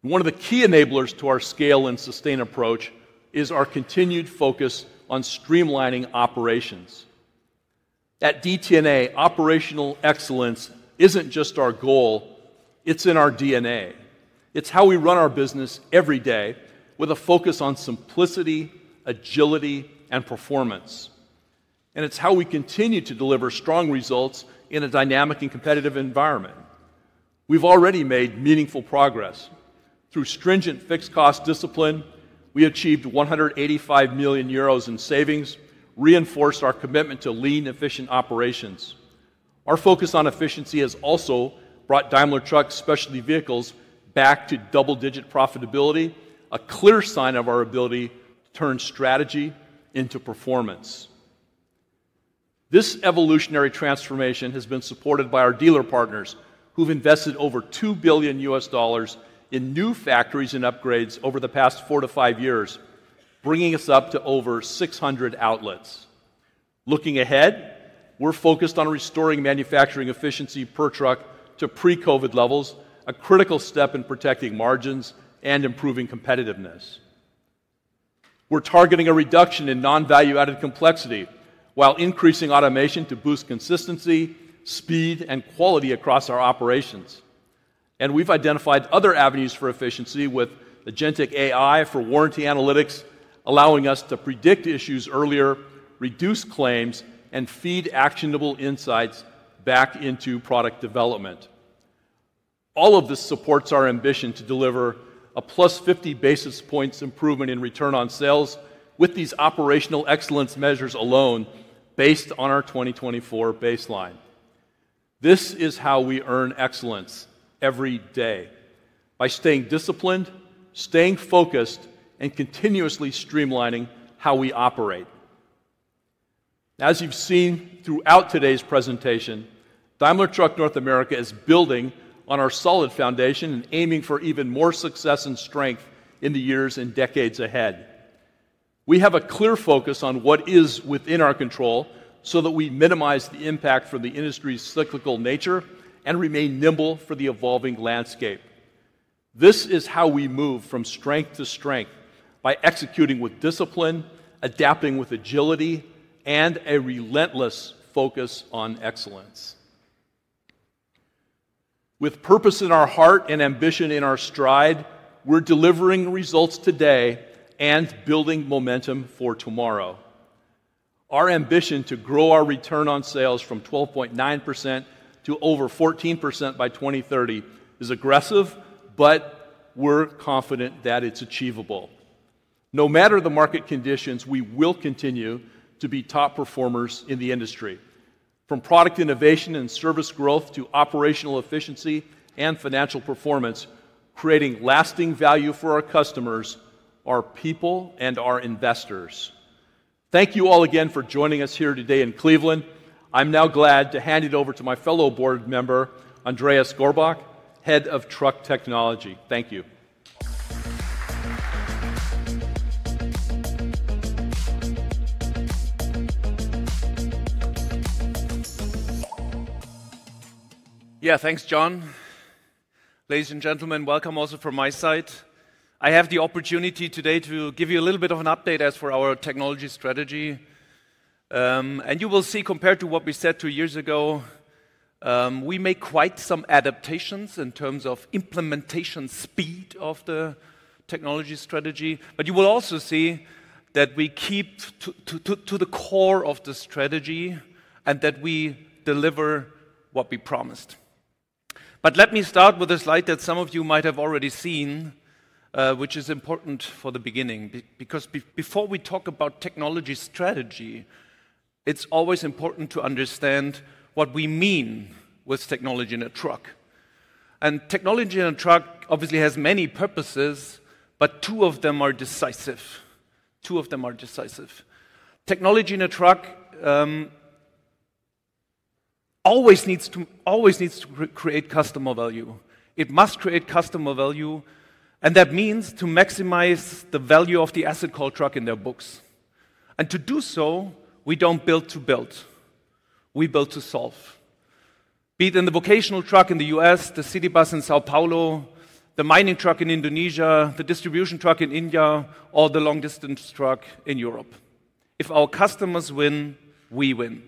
One of the key enablers to our scale and sustain approach is our continued focus on streamlining operations. At DTNA, operational excellence isn't just our goal. It's in our DNA. It's how we run our business every day with a focus on simplicity, agility, and performance. It's how we continue to deliver strong results in a dynamic and competitive environment. We've already made meaningful progress. Through stringent fixed-cost discipline, we achieved 185 million euros in savings, reinforced our commitment to lean, efficient operations. Our focus on efficiency has also brought Daimler Truck's specialty vehicles back to double-digit profitability, a clear sign of our ability to turn strategy into performance. This evolutionary transformation has been supported by our dealer partners, who've invested over $2 billion in new factories and upgrades over the past four to five years, bringing us up to over 600 outlets. Looking ahead, we're focused on restoring manufacturing efficiency per truck to pre-COVID levels, a critical step in protecting margins and improving competitiveness. We're targeting a reduction in non-value-added complexity while increasing automation to boost consistency, speed, and quality across our operations. We have identified other avenues for efficiency with the Gentech AI for warranty analytics, allowing us to predict issues earlier, reduce claims, and feed actionable insights back into product development. All of this supports our ambition to deliver a plus 50 basis points improvement in return on sales with these operational excellence measures alone, based on our 2024 baseline. This is how we earn excellence every day: by staying disciplined, staying focused, and continuously streamlining how we operate. As you've seen throughout today's presentation, Daimler Truck North America is building on our solid foundation and aiming for even more success and strength in the years and decades ahead. We have a clear focus on what is within our control so that we minimize the impact from the industry's cyclical nature and remain nimble for the evolving landscape. This is how we move from strength to strength by executing with discipline, adapting with agility, and a relentless focus on excellence. With purpose in our heart and ambition in our stride, we're delivering results today and building momentum for tomorrow. Our ambition to grow our return on sales from 12.9% to over 14% by 2030 is aggressive, but we're confident that it's achievable. No matter the market conditions, we will continue to be top performers in the industry. From product innovation and service growth to operational efficiency and financial performance, creating lasting value for our customers, our people, and our investors. Thank you all again for joining us here today in Cleveland. I'm now glad to hand it over to my fellow board member, Andreas Gorbach, Head of Truck Technology. Thank you. Yeah, thanks, John. Ladies and gentlemen, welcome also from my side. I have the opportunity today to give you a little bit of an update as for our technology strategy. You will see, compared to what we said two years ago, we made quite some adaptations in terms of implementation speed of the technology strategy. You will also see that we keep to the core of the strategy and that we deliver what we promised. Let me start with a slide that some of you might have already seen, which is important for the beginning. Because before we talk about technology strategy, it's always important to understand what we mean with technology in a truck. Technology in a truck obviously has many purposes, but two of them are decisive. Technology in a truck always needs to create customer value. It must create customer value, and that means to maximize the value of the asset called truck in their books. To do so, we don't build to build. We build to solve. Be it in the vocational truck in the U.S., the city bus in São Paulo, the mining truck in Indonesia, the distribution truck in India, or the long-distance truck in Europe. If our customers win, we win.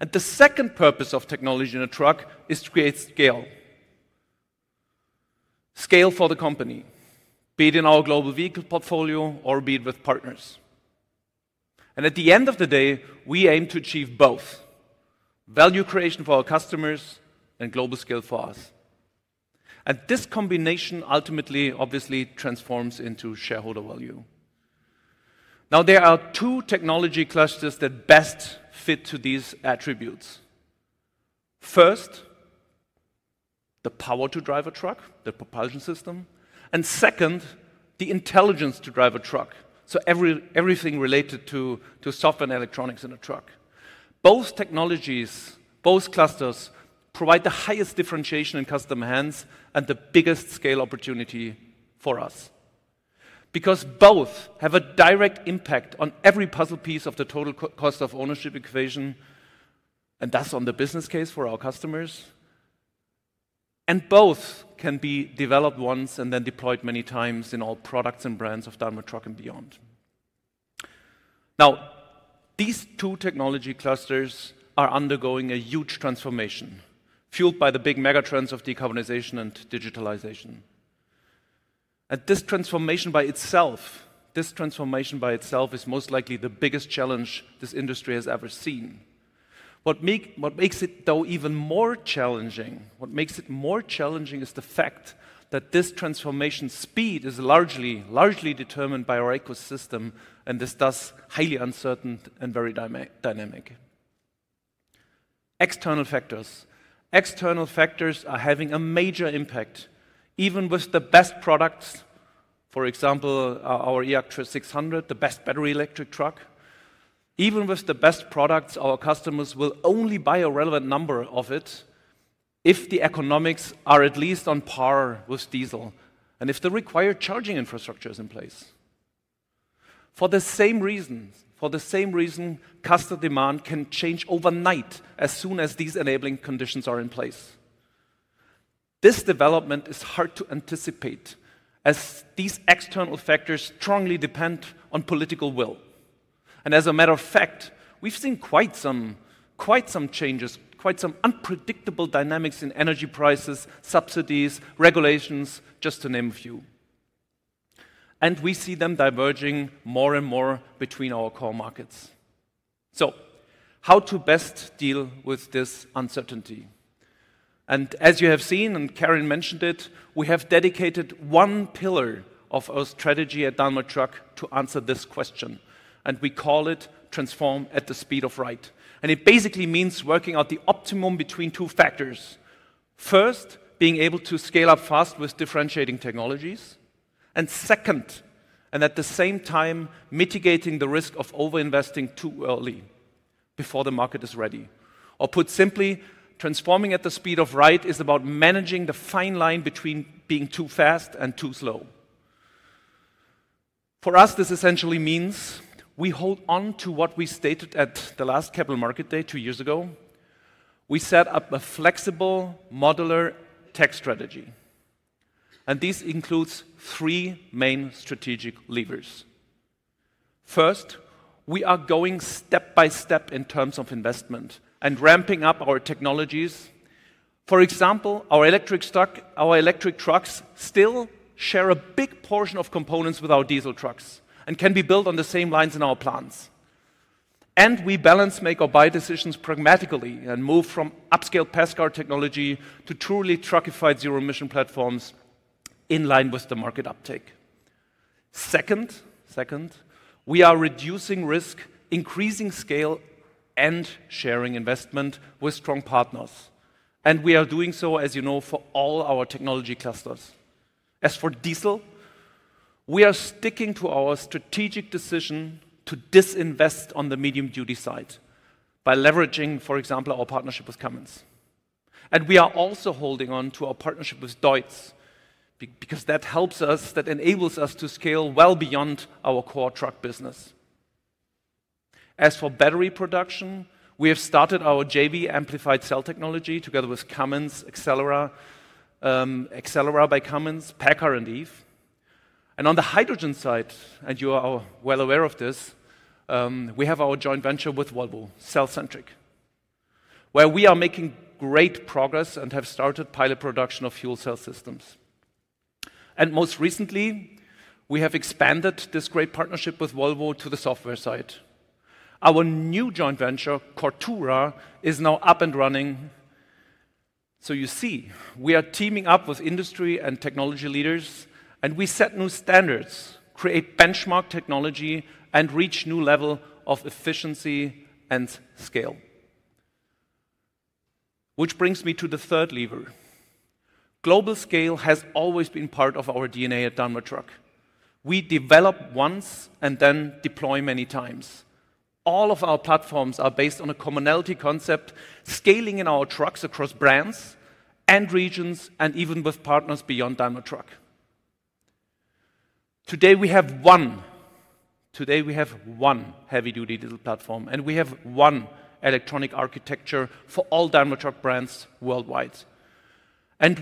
The second purpose of technology in a truck is to create scale. Scale for the company, be it in our global vehicle portfolio or be it with partners. At the end of the day, we aim to achieve both. Value creation for our customers and global scale for us. This combination ultimately obviously transforms into shareholder value. There are two technology clusters that best fit to these attributes. First, the power to drive a truck, the propulsion system, and second, the intelligence to drive a truck. Everything related to software and electronics in a truck. Both technologies, both clusters provide the highest differentiation in customer hands and the biggest scale opportunity for us. Both have a direct impact on every puzzle piece of the total cost of ownership equation and thus on the business case for our customers. Both can be developed once and then deployed many times in all products and brands of Daimler Truck and beyond. These two technology clusters are undergoing a huge transformation fueled by the big megatrends of decarbonization and digitalization. This transformation by itself is most likely the biggest challenge this industry has ever seen. What makes it more challenging is the fact that this transformation speed is largely determined by our ecosystem, and this is thus highly uncertain and very dynamic. External factors are having a major impact. Even with the best products, for example, our eActros 600, the best battery electric truck, our customers will only buy a relevant number of it. If the economics are at least on par with diesel and if the required charging infrastructure is in place. For the same reason, customer demand can change overnight as soon as these enabling conditions are in place. This development is hard to anticipate as these external factors strongly depend on political will. As a matter of fact, we've seen quite some changes, quite some unpredictable dynamics in energy prices, subsidies, regulations, just to name a few. We see them diverging more and more between our core markets. How to best deal with this uncertainty? As you have seen, and Karin mentioned it, we have dedicated one pillar of our strategy at Daimler Truck to answer this question. We call it transform at the speed of right. It basically means working out the optimum between two factors. First, being able to scale up fast with differentiating technologies. Second, and at the same time, mitigating the risk of over-investing too early before the market is ready. Or put simply, transforming at the speed of right is about managing the fine line between being too fast and too slow. For us, this essentially means we hold on to what we stated at the last capital market day two years ago. We set up a flexible modular tech strategy. This includes three main strategic levers. First, we are going step by step in terms of investment and ramping up our technologies. For example, our electric trucks still share a big portion of components with our diesel trucks and can be built on the same lines in our plants. We balance make or buy decisions pragmatically and move from upscale Pascal technology to truly truckified zero-emission platforms in line with the market uptake. Second, we are reducing risk, increasing scale, and sharing investment with strong partners. We are doing so, as you know, for all our technology clusters. As for diesel, we are sticking to our strategic decision to disinvest on the medium-duty side by leveraging, for example, our partnership with Cummins. We are also holding on to our partnership with Deutz because that helps us, that enables us to scale well beyond our core truck business. As for battery production, we have started our JV Amplified Cell Technology together with Cummins, Accelera by Cummins, Paccar, and Eve. On the hydrogen side, and you are well aware of this, we have our joint venture with Volvo, Cellcentric. Where we are making great progress and have started pilot production of fuel cell systems. Most recently, we have expanded this great partnership with Volvo to the software side. Our new joint venture, Coretura, is now up and running. You see, we are teaming up with industry and technology leaders, and we set new standards, create benchmark technology, and reach a new level of efficiency and scale. This brings me to the third lever. Global scale has always been part of our DNA at Daimler Truck. We develop once and then deploy many times. All of our platforms are based on a commonality concept, scaling in our trucks across brands and regions, and even with partners beyond Daimler Truck. Today we have one heavy-duty diesel platform, and we have one electronic architecture for all Daimler Truck brands worldwide.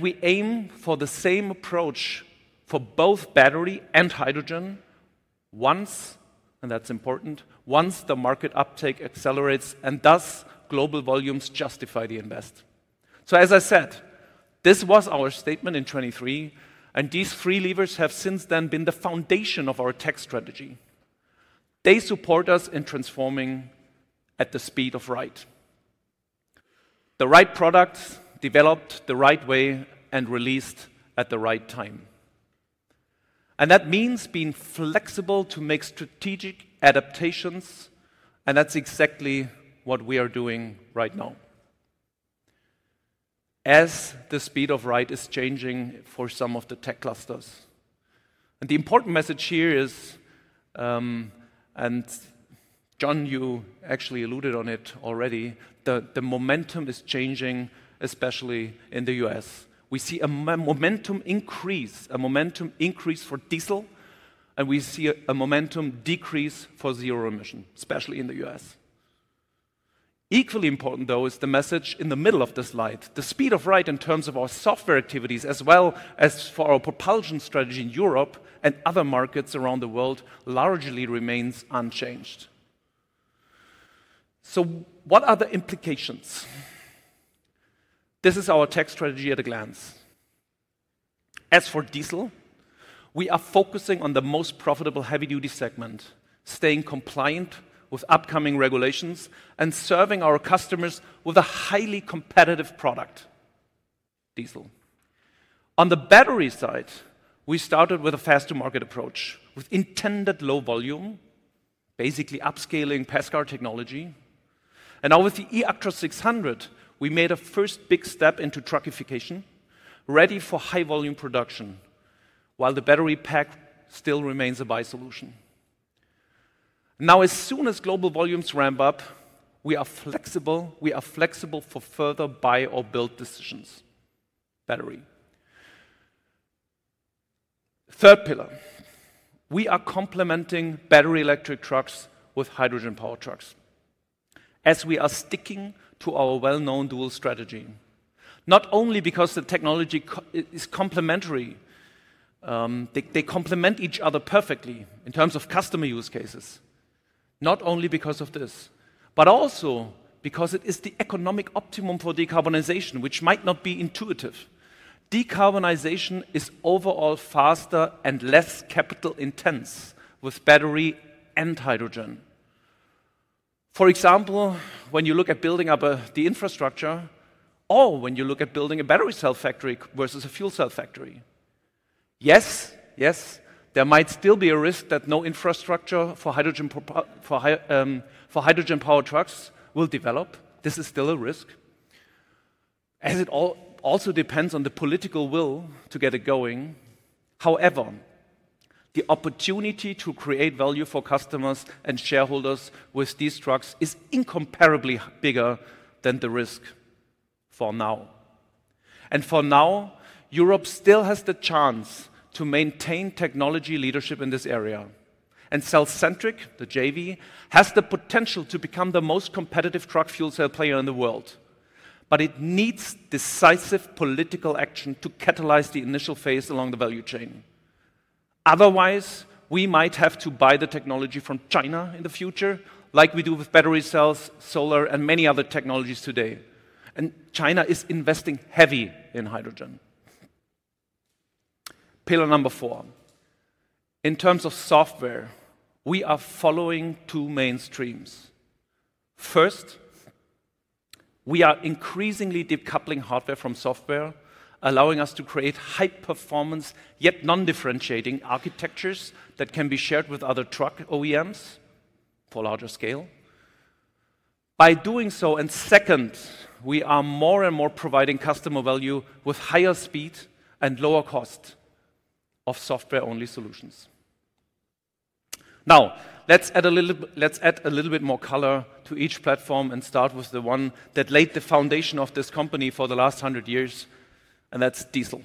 We aim for the same approach for both battery and hydrogen. Once, and that's important, once the market uptake accelerates and thus global volumes justify the invest. As I said, this was our statement in 2023, and these three levers have since then been the foundation of our tech strategy. They support us in transforming at the speed of right. The right products developed the right way and released at the right time. That means being flexible to make strategic adaptations, and that's exactly what we are doing right now. The speed of right is changing for some of the tech clusters. The important message here is. John, you actually alluded to it already, the momentum is changing, especially in the U.S. We see a momentum increase, a momentum increase for diesel, and we see a momentum decrease for zero emission, especially in the U.S. Equally important, though, is the message in the middle of this slide. The speed of right in terms of our software activities, as well as for our propulsion strategy in Europe and other markets around the world, largely remains unchanged. What are the implications? This is our tech strategy at a glance. As for diesel, we are focusing on the most profitable heavy-duty segment, staying compliant with upcoming regulations, and serving our customers with a highly competitive product. Diesel. On the battery side, we started with a fast-to-market approach with intended low volume, basically upscaling Pascal technology. Now with the eActros 600, we made a first big step into truckification, ready for high-volume production, while the battery pack still remains a buy solution. Now, as soon as global volumes ramp up, we are flexible. We are flexible for further buy or build decisions. Battery. Third pillar. We are complementing battery electric trucks with hydrogen power trucks. As we are sticking to our well-known dual strategy, not only because the technology is complementary, they complement each other perfectly in terms of customer use cases. Not only because of this, but also because it is the economic optimum for decarbonization, which might not be intuitive. Decarbonization is overall faster and less capital-intense with battery and hydrogen. For example, when you look at building up the infrastructure, or when you look at building a battery cell factory versus a fuel cell factory. Yes, yes, there might still be a risk that no infrastructure for hydrogen power trucks will develop. This is still a risk. As it also depends on the political will to get it going. However, the opportunity to create value for customers and shareholders with these trucks is incomparably bigger than the risk for now. For now, Europe still has the chance to maintain technology leadership in this area. Cellcentric, the JV, has the potential to become the most competitive truck fuel cell player in the world. It needs decisive political action to catalyze the initial phase along the value chain. Otherwise, we might have to buy the technology from China in the future, like we do with battery cells, solar, and many other technologies today. China is investing heavy in hydrogen. Pillar number four. In terms of software, we are following two main streams. First, we are increasingly decoupling hardware from software, allowing us to create high-performance yet non-differentiating architectures that can be shared with other truck OEMs for larger scale. By doing so, and second, we are more and more providing customer value with higher speed and lower cost. Of software-only solutions. Now, let's add a little bit more color to each platform and start with the one that laid the foundation of this company for the last 100 years, and that's diesel.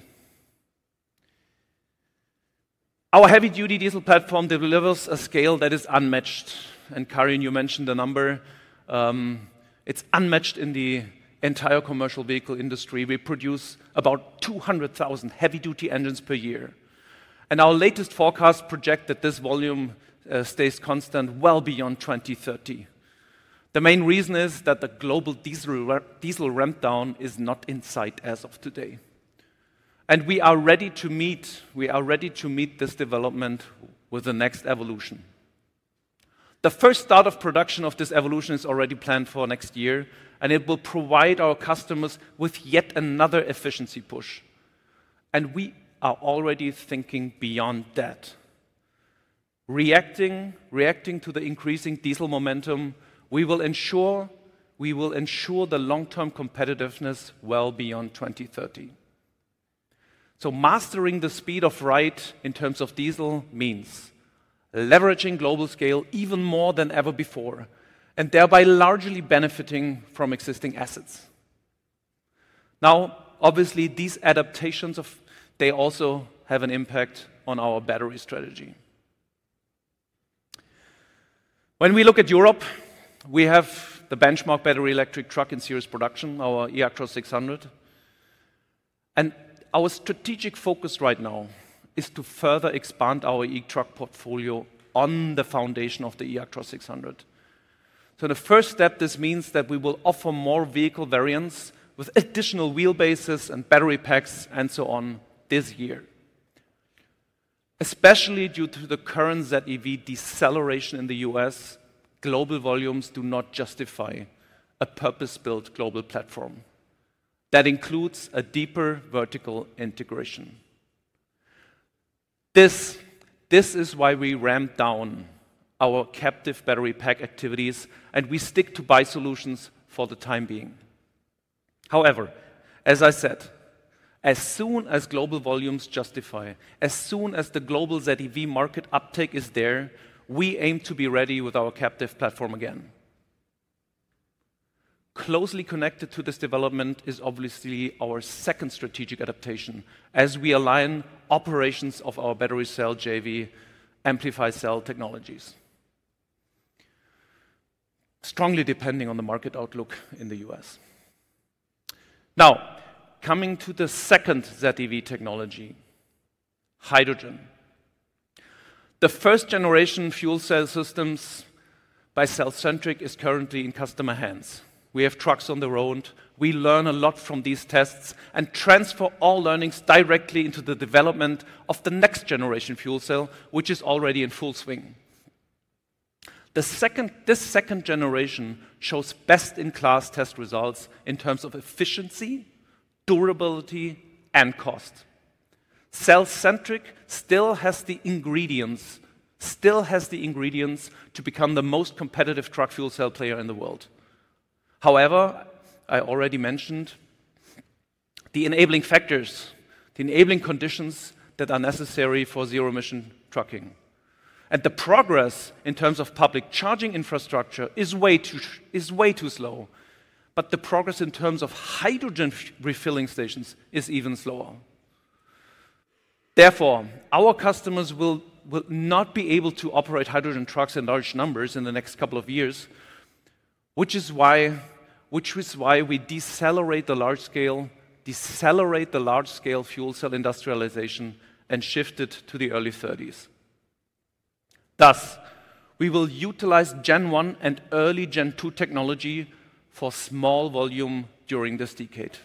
Our heavy-duty diesel platform delivers a scale that is unmatched. And Karin, you mentioned a number. It's unmatched in the entire commercial vehicle industry. We produce about 200,000 heavy-duty engines per year. And our latest forecast projects that this volume stays constant well beyond 2030. The main reason is that the global diesel ramp-down is not in sight as of today. And we are ready to meet this development with the next evolution. The first start of production of this evolution is already planned for next year, and it will provide our customers with yet another efficiency push. We are already thinking beyond that. Reacting to the increasing diesel momentum, we will ensure the long-term competitiveness well beyond 2030. Mastering the speed of right in terms of diesel means leveraging global scale even more than ever before, and thereby largely benefiting from existing assets. Now, obviously, these adaptations also have an impact on our battery strategy. When we look at Europe, we have the benchmark battery electric truck in series production, our eActros 600. Our strategic focus right now is to further expand our e-truck portfolio on the foundation of the eActros 600. The first step, this means that we will offer more vehicle variants with additional wheelbases and battery packs and so on this year. Especially due to the current ZEV deceleration in the U.S., global volumes do not justify a purpose-built global platform. That includes a deeper vertical integration. This is why we ramped down our captive battery pack activities, and we stick to buy solutions for the time being. However, as I said, as soon as global volumes justify, as soon as the global ZEV market uptake is there, we aim to be ready with our captive platform again. Closely connected to this development is obviously our second strategic adaptation as we align operations of our battery cell JV Amplified Cell Technologies, strongly depending on the market outlook in the U.S. Now, coming to the second ZEV technology, hydrogen. The first-generation fuel cell systems by Cellcentric are currently in customer hands. We have trucks on the road. We learn a lot from these tests and transfer all learnings directly into the development of the next-generation fuel cell, which is already in full swing. This second generation shows best-in-class test results in terms of efficiency, durability, and cost. Cellcentric still has the ingredients to become the most competitive truck fuel cell player in the world. However, I already mentioned the enabling factors, the enabling conditions that are necessary for zero-emission trucking. The progress in terms of public charging infrastructure is way too slow. The progress in terms of hydrogen refilling stations is even slower. Therefore, our customers will not be able to operate hydrogen trucks in large numbers in the next couple of years, which is why we decelerate the large-scale fuel cell industrialization and shift it to the early 2030s. Thus, we will utilize Gen 1 and early Gen 2 technology for small volume during this decade.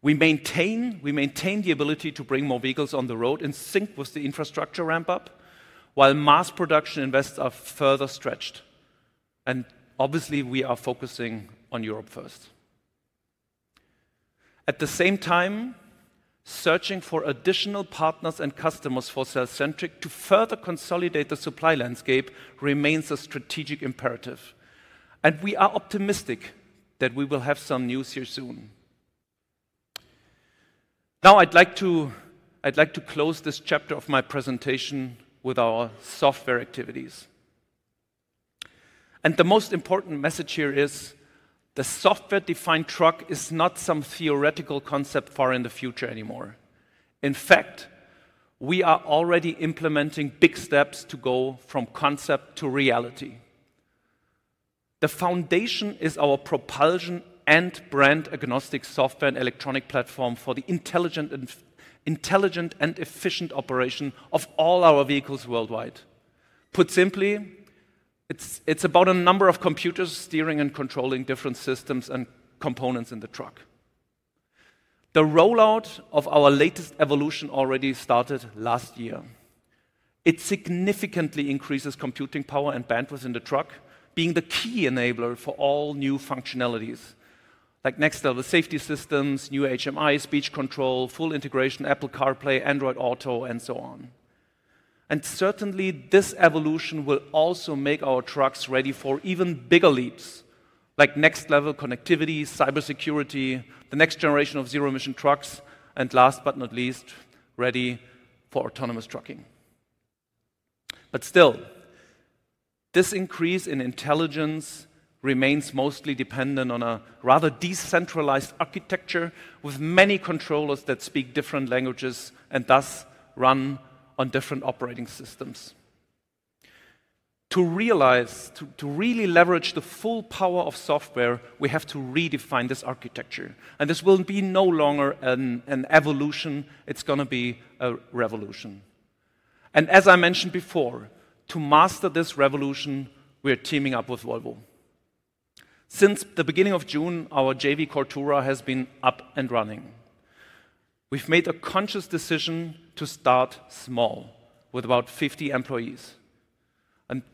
We maintain the ability to bring more vehicles on the road in sync with the infrastructure ramp-up, while mass production invests are further stretched. Obviously, we are focusing on Europe first. At the same time, searching for additional partners and customers for Cellcentric to further consolidate the supply landscape remains a strategic imperative. We are optimistic that we will have some news here soon. Now, I'd like to close this chapter of my presentation with our software activities. The most important message here is the software-defined truck is not some theoretical concept far in the future anymore. In fact, we are already implementing big steps to go from concept to reality. The foundation is our propulsion and brand-agnostic software and electronic platform for the intelligent. Efficient operation of all our vehicles worldwide. Put simply, it's about a number of computers steering and controlling different systems and components in the truck. The rollout of our latest evolution already started last year. It significantly increases computing power and bandwidth in the truck, being the key enabler for all new functionalities like next-level safety systems, new HMI, speech control, full integration, Apple CarPlay, Android Auto, and so on. Certainly, this evolution will also make our trucks ready for even bigger leaps like next-level connectivity, cybersecurity, the next generation of zero-emission trucks, and last but not least, ready for autonomous trucking. Still, this increase in intelligence remains mostly dependent on a rather decentralized architecture with many controllers that speak different languages and thus run on different operating systems. To really leverage the full power of software, we have to redefine this architecture. This will be no longer an evolution. It's going to be a revolution. As I mentioned before, to master this revolution, we are teaming up with Volvo. Since the beginning of June, our JV Coretura has been up and running. We've made a conscious decision to start small with about 50 employees.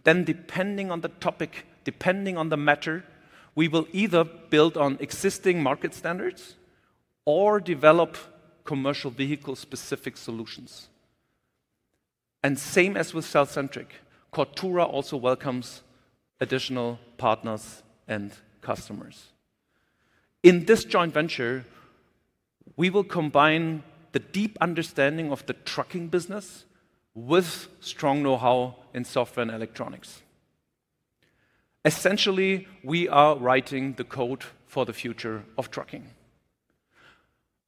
Then, depending on the topic, depending on the matter, we will either build on existing market standards or develop commercial vehicle-specific solutions. Same as with Cellcentric, Coretura also welcomes additional partners and customers. In this joint venture, we will combine the deep understanding of the trucking business with strong know-how in software and electronics. Essentially, we are writing the code for the future of trucking.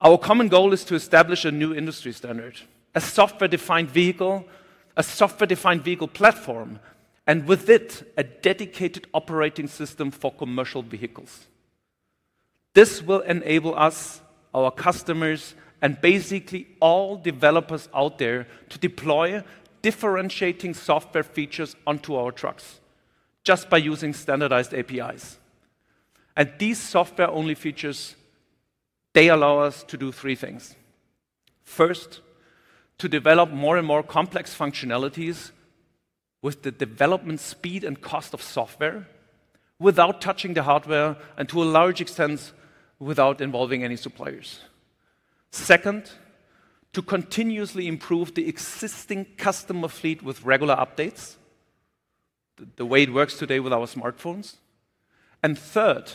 Our common goal is to establish a new industry standard, a software-defined vehicle, a software-defined vehicle platform, and with it, a dedicated operating system for commercial vehicles. This will enable us, our customers, and basically all developers out there to deploy differentiating software features onto our trucks just by using standardized APIs. These software-only features allow us to do three things. First, to develop more and more complex functionalities with the development speed and cost of software without touching the hardware and to a large extent without involving any suppliers. Second, to continuously improve the existing customer fleet with regular updates, the way it works today with our smartphones. Third,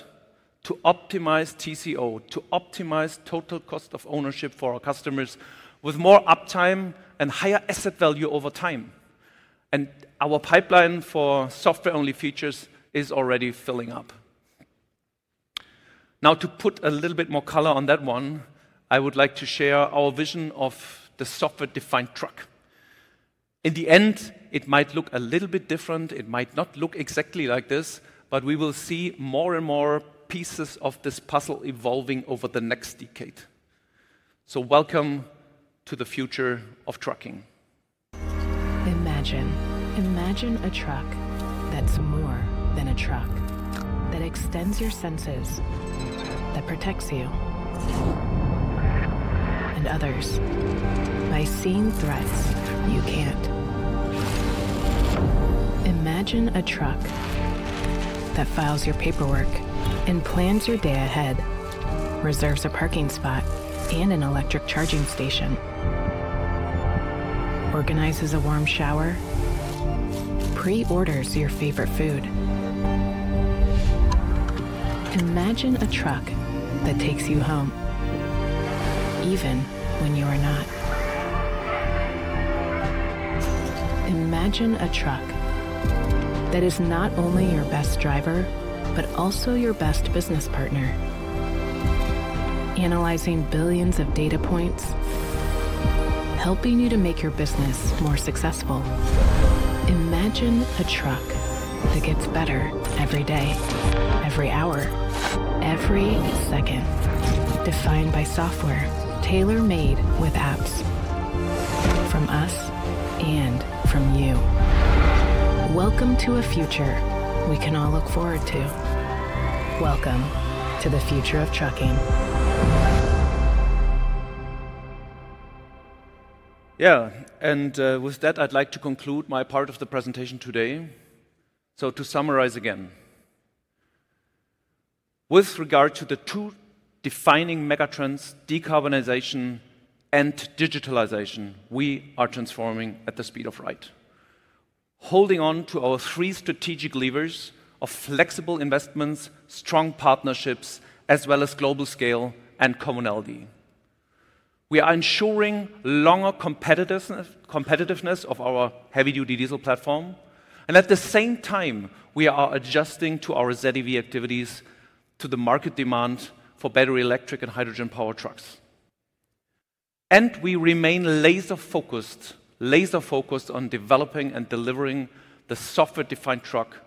to optimize TCO, to optimize total cost of ownership for our customers with more uptime and higher asset value over time. Our pipeline for software-only features is already filling up. Now, to put a little bit more color on that one, I would like to share our vision of the software-defined truck. In the end, it might look a little bit different. It might not look exactly like this, but we will see more and more pieces of this puzzle evolving over the next decade. Welcome to the future of trucking. Imagine, imagine a truck that's more than a truck, that extends your senses. That protects you. And others. By seeing threats you can't. Imagine a truck that files your paperwork and plans your day ahead, reserves a parking spot and an electric charging station. Organizes a warm shower. Pre-orders your favorite food. Imagine a truck that takes you home. Even when you are not. Imagine a truck that is not only your best driver, but also your best business partner. Analyzing billions of data points. Helping you to make your business more successful. Imagine a truck that gets better every day, every hour, every second. Defined by software tailor-made with apps. From us and from you. Welcome to a future we can all look forward to. Welcome to the future of trucking. Yeah, and with that, I'd like to conclude my part of the presentation today. To summarize again, with regard to the two defining megatrends, decarbonization and digitalization, we are transforming at the speed of right. Holding on to our three strategic levers of flexible investments, strong partnerships, as well as global scale and commonality, we are ensuring longer competitiveness of our heavy-duty diesel platform. At the same time, we are adjusting to our ZEV activities, to the market demand for battery electric and hydrogen power trucks. We remain laser-focused, laser-focused on developing and delivering the software-defined truck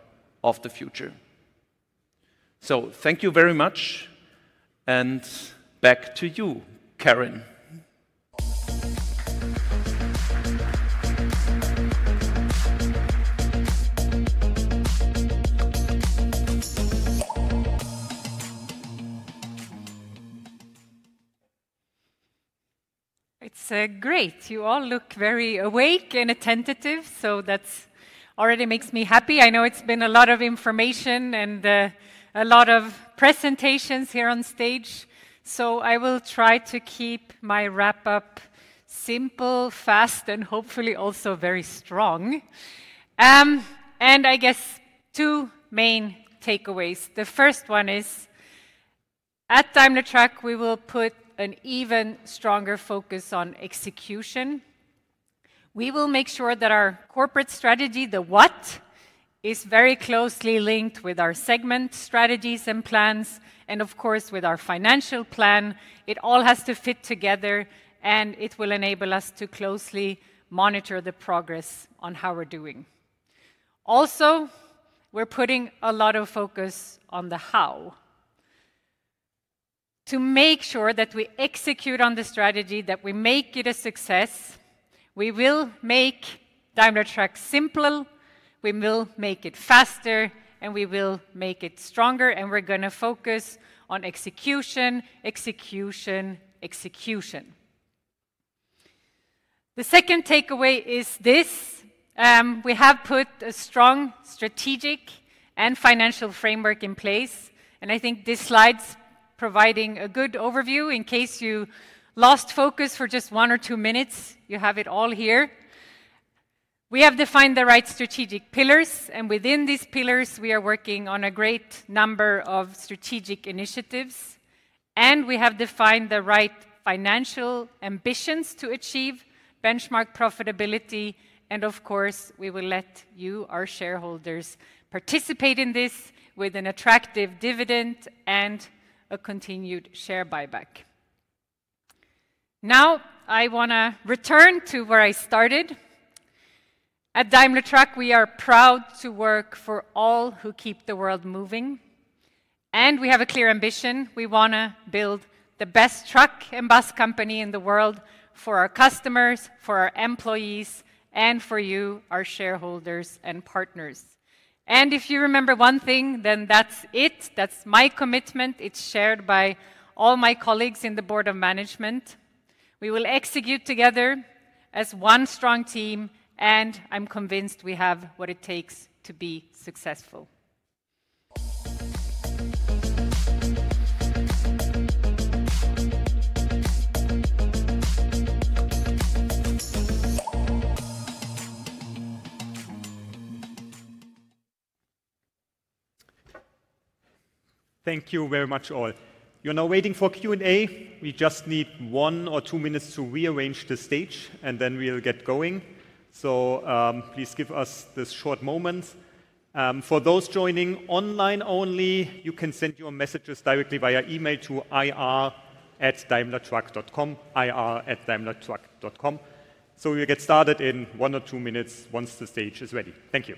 of the future. Thank you very much. Back to you, Karin. It's great. You all look very awake and attentive. That already makes me happy. I know it's been a lot of information and a lot of presentations here on stage. I will try to keep my wrap-up simple, fast, and hopefully also very strong. I guess two main takeaways. The first one is. At Time to Truck, we will put an even stronger focus on execution. We will make sure that our corporate strategy, the what, is very closely linked with our segment strategies and plans, and of course, with our financial plan. It all has to fit together, and it will enable us to closely monitor the progress on how we're doing. Also, we're putting a lot of focus on the how. To make sure that we execute on the strategy, that we make it a success. We will make Time to Truck simple, we will make it faster, and we will make it stronger. We are going to focus on execution, execution, execution. The second takeaway is this. We have put a strong strategic and financial framework in place. I think this slide is providing a good overview. In case you lost focus for just one or two minutes, you have it all here. We have defined the right strategic pillars. Within these pillars, we are working on a great number of strategic initiatives. We have defined the right financial ambitions to achieve, benchmark profitability. Of course, we will let you, our shareholders, participate in this with an attractive dividend and a continued share buyback. I want to return to where I started. At Time to Truck, we are proud to work for all who keep the world moving. We have a clear ambition. We want to build the best truck and bus company in the world for our customers, for our employees, and for you, our shareholders and partners. If you remember one thing, then that's it. That's my commitment. It is shared by all my colleagues in the Board of Management. We will execute together as one strong team. I am convinced we have what it takes to be successful. Thank you very much, all. You are now waiting for Q&A. We just need one or two minutes to rearrange the stage, and then we will get going. Please give us this short moment. For those joining online only, you can send your messages directly via email to ir@time-truck.com, ir@time-truck.com. We will get started in one or two minutes once the stage is ready. Thank you.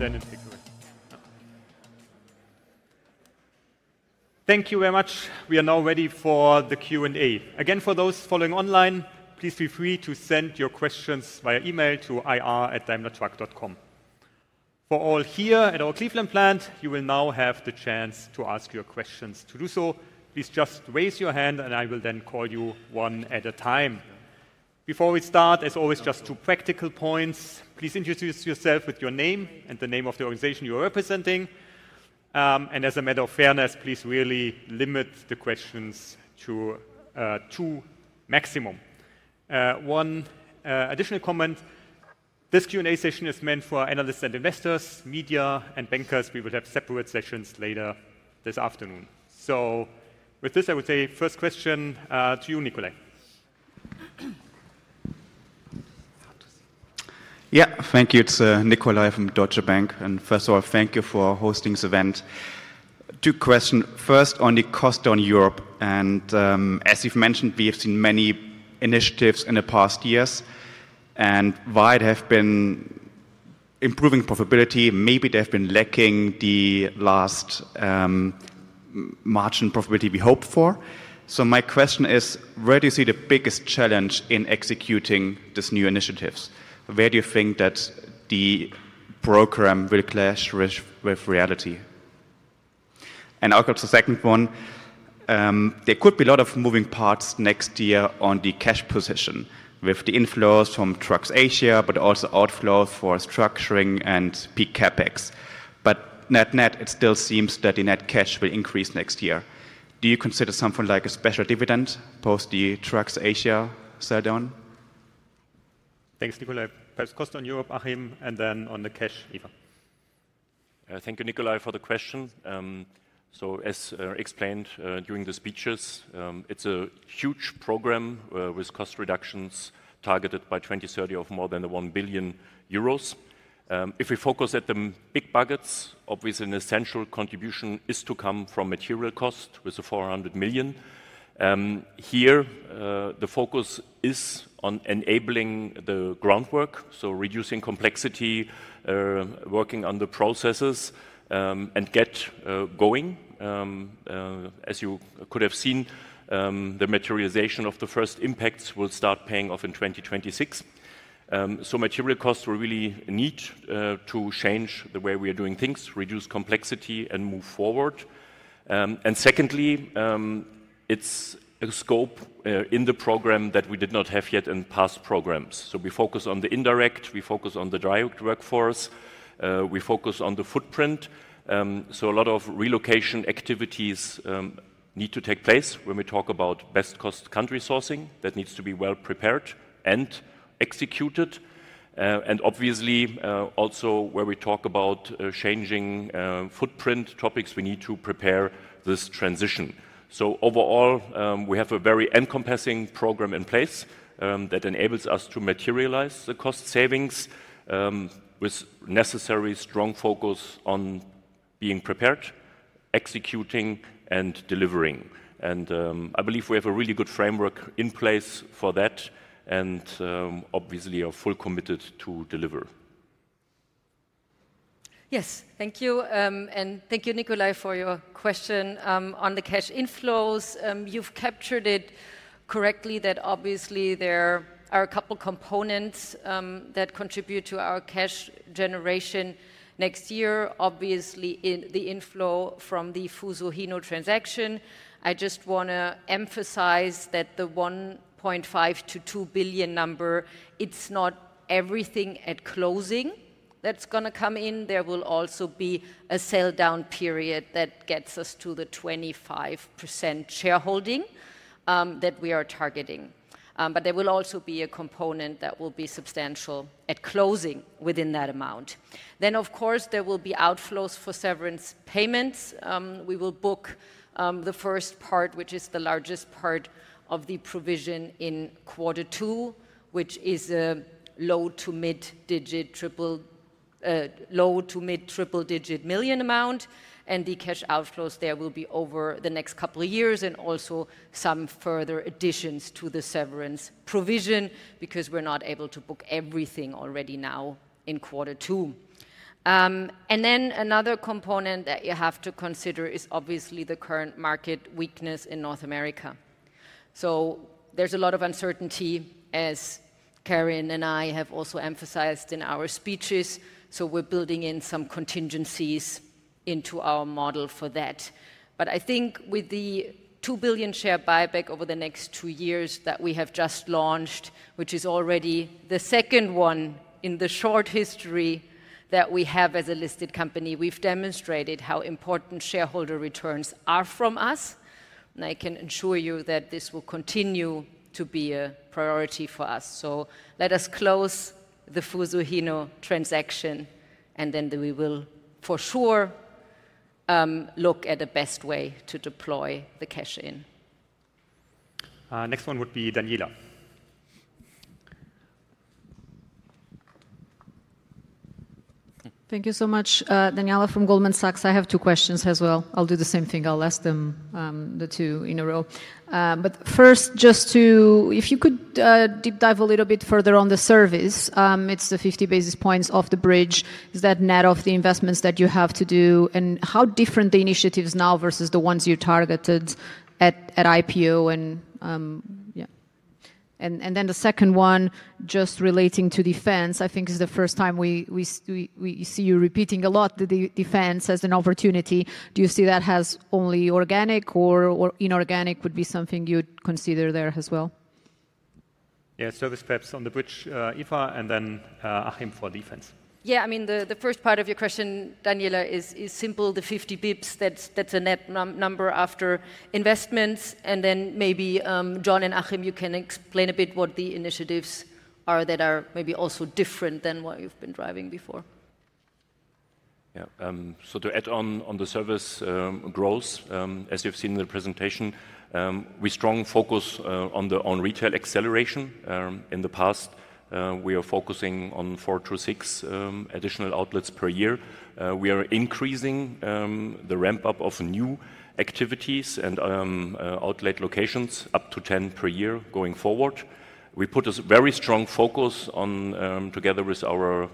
It is excellent. Thank you very much. We are now ready for the Q&A. Again, for those following online, please feel free to send your questions via email to ir@time-truck.com. For all here at our Cleveland plant, you will now have the chance to ask your questions. To do so, please just raise your hand, and I will then call you one at a time. Before we start, as always, just two practical points. Please introduce yourself with your name and the name of the organization you are representing. As a matter of fairness, please really limit the questions to two maximum. One additional comment. This Q&A session is meant for analysts and investors, media and bankers. We will have separate sessions later this afternoon. With this, I would say, first question to you, Nicolai. Yeah, thank you. It's Nicolai from Deutsche Bank. First of all, thank you for hosting this event. Two questions. First, on the cost on Europe. As you have mentioned, we have seen many initiatives in the past years. While they have been improving profitability, maybe they have been lacking the last margin profitability we hoped for. My question is, where do you see the biggest challenge in executing these new initiatives? Where do you think that the program will clash with reality? I will go to the second one. There could be a lot of moving parts next year on the cash position with the inflows from Trucks Asia, but also outflows for structuring and peak CapEx. Net net, it still seems that the net cash will increase next year. Do you consider something like a special dividend post the Trucks Asia sell-down? Thanks, Nicolai. Perhaps cost on Europe, Achim, and then on the cash, Eva. Thank you, Nicolai, for the question. As explained during the speeches, it's a huge program with cost reductions targeted by 2030 of more than 1 billion euros. If we focus at the big buckets, obviously an essential contribution is to come from material cost with the 400 million. Here, the focus is on enabling the groundwork, so reducing complexity, working on the processes. Get going. As you could have seen, the materialization of the first impacts will start paying off in 2026. Material costs really need to change the way we are doing things, reduce complexity, and move forward. Secondly, it's a scope in the program that we did not have yet in past programs. We focus on the indirect. We focus on the direct workforce. We focus on the footprint. A lot of relocation activities need to take place when we talk about best cost country sourcing. That needs to be well prepared and executed. Obviously, also where we talk about changing footprint topics, we need to prepare this transition. Overall, we have a very encompassing program in place that enables us to materialize the cost savings, with necessary strong focus on being prepared, executing, and delivering. I believe we have a really good framework in place for that and obviously are fully committed to deliver. Yes, thank you. Thank you, Nicolai, for your question on the cash inflows. You have captured it correctly that there are a couple of components that contribute to our cash generation next year, obviously the inflow from the Fuso Hino transaction. I just want to emphasize that the $1.5 billion-$2 billion number, it is not everything at closing that is going to come in. There will also be a sell-down period that gets us to the 25% shareholding that we are targeting. There will also be a component that will be substantial at closing within that amount. Of course, there will be outflows for severance payments. We will book the first part, which is the largest part of the provision in quarter two, which is a low to mid-triple digit million amount. The cash outflows there will be over the next couple of years and also some further additions to the severance provision because we are not able to book everything already now in quarter two. Another component that you have to consider is obviously the current market weakness in North America. There is a lot of uncertainty, as Karin and I have also emphasized in our speeches. We're building in some contingencies into our model for that. I think with the $2 billion share buyback over the next two years that we have just launched, which is already the second one in the short history that we have as a listed company, we've demonstrated how important shareholder returns are for us. I can ensure you that this will continue to be a priority for us. Let us close the Fuso Hino transaction, and then we will for sure look at the best way to deploy the cash. Next one would be Daniela. Thank you so much, Daniela from Goldman Sachs. I have two questions as well. I'll do the same thing. I'll ask them the two in a row. First, just to, if you could deep dive a little bit further on the service, it's the 50 basis points of the bridge. Is that net of the investments that you have to do? How different are the initiatives now versus the ones you targeted at IPO? Yeah. The second one, just relating to defense, I think it is the first time we see you repeating a lot the defense as an opportunity. Do you see that as only organic or would inorganic be something you'd consider there as well? Yeah, service perhaps on the bridge, Eva, and then Achim for defense. Yeah, I mean, the first part of your question, Daniela, is simple. The 50 basis points, that's a net number after investments. Maybe John and Achim, you can explain a bit what the initiatives are that are maybe also different than what you've been driving before. Yeah. To add on the service growth, as you've seen in the presentation, we strong focus on the on retail acceleration. In the past, we are focusing on four to six additional outlets per year. We are increasing the ramp-up of new activities and outlet locations up to 10 per year going forward. We put a very strong focus on, together with our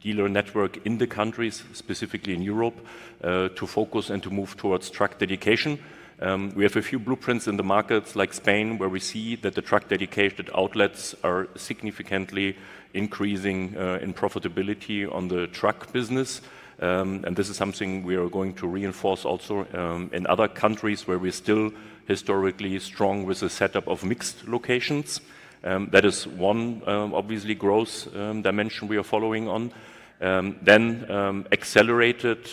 dealer network in the countries, specifically in Europe, to focus and to move towards truck dedication. We have a few blueprints in the markets like Spain, where we see that the truck dedicated outlets are significantly increasing in profitability on the truck business. This is something we are going to reinforce also in other countries where we're still historically strong with the setup of mixed locations. That is one, obviously, growth dimension we are following on. Accelerated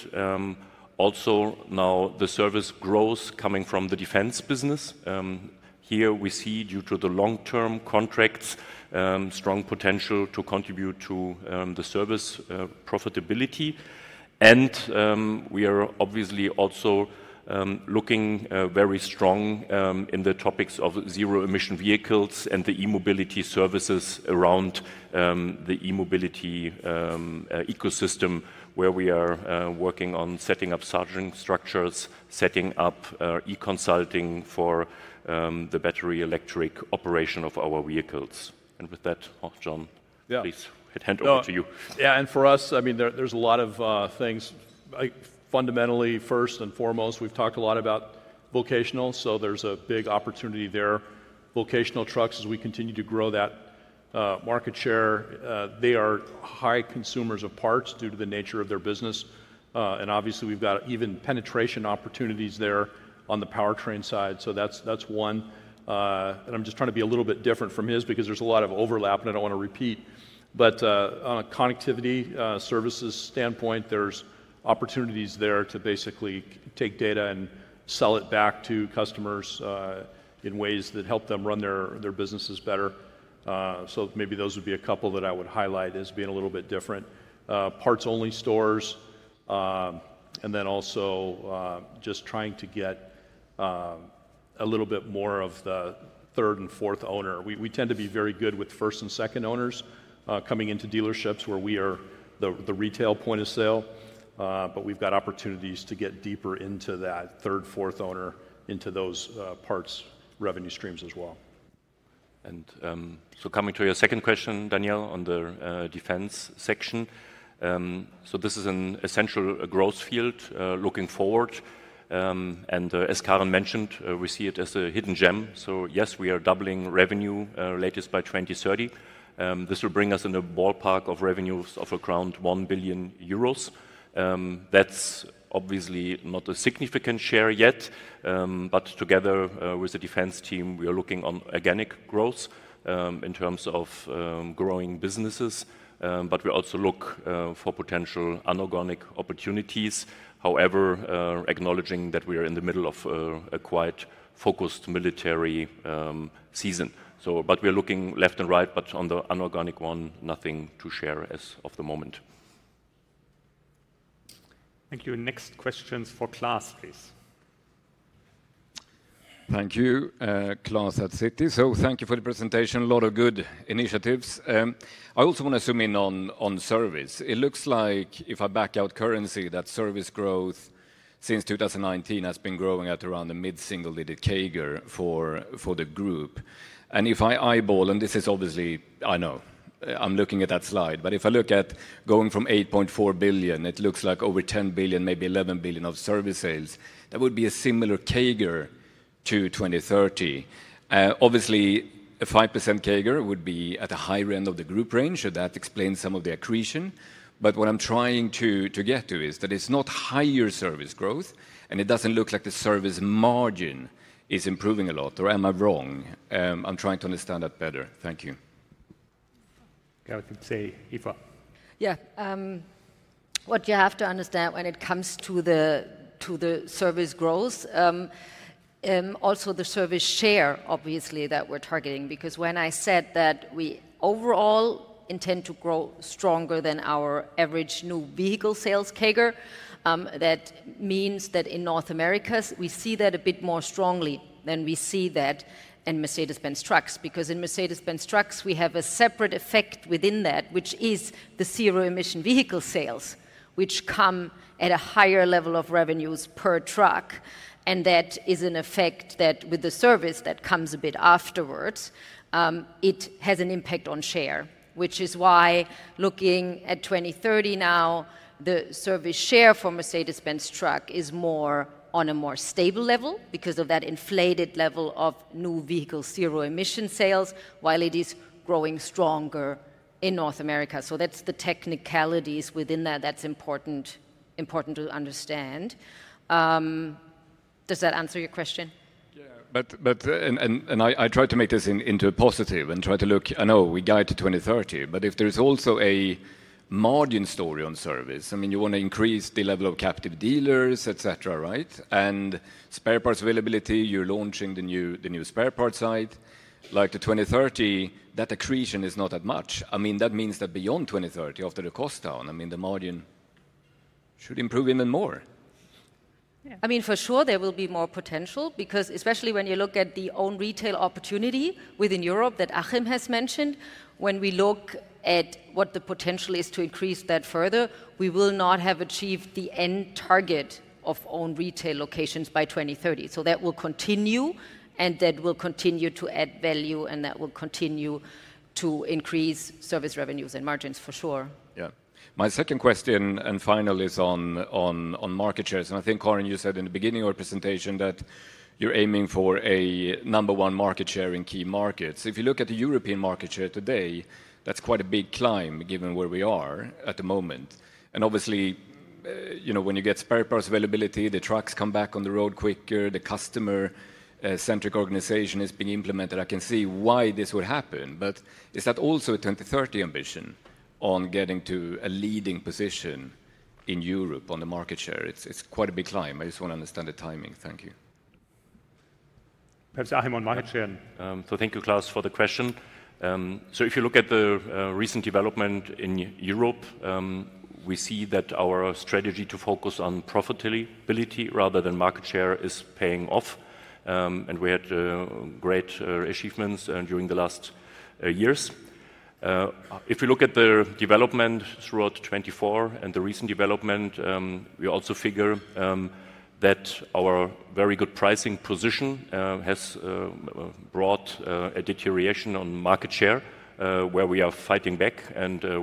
also now the service growth coming from the defense business. Here we see, due to the long-term contracts, strong potential to contribute to the service profitability. We are obviously also looking very strong in the topics of zero-emission vehicles and the e-mobility services around the e-mobility ecosystem, where we are working on setting up certain structures, setting up e-consulting for the battery electric operation of our vehicles. With that, John, please hand over to you. Yeah. For us, I mean, there's a lot of things. Fundamentally, first and foremost, we've talked a lot about vocational, so there's a big opportunity there. Vocational trucks, as we continue to grow that. Market share, they are high consumers of parts due to the nature of their business. Obviously, we have even penetration opportunities there on the powertrain side. That is one. I am just trying to be a little bit different from his because there is a lot of overlap, and I do not want to repeat. On a connectivity services standpoint, there are opportunities there to basically take data and sell it back to customers in ways that help them run their businesses better. Maybe those would be a couple that I would highlight as being a little bit different. Parts-only stores. Also, just trying to get a little bit more of the third and fourth owner. We tend to be very good with first and second owners coming into dealerships where we are the retail point of sale. We have opportunities to get deeper into that third, fourth owner, into those parts revenue streams as well. Coming to your second question, Daniela, on the defense section. This is an essential growth field looking forward. As Karin mentioned, we see it as a hidden gem. Yes, we are doubling revenue latest by 2030. This will bring us in the ballpark of revenues of around 1 billion euros. That is obviously not a significant share yet. Together with the defense team, we are looking on organic growth in terms of growing businesses. We also look for potential unorganic opportunities, however, acknowledging that we are in the middle of a quite focused military season. We are looking left and right, but on the unorganic one, nothing to share as of the moment. Thank you. Next questions for Klas, please. Thank you, Klas at Citi. Thank you for the presentation. A lot of good initiatives. I also want to zoom in on service. It looks like, if I back out currency, that service growth since 2019 has been growing at around a mid-single digit CAGR for the group. If I eyeball, and this is obviously, I know I'm looking at that slide, but if I look at going from $8.4 billion, it looks like over $10 billion, maybe $11 billion of service sales. That would be a similar CAGR to 2030. Obviously, a 5% CAGR would be at a higher end of the group range, so that explains some of the accretion. What I'm trying to get to is that it's not higher service growth, and it doesn't look like the service margin is improving a lot, or am I wrong? I'm trying to understand that better. Thank you. I could say, Eva. Yeah. What you have to understand when it comes to the service growth, also the service share, obviously, that we're targeting. Because when I said that we overall intend to grow stronger than our average new vehicle sales CAGR, that means that in North America, we see that a bit more strongly than we see that in Mercedes-Benz Trucks. Because in Mercedes-Benz Trucks, we have a separate effect within that, which is the zero-emission vehicle sales, which come at a higher level of revenues per truck. And that is an effect that with the service that comes a bit afterwards. It has an impact on share, which is why looking at 2030 now, the service share for Mercedes-Benz Trucks is more on a more stable level because of that inflated level of new vehicle zero-emission sales, while it is growing stronger in North America. That is the technicalities within that that is important to understand. Does that answer your question? Yeah. I try to make this into a positive and try to look, I know we guide to 2030, but if there is also a margin story on service, I mean, you want to increase the level of captive dealers, etc., right? And spare parts availability, you are launching the new spare parts side. Like to 2030, that accretion is not that much. That means that beyond 2030, after the cost down, the margin should improve even more. Yeah. For sure there will be more potential because especially when you look at the own retail opportunity within Europe that Achim has mentioned, when we look at what the potential is to increase that further, we will not have achieved the end target of own retail locations by 2030. That will continue, and that will continue to add value, and that will continue to increase service revenues and margins for sure. Yeah. My second question and final is on market shares. I think, Karin, you said in the beginning of your presentation that you're aiming for a number one market share in key markets. If you look at the European market share today, that's quite a big climb given where we are at the moment. Obviously, when you get spare parts availability, the trucks come back on the road quicker, the customer-centric organization is being implemented. I can see why this would happen. Is that also a 2030 ambition on getting to a leading position in Europe on the market share? It's quite a big climb. I just want to understand the timing. Thank you. Perhaps I'm on market share. Thank you, Klas, for the question. If you look at the recent development in Europe, we see that our strategy to focus on profitability rather than market share is paying off. We had great achievements during the last years. If we look at the development throughout 2024 and the recent development, we also figure that our very good pricing position has brought a deterioration on market share where we are fighting back.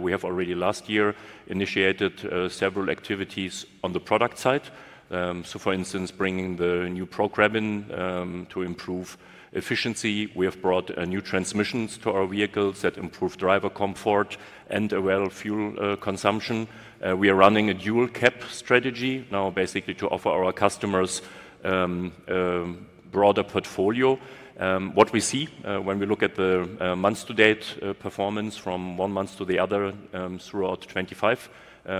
We have already last year initiated several activities on the product side. For instance, bringing the new Pro cab in to improve efficiency. We have brought new transmissions to our vehicles that improve driver comfort and available fuel consumption. We are running a dual cab strategy now, basically to offer our customers a broader portfolio. What we see when we look at the month-to-date performance from one month to the other throughout 2025,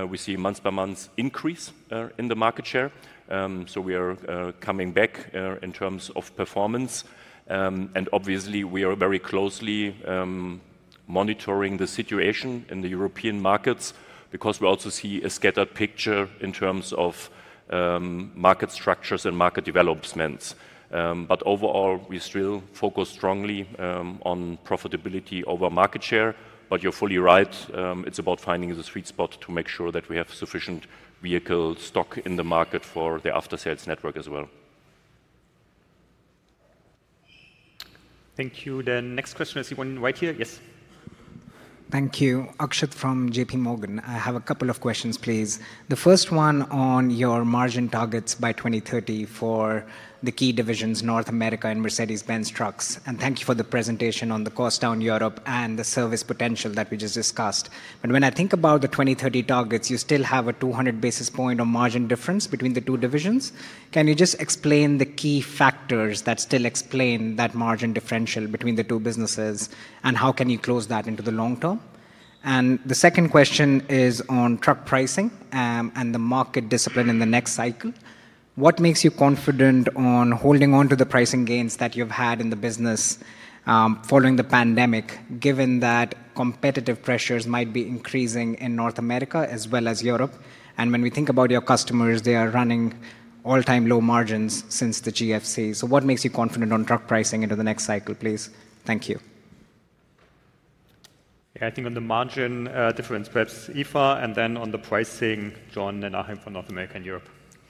we see month-by-month increase in the market share. We are coming back in terms of performance. Obviously, we are very closely monitoring the situation in the European markets because we also see a scattered picture in terms of market structures and market developments. Overall, we still focus strongly on profitability over market share. You are fully right. It is about finding the sweet spot to make sure that we have sufficient vehicle stock in the market for the after-sales network as well. Thank you. The next question is one right here. Yes. Thank you. Akshat from JPMorgan. I have a couple of questions, please. The first one on your margin targets by 2030 for the key divisions, North America and Mercedes-Benz Trucks. Thank you for the presentation on the cost down Europe and the service potential that we just discussed. When I think about the 2030 targets, you still have a 200 basis point margin difference between the two divisions. Can you just explain the key factors that still explain that margin differential between the two businesses, and how can you close that into the long term? The second question is on truck pricing and the market discipline in the next cycle. What makes you confident on holding on to the pricing gains that you've had in the business following the pandemic, given that competitive pressures might be increasing in North America as well as Europe? When we think about your customers, they are running all-time low margins since the GFC. What makes you confident on truck pricing into the next cycle, please? Thank you. Yeah, I think on the margin difference, perhaps Eva, and then on the pricing, John and Achim from North America and Europe.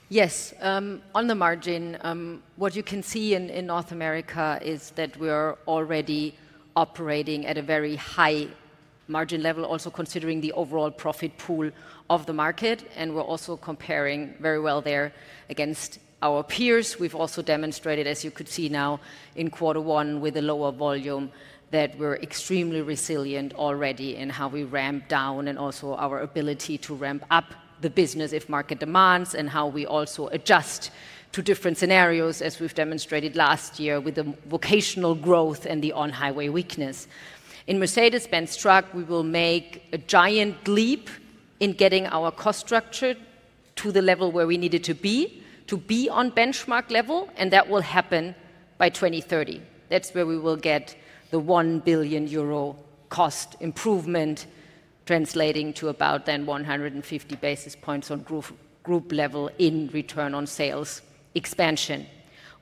Yes. On the margin, what you can see in North America is that we are already operating at a very high margin level, also considering the overall profit pool of the market. We are also comparing very well there against our peers. We have also demonstrated, as you could see now in quarter one with a lower volume, that we are extremely resilient already in how we ramp down and also our ability to ramp up the business if market demands and how we also adjust to different scenarios, as we have demonstrated last year with the vocational growth and the on-highway weakness. In Mercedes-Benz Trucks, we will make a giant leap in getting our cost structure to the level where we need it to be to be on benchmark level, and that will happen by 2030. That is where we will get the 1 billion euro cost improvement, translating to about then 150 basis points on group level in return on sales expansion.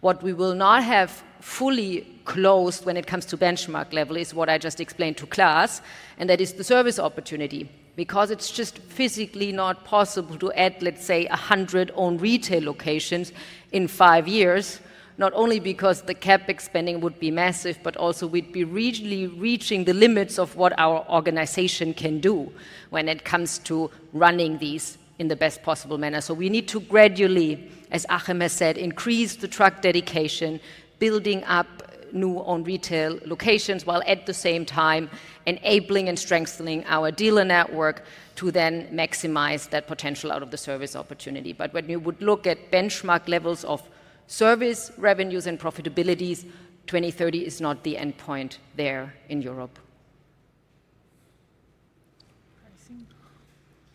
What we will not have fully closed when it comes to benchmark level is what I just explained to Klas, and that is the service opportunity. Because it is just physically not possible to add, let's say, 100 own retail locations in five years, not only because the CapEx spending would be massive, but also we would be really reaching the limits of what our organization can do when it comes to running these in the best possible manner. We need to gradually, as Achim has said, increase the truck dedication, building up new own retail locations, while at the same time enabling and strengthening our dealer network to then maximize that potential out of the service opportunity. When you would look at benchmark levels of service revenues and profitabilities, 2030 is not the end point there in Europe.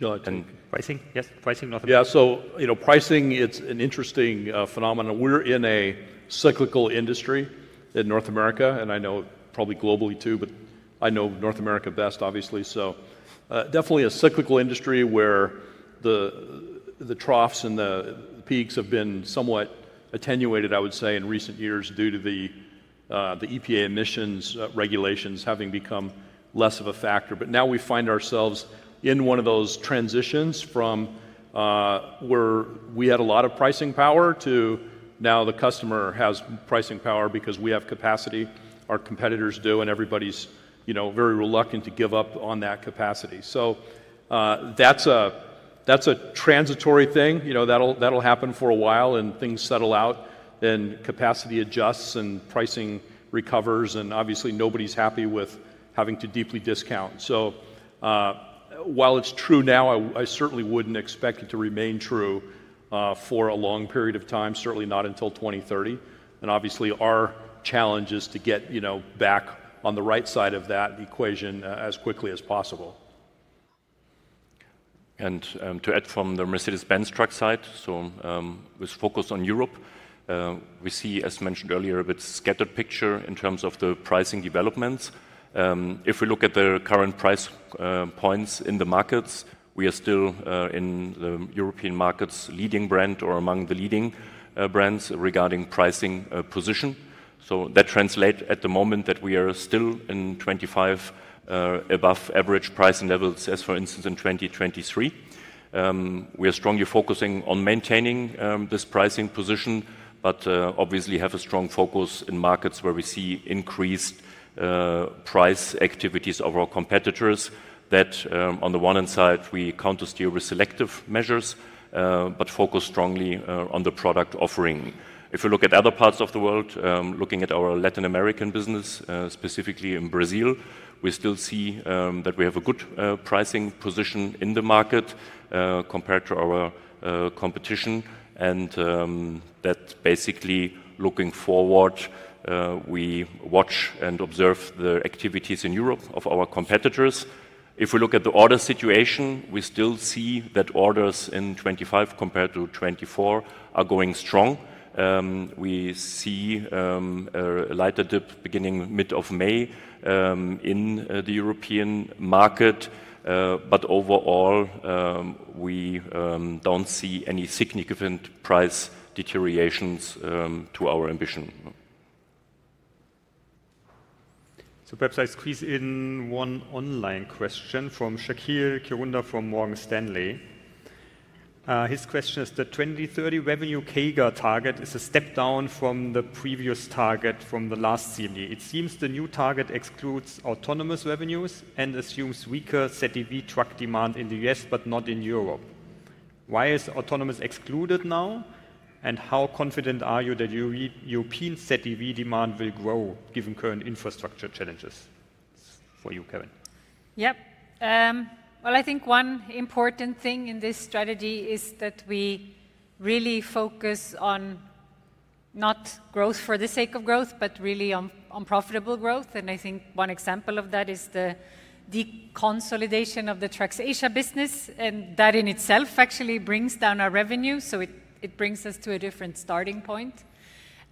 Yeah. Pricing. Yes. Pricing, North America. Yeah. Pricing, it's an interesting phenomenon. We're in a cyclical industry in North America, and I know probably globally too, but I know North America best, obviously. Definitely a cyclical industry where the troughs and the peaks have been somewhat attenuated, I would say, in recent years due to the EPA emissions regulations having become less of a factor. Now we find ourselves in one of those transitions from. Where we had a lot of pricing power to now the customer has pricing power because we have capacity, our competitors do, and everybody's very reluctant to give up on that capacity. That is a transitory thing. That will happen for a while and things settle out, then capacity adjusts and pricing recovers, and obviously nobody's happy with having to deeply discount. While it is true now, I certainly would not expect it to remain true for a long period of time, certainly not until 2030. Obviously our challenge is to get back on the right side of that equation as quickly as possible. To add from the Mercedes-Benz Trucks side, with focus on Europe, we see, as mentioned earlier, a bit scattered picture in terms of the pricing developments. If we look at the current price points in the markets, we are still in the European markets leading brand or among the leading brands regarding pricing position. That translates at the moment that we are still in 25. Above average pricing levels, as for instance in 2023. We are strongly focusing on maintaining this pricing position, but obviously have a strong focus in markets where we see increased price activities of our competitors. On the one hand side we counter steer with selective measures, but focus strongly on the product offering. If we look at other parts of the world, looking at our Latin American business, specifically in Brazil, we still see that we have a good pricing position in the market compared to our competition. That basically looking forward, we watch and observe the activities in Europe of our competitors. If we look at the order situation, we still see that orders in 2025 compared to 2024 are going strong. We see a lighter dip beginning mid of May in the European market. Overall, we do not see any significant price deteriorations to our ambition. Perhaps I squeeze in one online question from Shaqeal A. Kirunda from Morgan Stanley. His question is, the 2030 revenue CAGR target is a step down from the previous target from the last CME. It seems the new target excludes autonomous revenues and assumes weaker CETV truck demand in the US, but not in Europe. Why is autonomous excluded now? How confident are you that your European CETV demand will grow given current infrastructure challenges? For you, Karin. Yep. I think one important thing in this strategy is that we really focus on. Not growth for the sake of growth, but really on profitable growth. I think one example of that is the deconsolidation of the Trucks Asia business, and that in itself actually brings down our revenue. It brings us to a different starting point.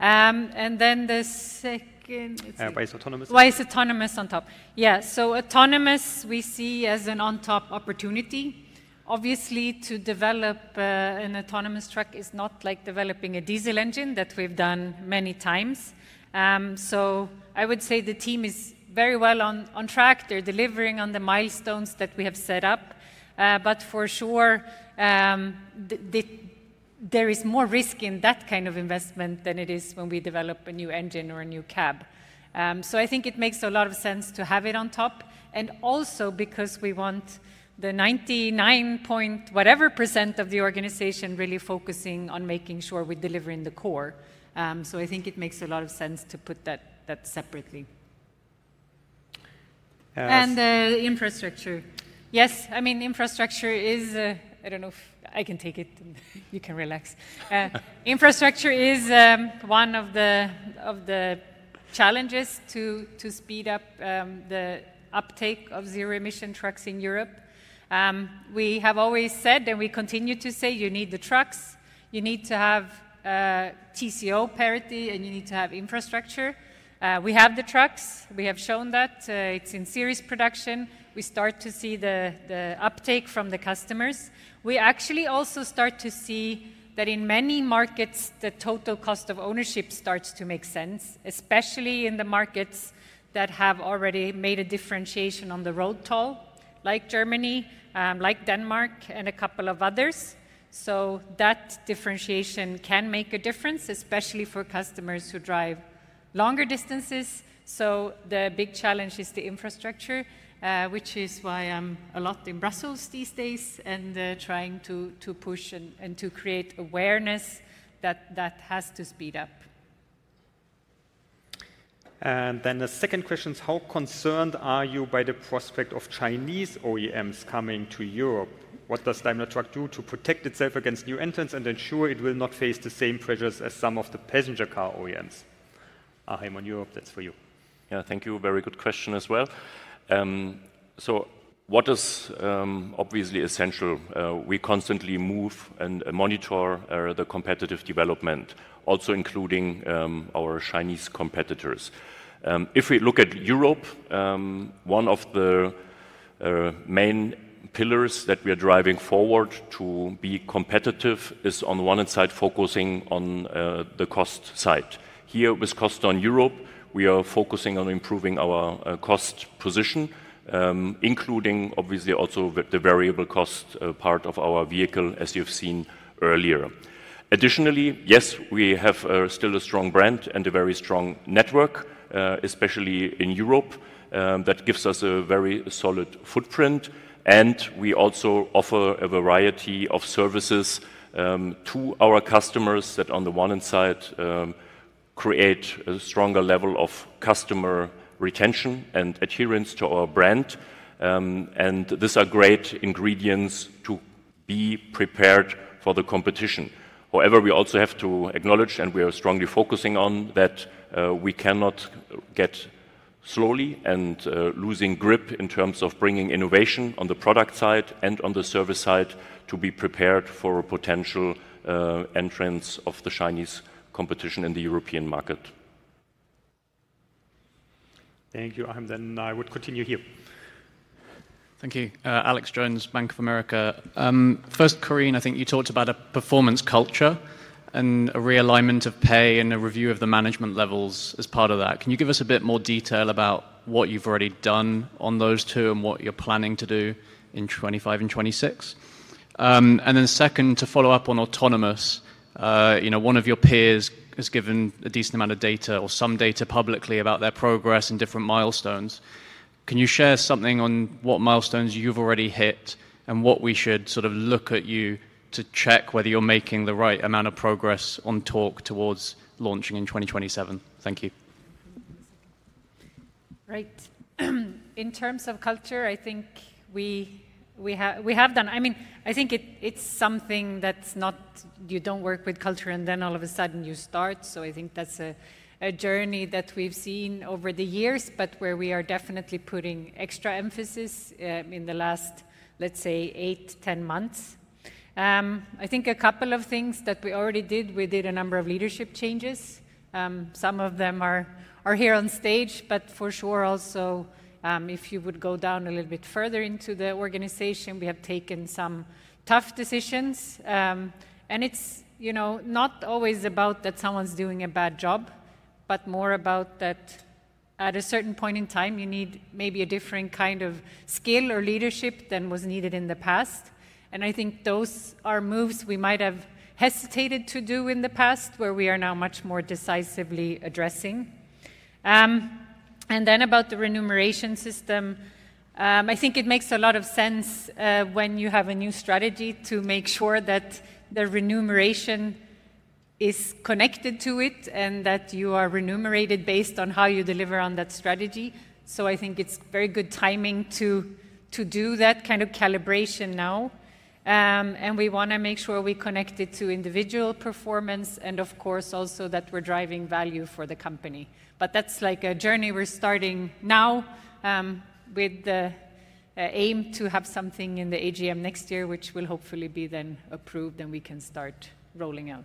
The second, why is autonomous? Why is autonomous on top? Yeah. Autonomous we see as an on-top opportunity. Obviously, to develop an autonomous truck is not like developing a diesel engine that we've done many times. I would say the team is very well on track. They're delivering on the milestones that we have set up. For sure, there is more risk in that kind of investment than it is when we develop a new engine or a new cab. I think it makes a lot of sense to have it on top. Also because we want the 99.whatever% of the organization really focusing on making sure we're delivering the core. I think it makes a lot of sense to put that separately. The infrastructure, yes. I mean, infrastructure is, I don't know if I can take it. You can relax. Infrastructure is one of the challenges to speed up the uptake of zero-emission trucks in Europe. We have always said, and we continue to say, you need the trucks. You need to have TCO parity, and you need to have infrastructure. We have the trucks. We have shown that it's in series production. We start to see the uptake from the customers. We actually also start to see that in many markets, the total cost of ownership starts to make sense, especially in the markets that have already made a differentiation on the road toll, like Germany, like Denmark, and a couple of others. That differentiation can make a difference, especially for customers who drive longer distances. The big challenge is the infrastructure, which is why I'm a lot in Brussels these days and trying to push and to create awareness that that has to speed up. The second question is, how concerned are you by the prospect of Chinese OEMs coming to Europe? What does Daimler Truck do to protect itself against new entrants and ensure it will not face the same pressures as some of the passenger car OEMs? Achim on Europe, that's for you. Yeah, thank you. Very good question as well. What is obviously essential? We constantly move and monitor the competitive development, also including our Chinese competitors. If we look at Europe, one of the main pillars that we are driving forward to be competitive is, on the one hand side, focusing on the cost side. Here with Coston Europe, we are focusing on improving our cost position, including obviously also the variable cost part of our vehicle, as you've seen earlier. Additionally, yes, we have still a strong brand and a very strong network, especially in Europe, that gives us a very solid footprint. We also offer a variety of services to our customers that, on the one hand side, create a stronger level of customer retention and adherence to our brand. These are great ingredients to be prepared for the competition. However, we also have to acknowledge, and we are strongly focusing on that we cannot get slowly and losing grip in terms of bringing innovation on the product side and on the service side to be prepared for a potential entrance of the Chinese competition in the European market. Thank you, Achim. I would continue here. Thank you. Alex Jones, Bank of America. First, Karin, I think you talked about a performance culture and a realignment of pay and a review of the management levels as part of that. Can you give us a bit more detail about what you've already done on those two and what you're planning to do in 2025 and 2026? Second, to follow up on autonomous. One of your peers has given a decent amount of data or some data publicly about their progress and different milestones. Can you share something on what milestones you've already hit and what we should sort of look at you to check whether you're making the right amount of progress on talk towards launching in 2027? Thank you. Great. In terms of culture, I think we have done. I mean, I think it's something that's not, you don't work with culture and then all of a sudden you start. I think that's a journey that we've seen over the years, but where we are definitely putting extra emphasis in the last, let's say, 8, 10 months. I think a couple of things that we already did, we did a number of leadership changes. Some of them are here on stage, but for sure also if you would go down a little bit further into the organization, we have taken some tough decisions. It is not always about that someone's doing a bad job, but more about that at a certain point in time, you need maybe a different kind of skill or leadership than was needed in the past. I think those are moves we might have hesitated to do in the past where we are now much more decisively addressing. About the remuneration system, I think it makes a lot of sense when you have a new strategy to make sure that the remuneration is connected to it and that you are remunerated based on how you deliver on that strategy. I think it is very good timing to do that kind of calibration now. We want to make sure we connect it to individual performance and of course also that we are driving value for the company. That is like a journey we are starting now with the. Aim to have something in the AGM next year, which will hopefully be then approved and we can start rolling out.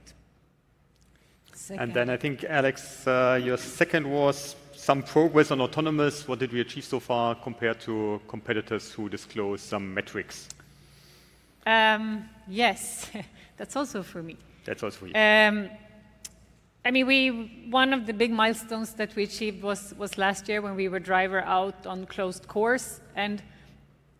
I think, Alex, your second was some progress on autonomous. What did we achieve so far compared to competitors who disclose some metrics? Yes. That is also for me. That is also for you. I mean, one of the big milestones that we achieved was last year when we were driver out on closed course.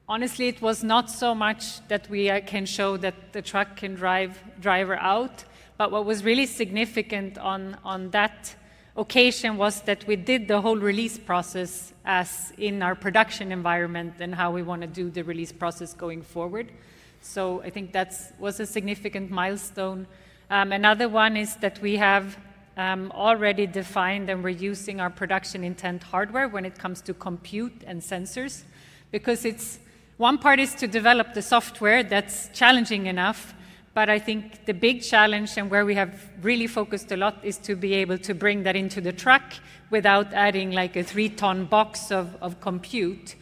Honestly, it was not so much that we can show that the truck can drive driver out, but what was really significant on that occasion was that we did the whole release process as in our production environment and how we want to do the release process going forward. I think that was a significant milestone. Another one is that we have. Already defined and we're using our production intent hardware when it comes to compute and sensors. Because one part is to develop the software, that's challenging enough, but I think the big challenge and where we have really focused a lot is to be able to bring that into the truck without adding like a three-ton box of compute.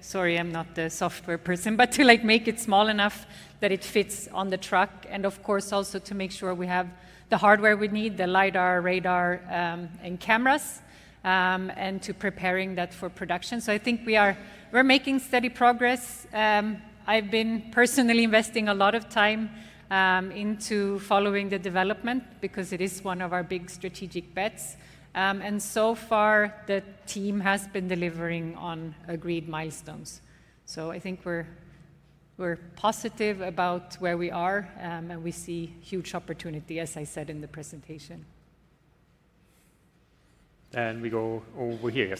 Sorry, I'm not the software person, but to make it small enough that it fits on the truck. Of course, also to make sure we have the hardware we need, the LiDAR, radar, and cameras, and to preparing that for production. I think we are making steady progress. I've been personally investing a lot of time into following the development because it is one of our big strategic bets. So far, the team has been delivering on agreed milestones. I think we're. Positive about where we are and we see huge opportunity, as I said in the presentation. We go over here.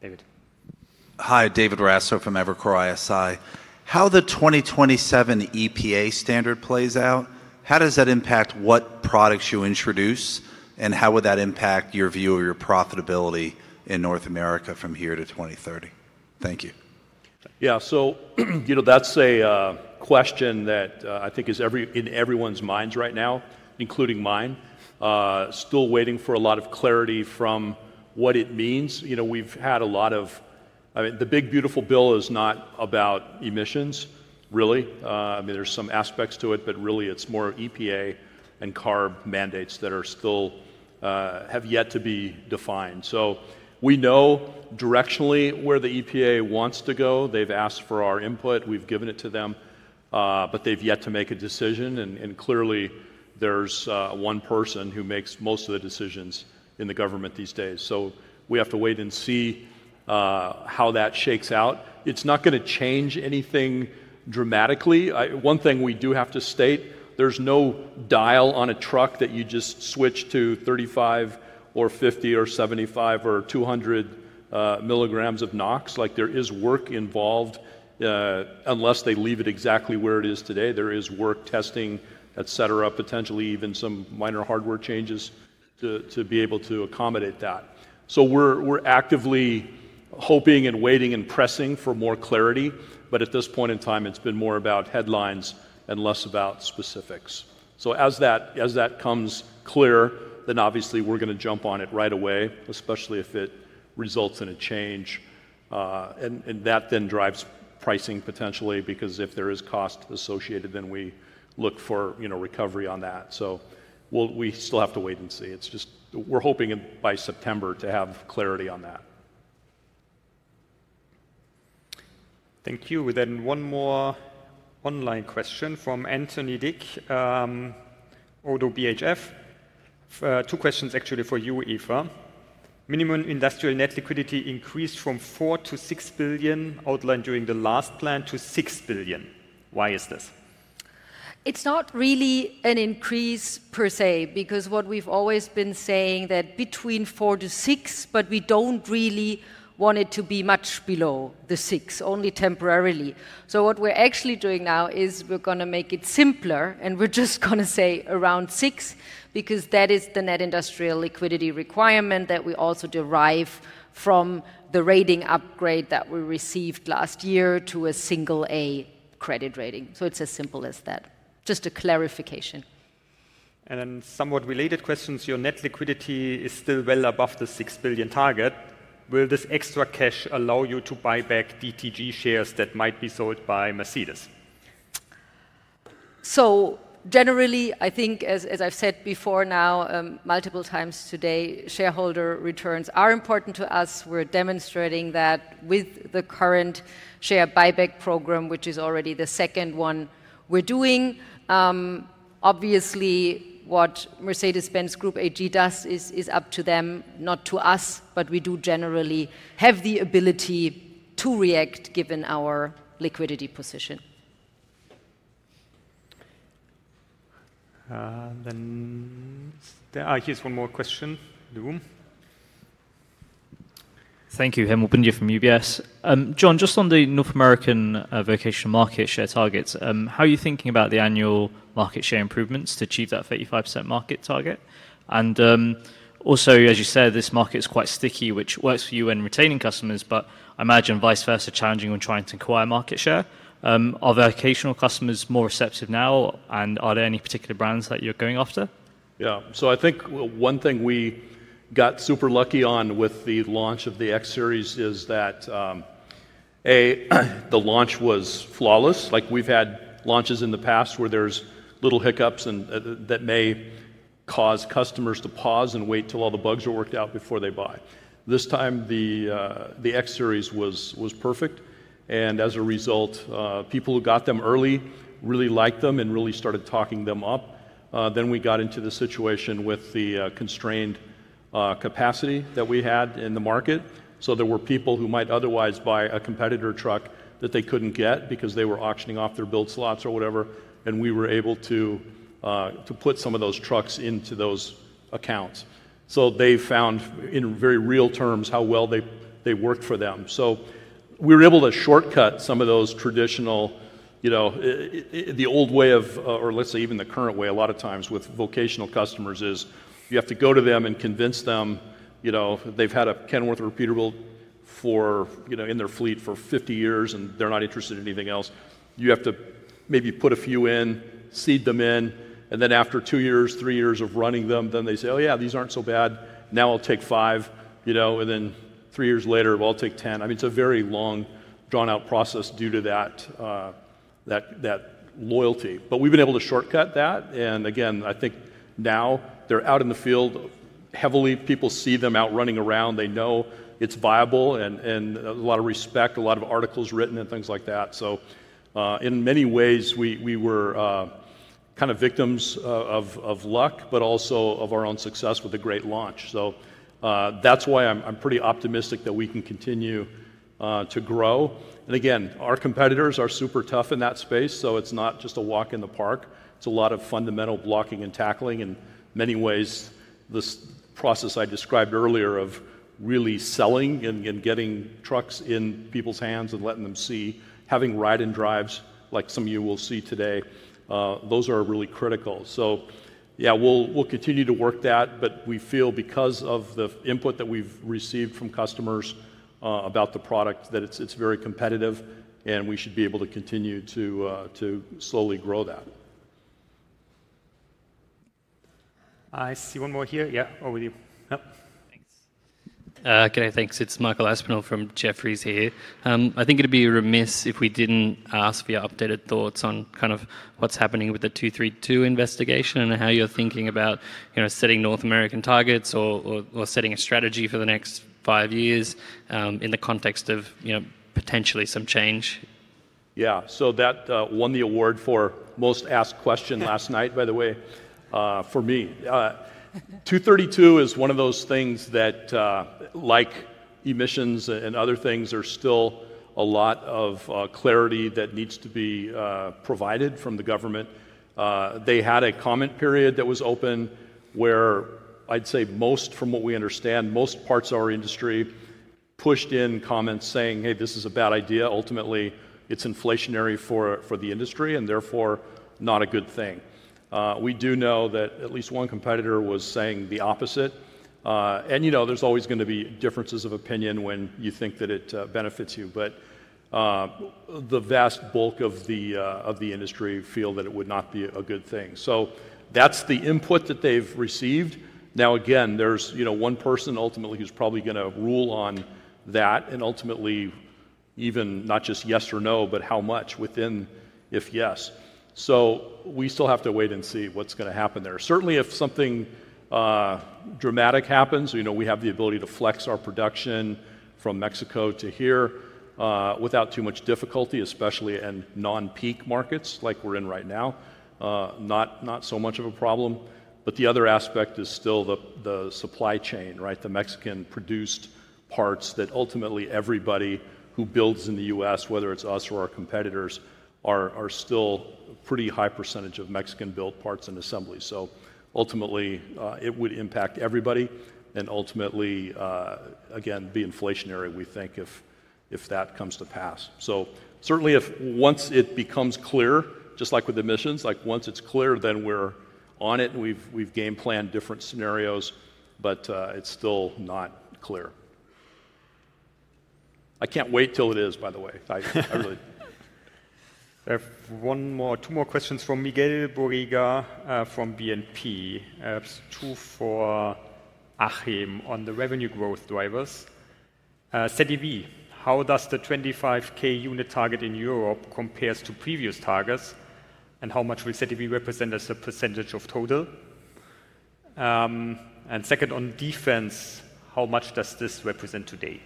David. Hi, David Raso from Evercore ISI. How the 2027 EPA standard plays out, how does that impact what products you introduce and how would that impact your view of your profitability in North America from here to 2030? Thank you. Yeah, that is a question that I think is in everyone's minds right now, including mine. Still waiting for a lot of clarity from what it means. We have had a lot of, I mean, the big beautiful bill is not about emissions, really. I mean, there are some aspects to it, but really it is more EPA and CARB mandates that have yet to be defined. We know directionally where the EPA wants to go. They have asked for our input. We've given it to them, but they've yet to make a decision. Clearly there's one person who makes most of the decisions in the government these days. We have to wait and see how that shakes out. It's not going to change anything dramatically. One thing we do have to state, there's no dial on a truck that you just switch to 35 or 50 or 75 or 200 milligrams of NOx. There is work involved. Unless they leave it exactly where it is today, there is work, testing, et cetera, potentially even some minor hardware changes to be able to accommodate that. We're actively hoping and waiting and pressing for more clarity, but at this point in time, it's been more about headlines and less about specifics. As that comes clear, obviously we're going to jump on it right away, especially if it results in a change. That then drives pricing potentially because if there is cost associated, we look for recovery on that. We still have to wait and see. We're hoping by September to have clarity on that. Thank you. One more online question from Anthony Dick, Odo BHF. Two questions actually for you, Eva. Minimum industrial net liquidity increased from €4 billion-€6 billion outlined during the last plan to €6 billion. Why is this? It's not really an increase per se because what we've always been saying is that between €4 billion-€6 billion, but we don't really want it to be much below the €6 billion, only temporarily. What we're actually doing now is we're going to make it simpler and we're just going to say around 6 because that is the net industrial liquidity requirement that we also derive from the rating upgrade that we received last year to a single A credit rating. It's as simple as that. Just a clarification. Somewhat related questions. Your net liquidity is still well above the 6 billion target. Will this extra cash allow you to buy back DTG shares that might be sold by Mercedes? Generally, I think, as I've said before now, multiple times today, shareholder returns are important to us. We're demonstrating that with the current share buyback program, which is already the second one we're doing. Obviously, what Mercedes-Benz Group does is up to them, not to us, but we do generally have the ability to react given our liquidity position. Here is one more question. Thank you. Hemal Bhundia from UBS. John, just on the North American vocational market share targets, how are you thinking about the annual market share improvements to achieve that 35% market target? Also, as you said, this market is quite sticky, which works for you in retaining customers, but I imagine vice versa is challenging when trying to acquire market share. Are vocational customers more receptive now, and are there any particular brands that you are going after? Yeah, so I think one thing we got super lucky on with the launch of the X-Series is that the launch was flawless. Like we've had launches in the past where there's little hiccups that may cause customers to pause and wait till all the bugs are worked out before they buy. This time, the X-Series was perfect. As a result, people who got them early really liked them and really started talking them up. We got into the situation with the constrained capacity that we had in the market. There were people who might otherwise buy a competitor truck that they couldn't get because they were auctioning off their build slots or whatever. We were able to put some of those trucks into those accounts. They found in very real terms how well they worked for them. We were able to shortcut some of those traditional. The old way of, or let's say even the current way a lot of times with vocational customers is you have to go to them and convince them. They've had a Kenworth repeatable in their fleet for 50 years and they're not interested in anything else. You have to maybe put a few in, seed them in, and then after two years, three years of running them, then they say, "Oh yeah, these aren't so bad. Now I'll take five." Three years later, "I'll take 10." I mean, it's a very long drawn-out process due to that loyalty. We have been able to shortcut that. Again, I think now they're out in the field heavily. People see them out running around. They know it's viable and a lot of respect, a lot of articles written and things like that. In many ways, we were. Kind of victims of luck, but also of our own success with a great launch. That is why I am pretty optimistic that we can continue to grow. Again, our competitors are super tough in that space. It is not just a walk in the park. It is a lot of fundamental blocking and tackling. In many ways, this process I described earlier of really selling and getting trucks in people's hands and letting them see, having ride-and-drives like some of you will see today, those are really critical. We will continue to work that, but we feel because of the input that we have received from customers about the product that it is very competitive and we should be able to continue to slowly grow that. I see one more here. Over to you. Thanks. Can I thank? It is Michael Aspinall from Jefferies here. I think it'd be remiss if we didn't ask for your updated thoughts on kind of what's happening with the 232 investigation and how you're thinking about setting North American targets or setting a strategy for the next five years in the context of potentially some change. Yeah, so that won the award for most asked question last night, by the way, for me. 232 is one of those things that, like emissions and other things, there's still a lot of clarity that needs to be provided from the government. They had a comment period that was open where I'd say most, from what we understand, most parts of our industry pushed in comments saying, "Hey, this is a bad idea. Ultimately, it's inflationary for the industry and therefore not a good thing." We do know that at least one competitor was saying the opposite. There is always going to be differences of opinion when you think that it benefits you, but the vast bulk of the industry feel that it would not be a good thing. That is the input that they have received. Now, again, there is one person ultimately who is probably going to rule on that and ultimately even not just yes or no, but how much within if yes. We still have to wait and see what is going to happen there. Certainly, if something dramatic happens, we have the ability to flex our production from Mexico to here without too much difficulty, especially in non-peak markets like we are in right now. Not so much of a problem. The other aspect is still the supply chain, right? The Mexican-produced parts that ultimately everybody who builds in the US, whether it's us or our competitors, are still a pretty high percentage of Mexican-built parts and assemblies. Ultimately, it would impact everybody and ultimately be inflationary, we think, if that comes to pass. Certainly, once it becomes clear, just like with emissions, like once it's clear, then we're on it and we've game planned different scenarios, but it's still not clear. I can't wait till it is, by the way. I have one more, two more questions from Miguel Nabeiro Ensinas Serra Borrega from BNP Paribas Exane. Two for Achim on the revenue growth drivers. CETIV, how does the 25,000 unit target in Europe compare to previous targets? How much will CETIV represent as a percentage of total? Second, on defense, how much does this represent today?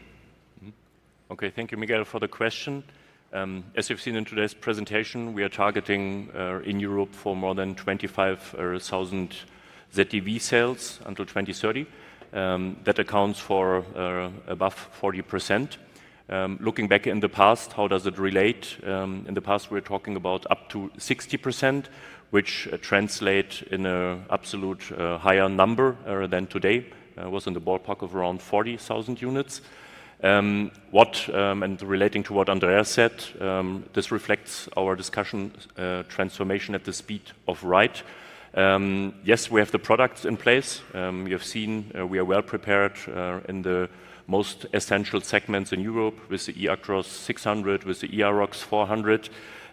Okay, thank you, Miguel, for the question. As you've seen in today's presentation, we are targeting in Europe for more than 25,000 ZTV sales until 2030. That accounts for above 40%. Looking back in the past, how does it relate? In the past, we were talking about up to 60%, which translates in an absolute higher number than today. It was in the ballpark of around 40,000 units. Relating to what Andreas said, this reflects our discussion. Transformation at the speed of right. Yes, we have the products in place. You have seen we are well prepared in the most essential segments in Europe with the eActros 600, with the eActros 400.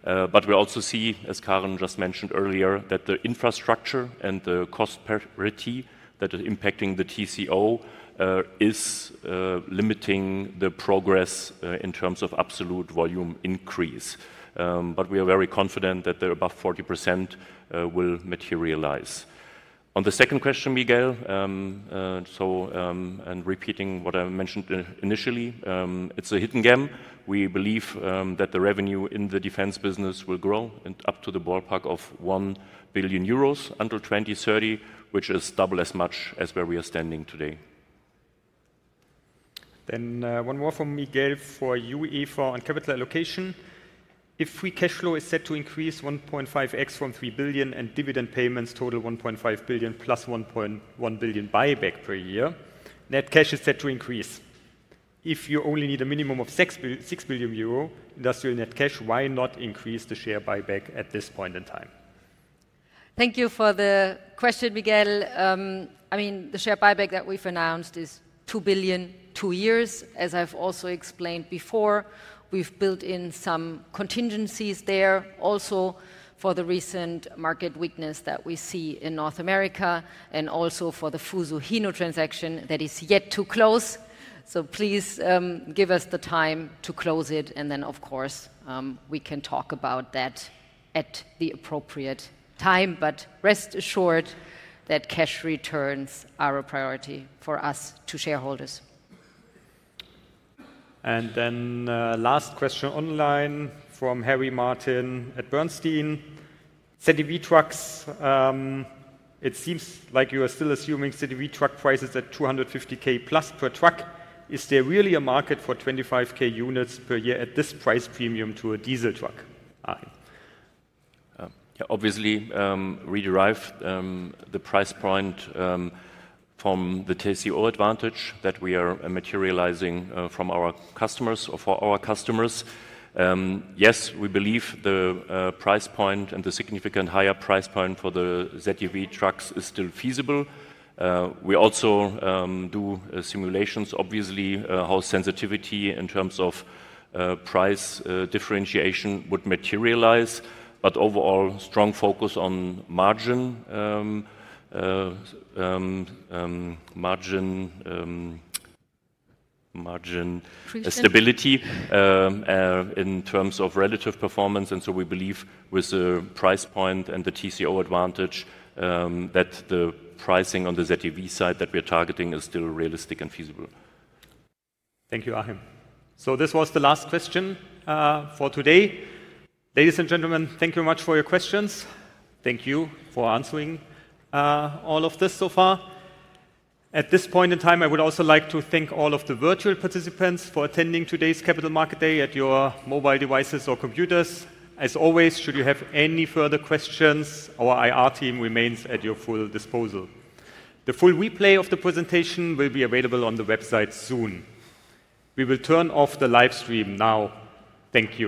We also see, as Karin just mentioned earlier, that the infrastructure and the cost parity that is impacting the TCO is limiting the progress in terms of absolute volume increase. We are very confident that the above 40% will materialize. On the second question, Miguel. Repeating what I mentioned initially, it's a hidden gem. We believe that the revenue in the defense business will grow up to the ballpark of 1 billion euros under 2030, which is double as much as where we are standing today. One more from Miguel for you, Eva, on capital allocation. If free cash flow is set to increase 1.5x from 3 billion and dividend payments total 1.5 billion plus 1.1 billion buyback per year, net cash is set to increase. If you only need a minimum of 6 billion euro industrial net cash, why not increase the share buyback at this point in time? Thank you for the question, Miguel. I mean, the share buyback that we've announced is 2 billion two years, as I've also explained before. We've built in some contingencies there also for the recent market weakness that we see in North America and also for the Fuso-Hino transaction that is yet to close. Please give us the time to close it. At the appropriate time, we can talk about that. Rest assured that cash returns are a priority for us, to shareholders. Last question online from Harry Martin at Bernstein. ZEV trucks. It seems like you are still assuming ZEV truck prices at $250,000 plus per truck. Is there really a market for 25,000 units per year at this price premium to a diesel truck? Yeah, obviously, we derive the price point from the TCO advantage that we are materializing from our customers or for our customers. Yes, we believe the price point and the significant higher price point for the ZEV trucks is still feasible. We also do simulations, obviously, how sensitivity in terms of price differentiation would materialize. Overall, strong focus on margin stability in terms of relative performance. We believe with the price point and the TCO advantage that the pricing on the ZTV side that we are targeting is still realistic and feasible. Thank you, Achim. This was the last question for today. Ladies and gentlemen, thank you very much for your questions. Thank you for answering all of this so far. At this point in time, I would also like to thank all of the virtual participants for attending today's Capital Market Day at your mobile devices or computers. As always, should you have any further questions, our IR team remains at your full disposal. The full replay of the presentation will be available on the website soon. We will turn off the live stream now. Thank you.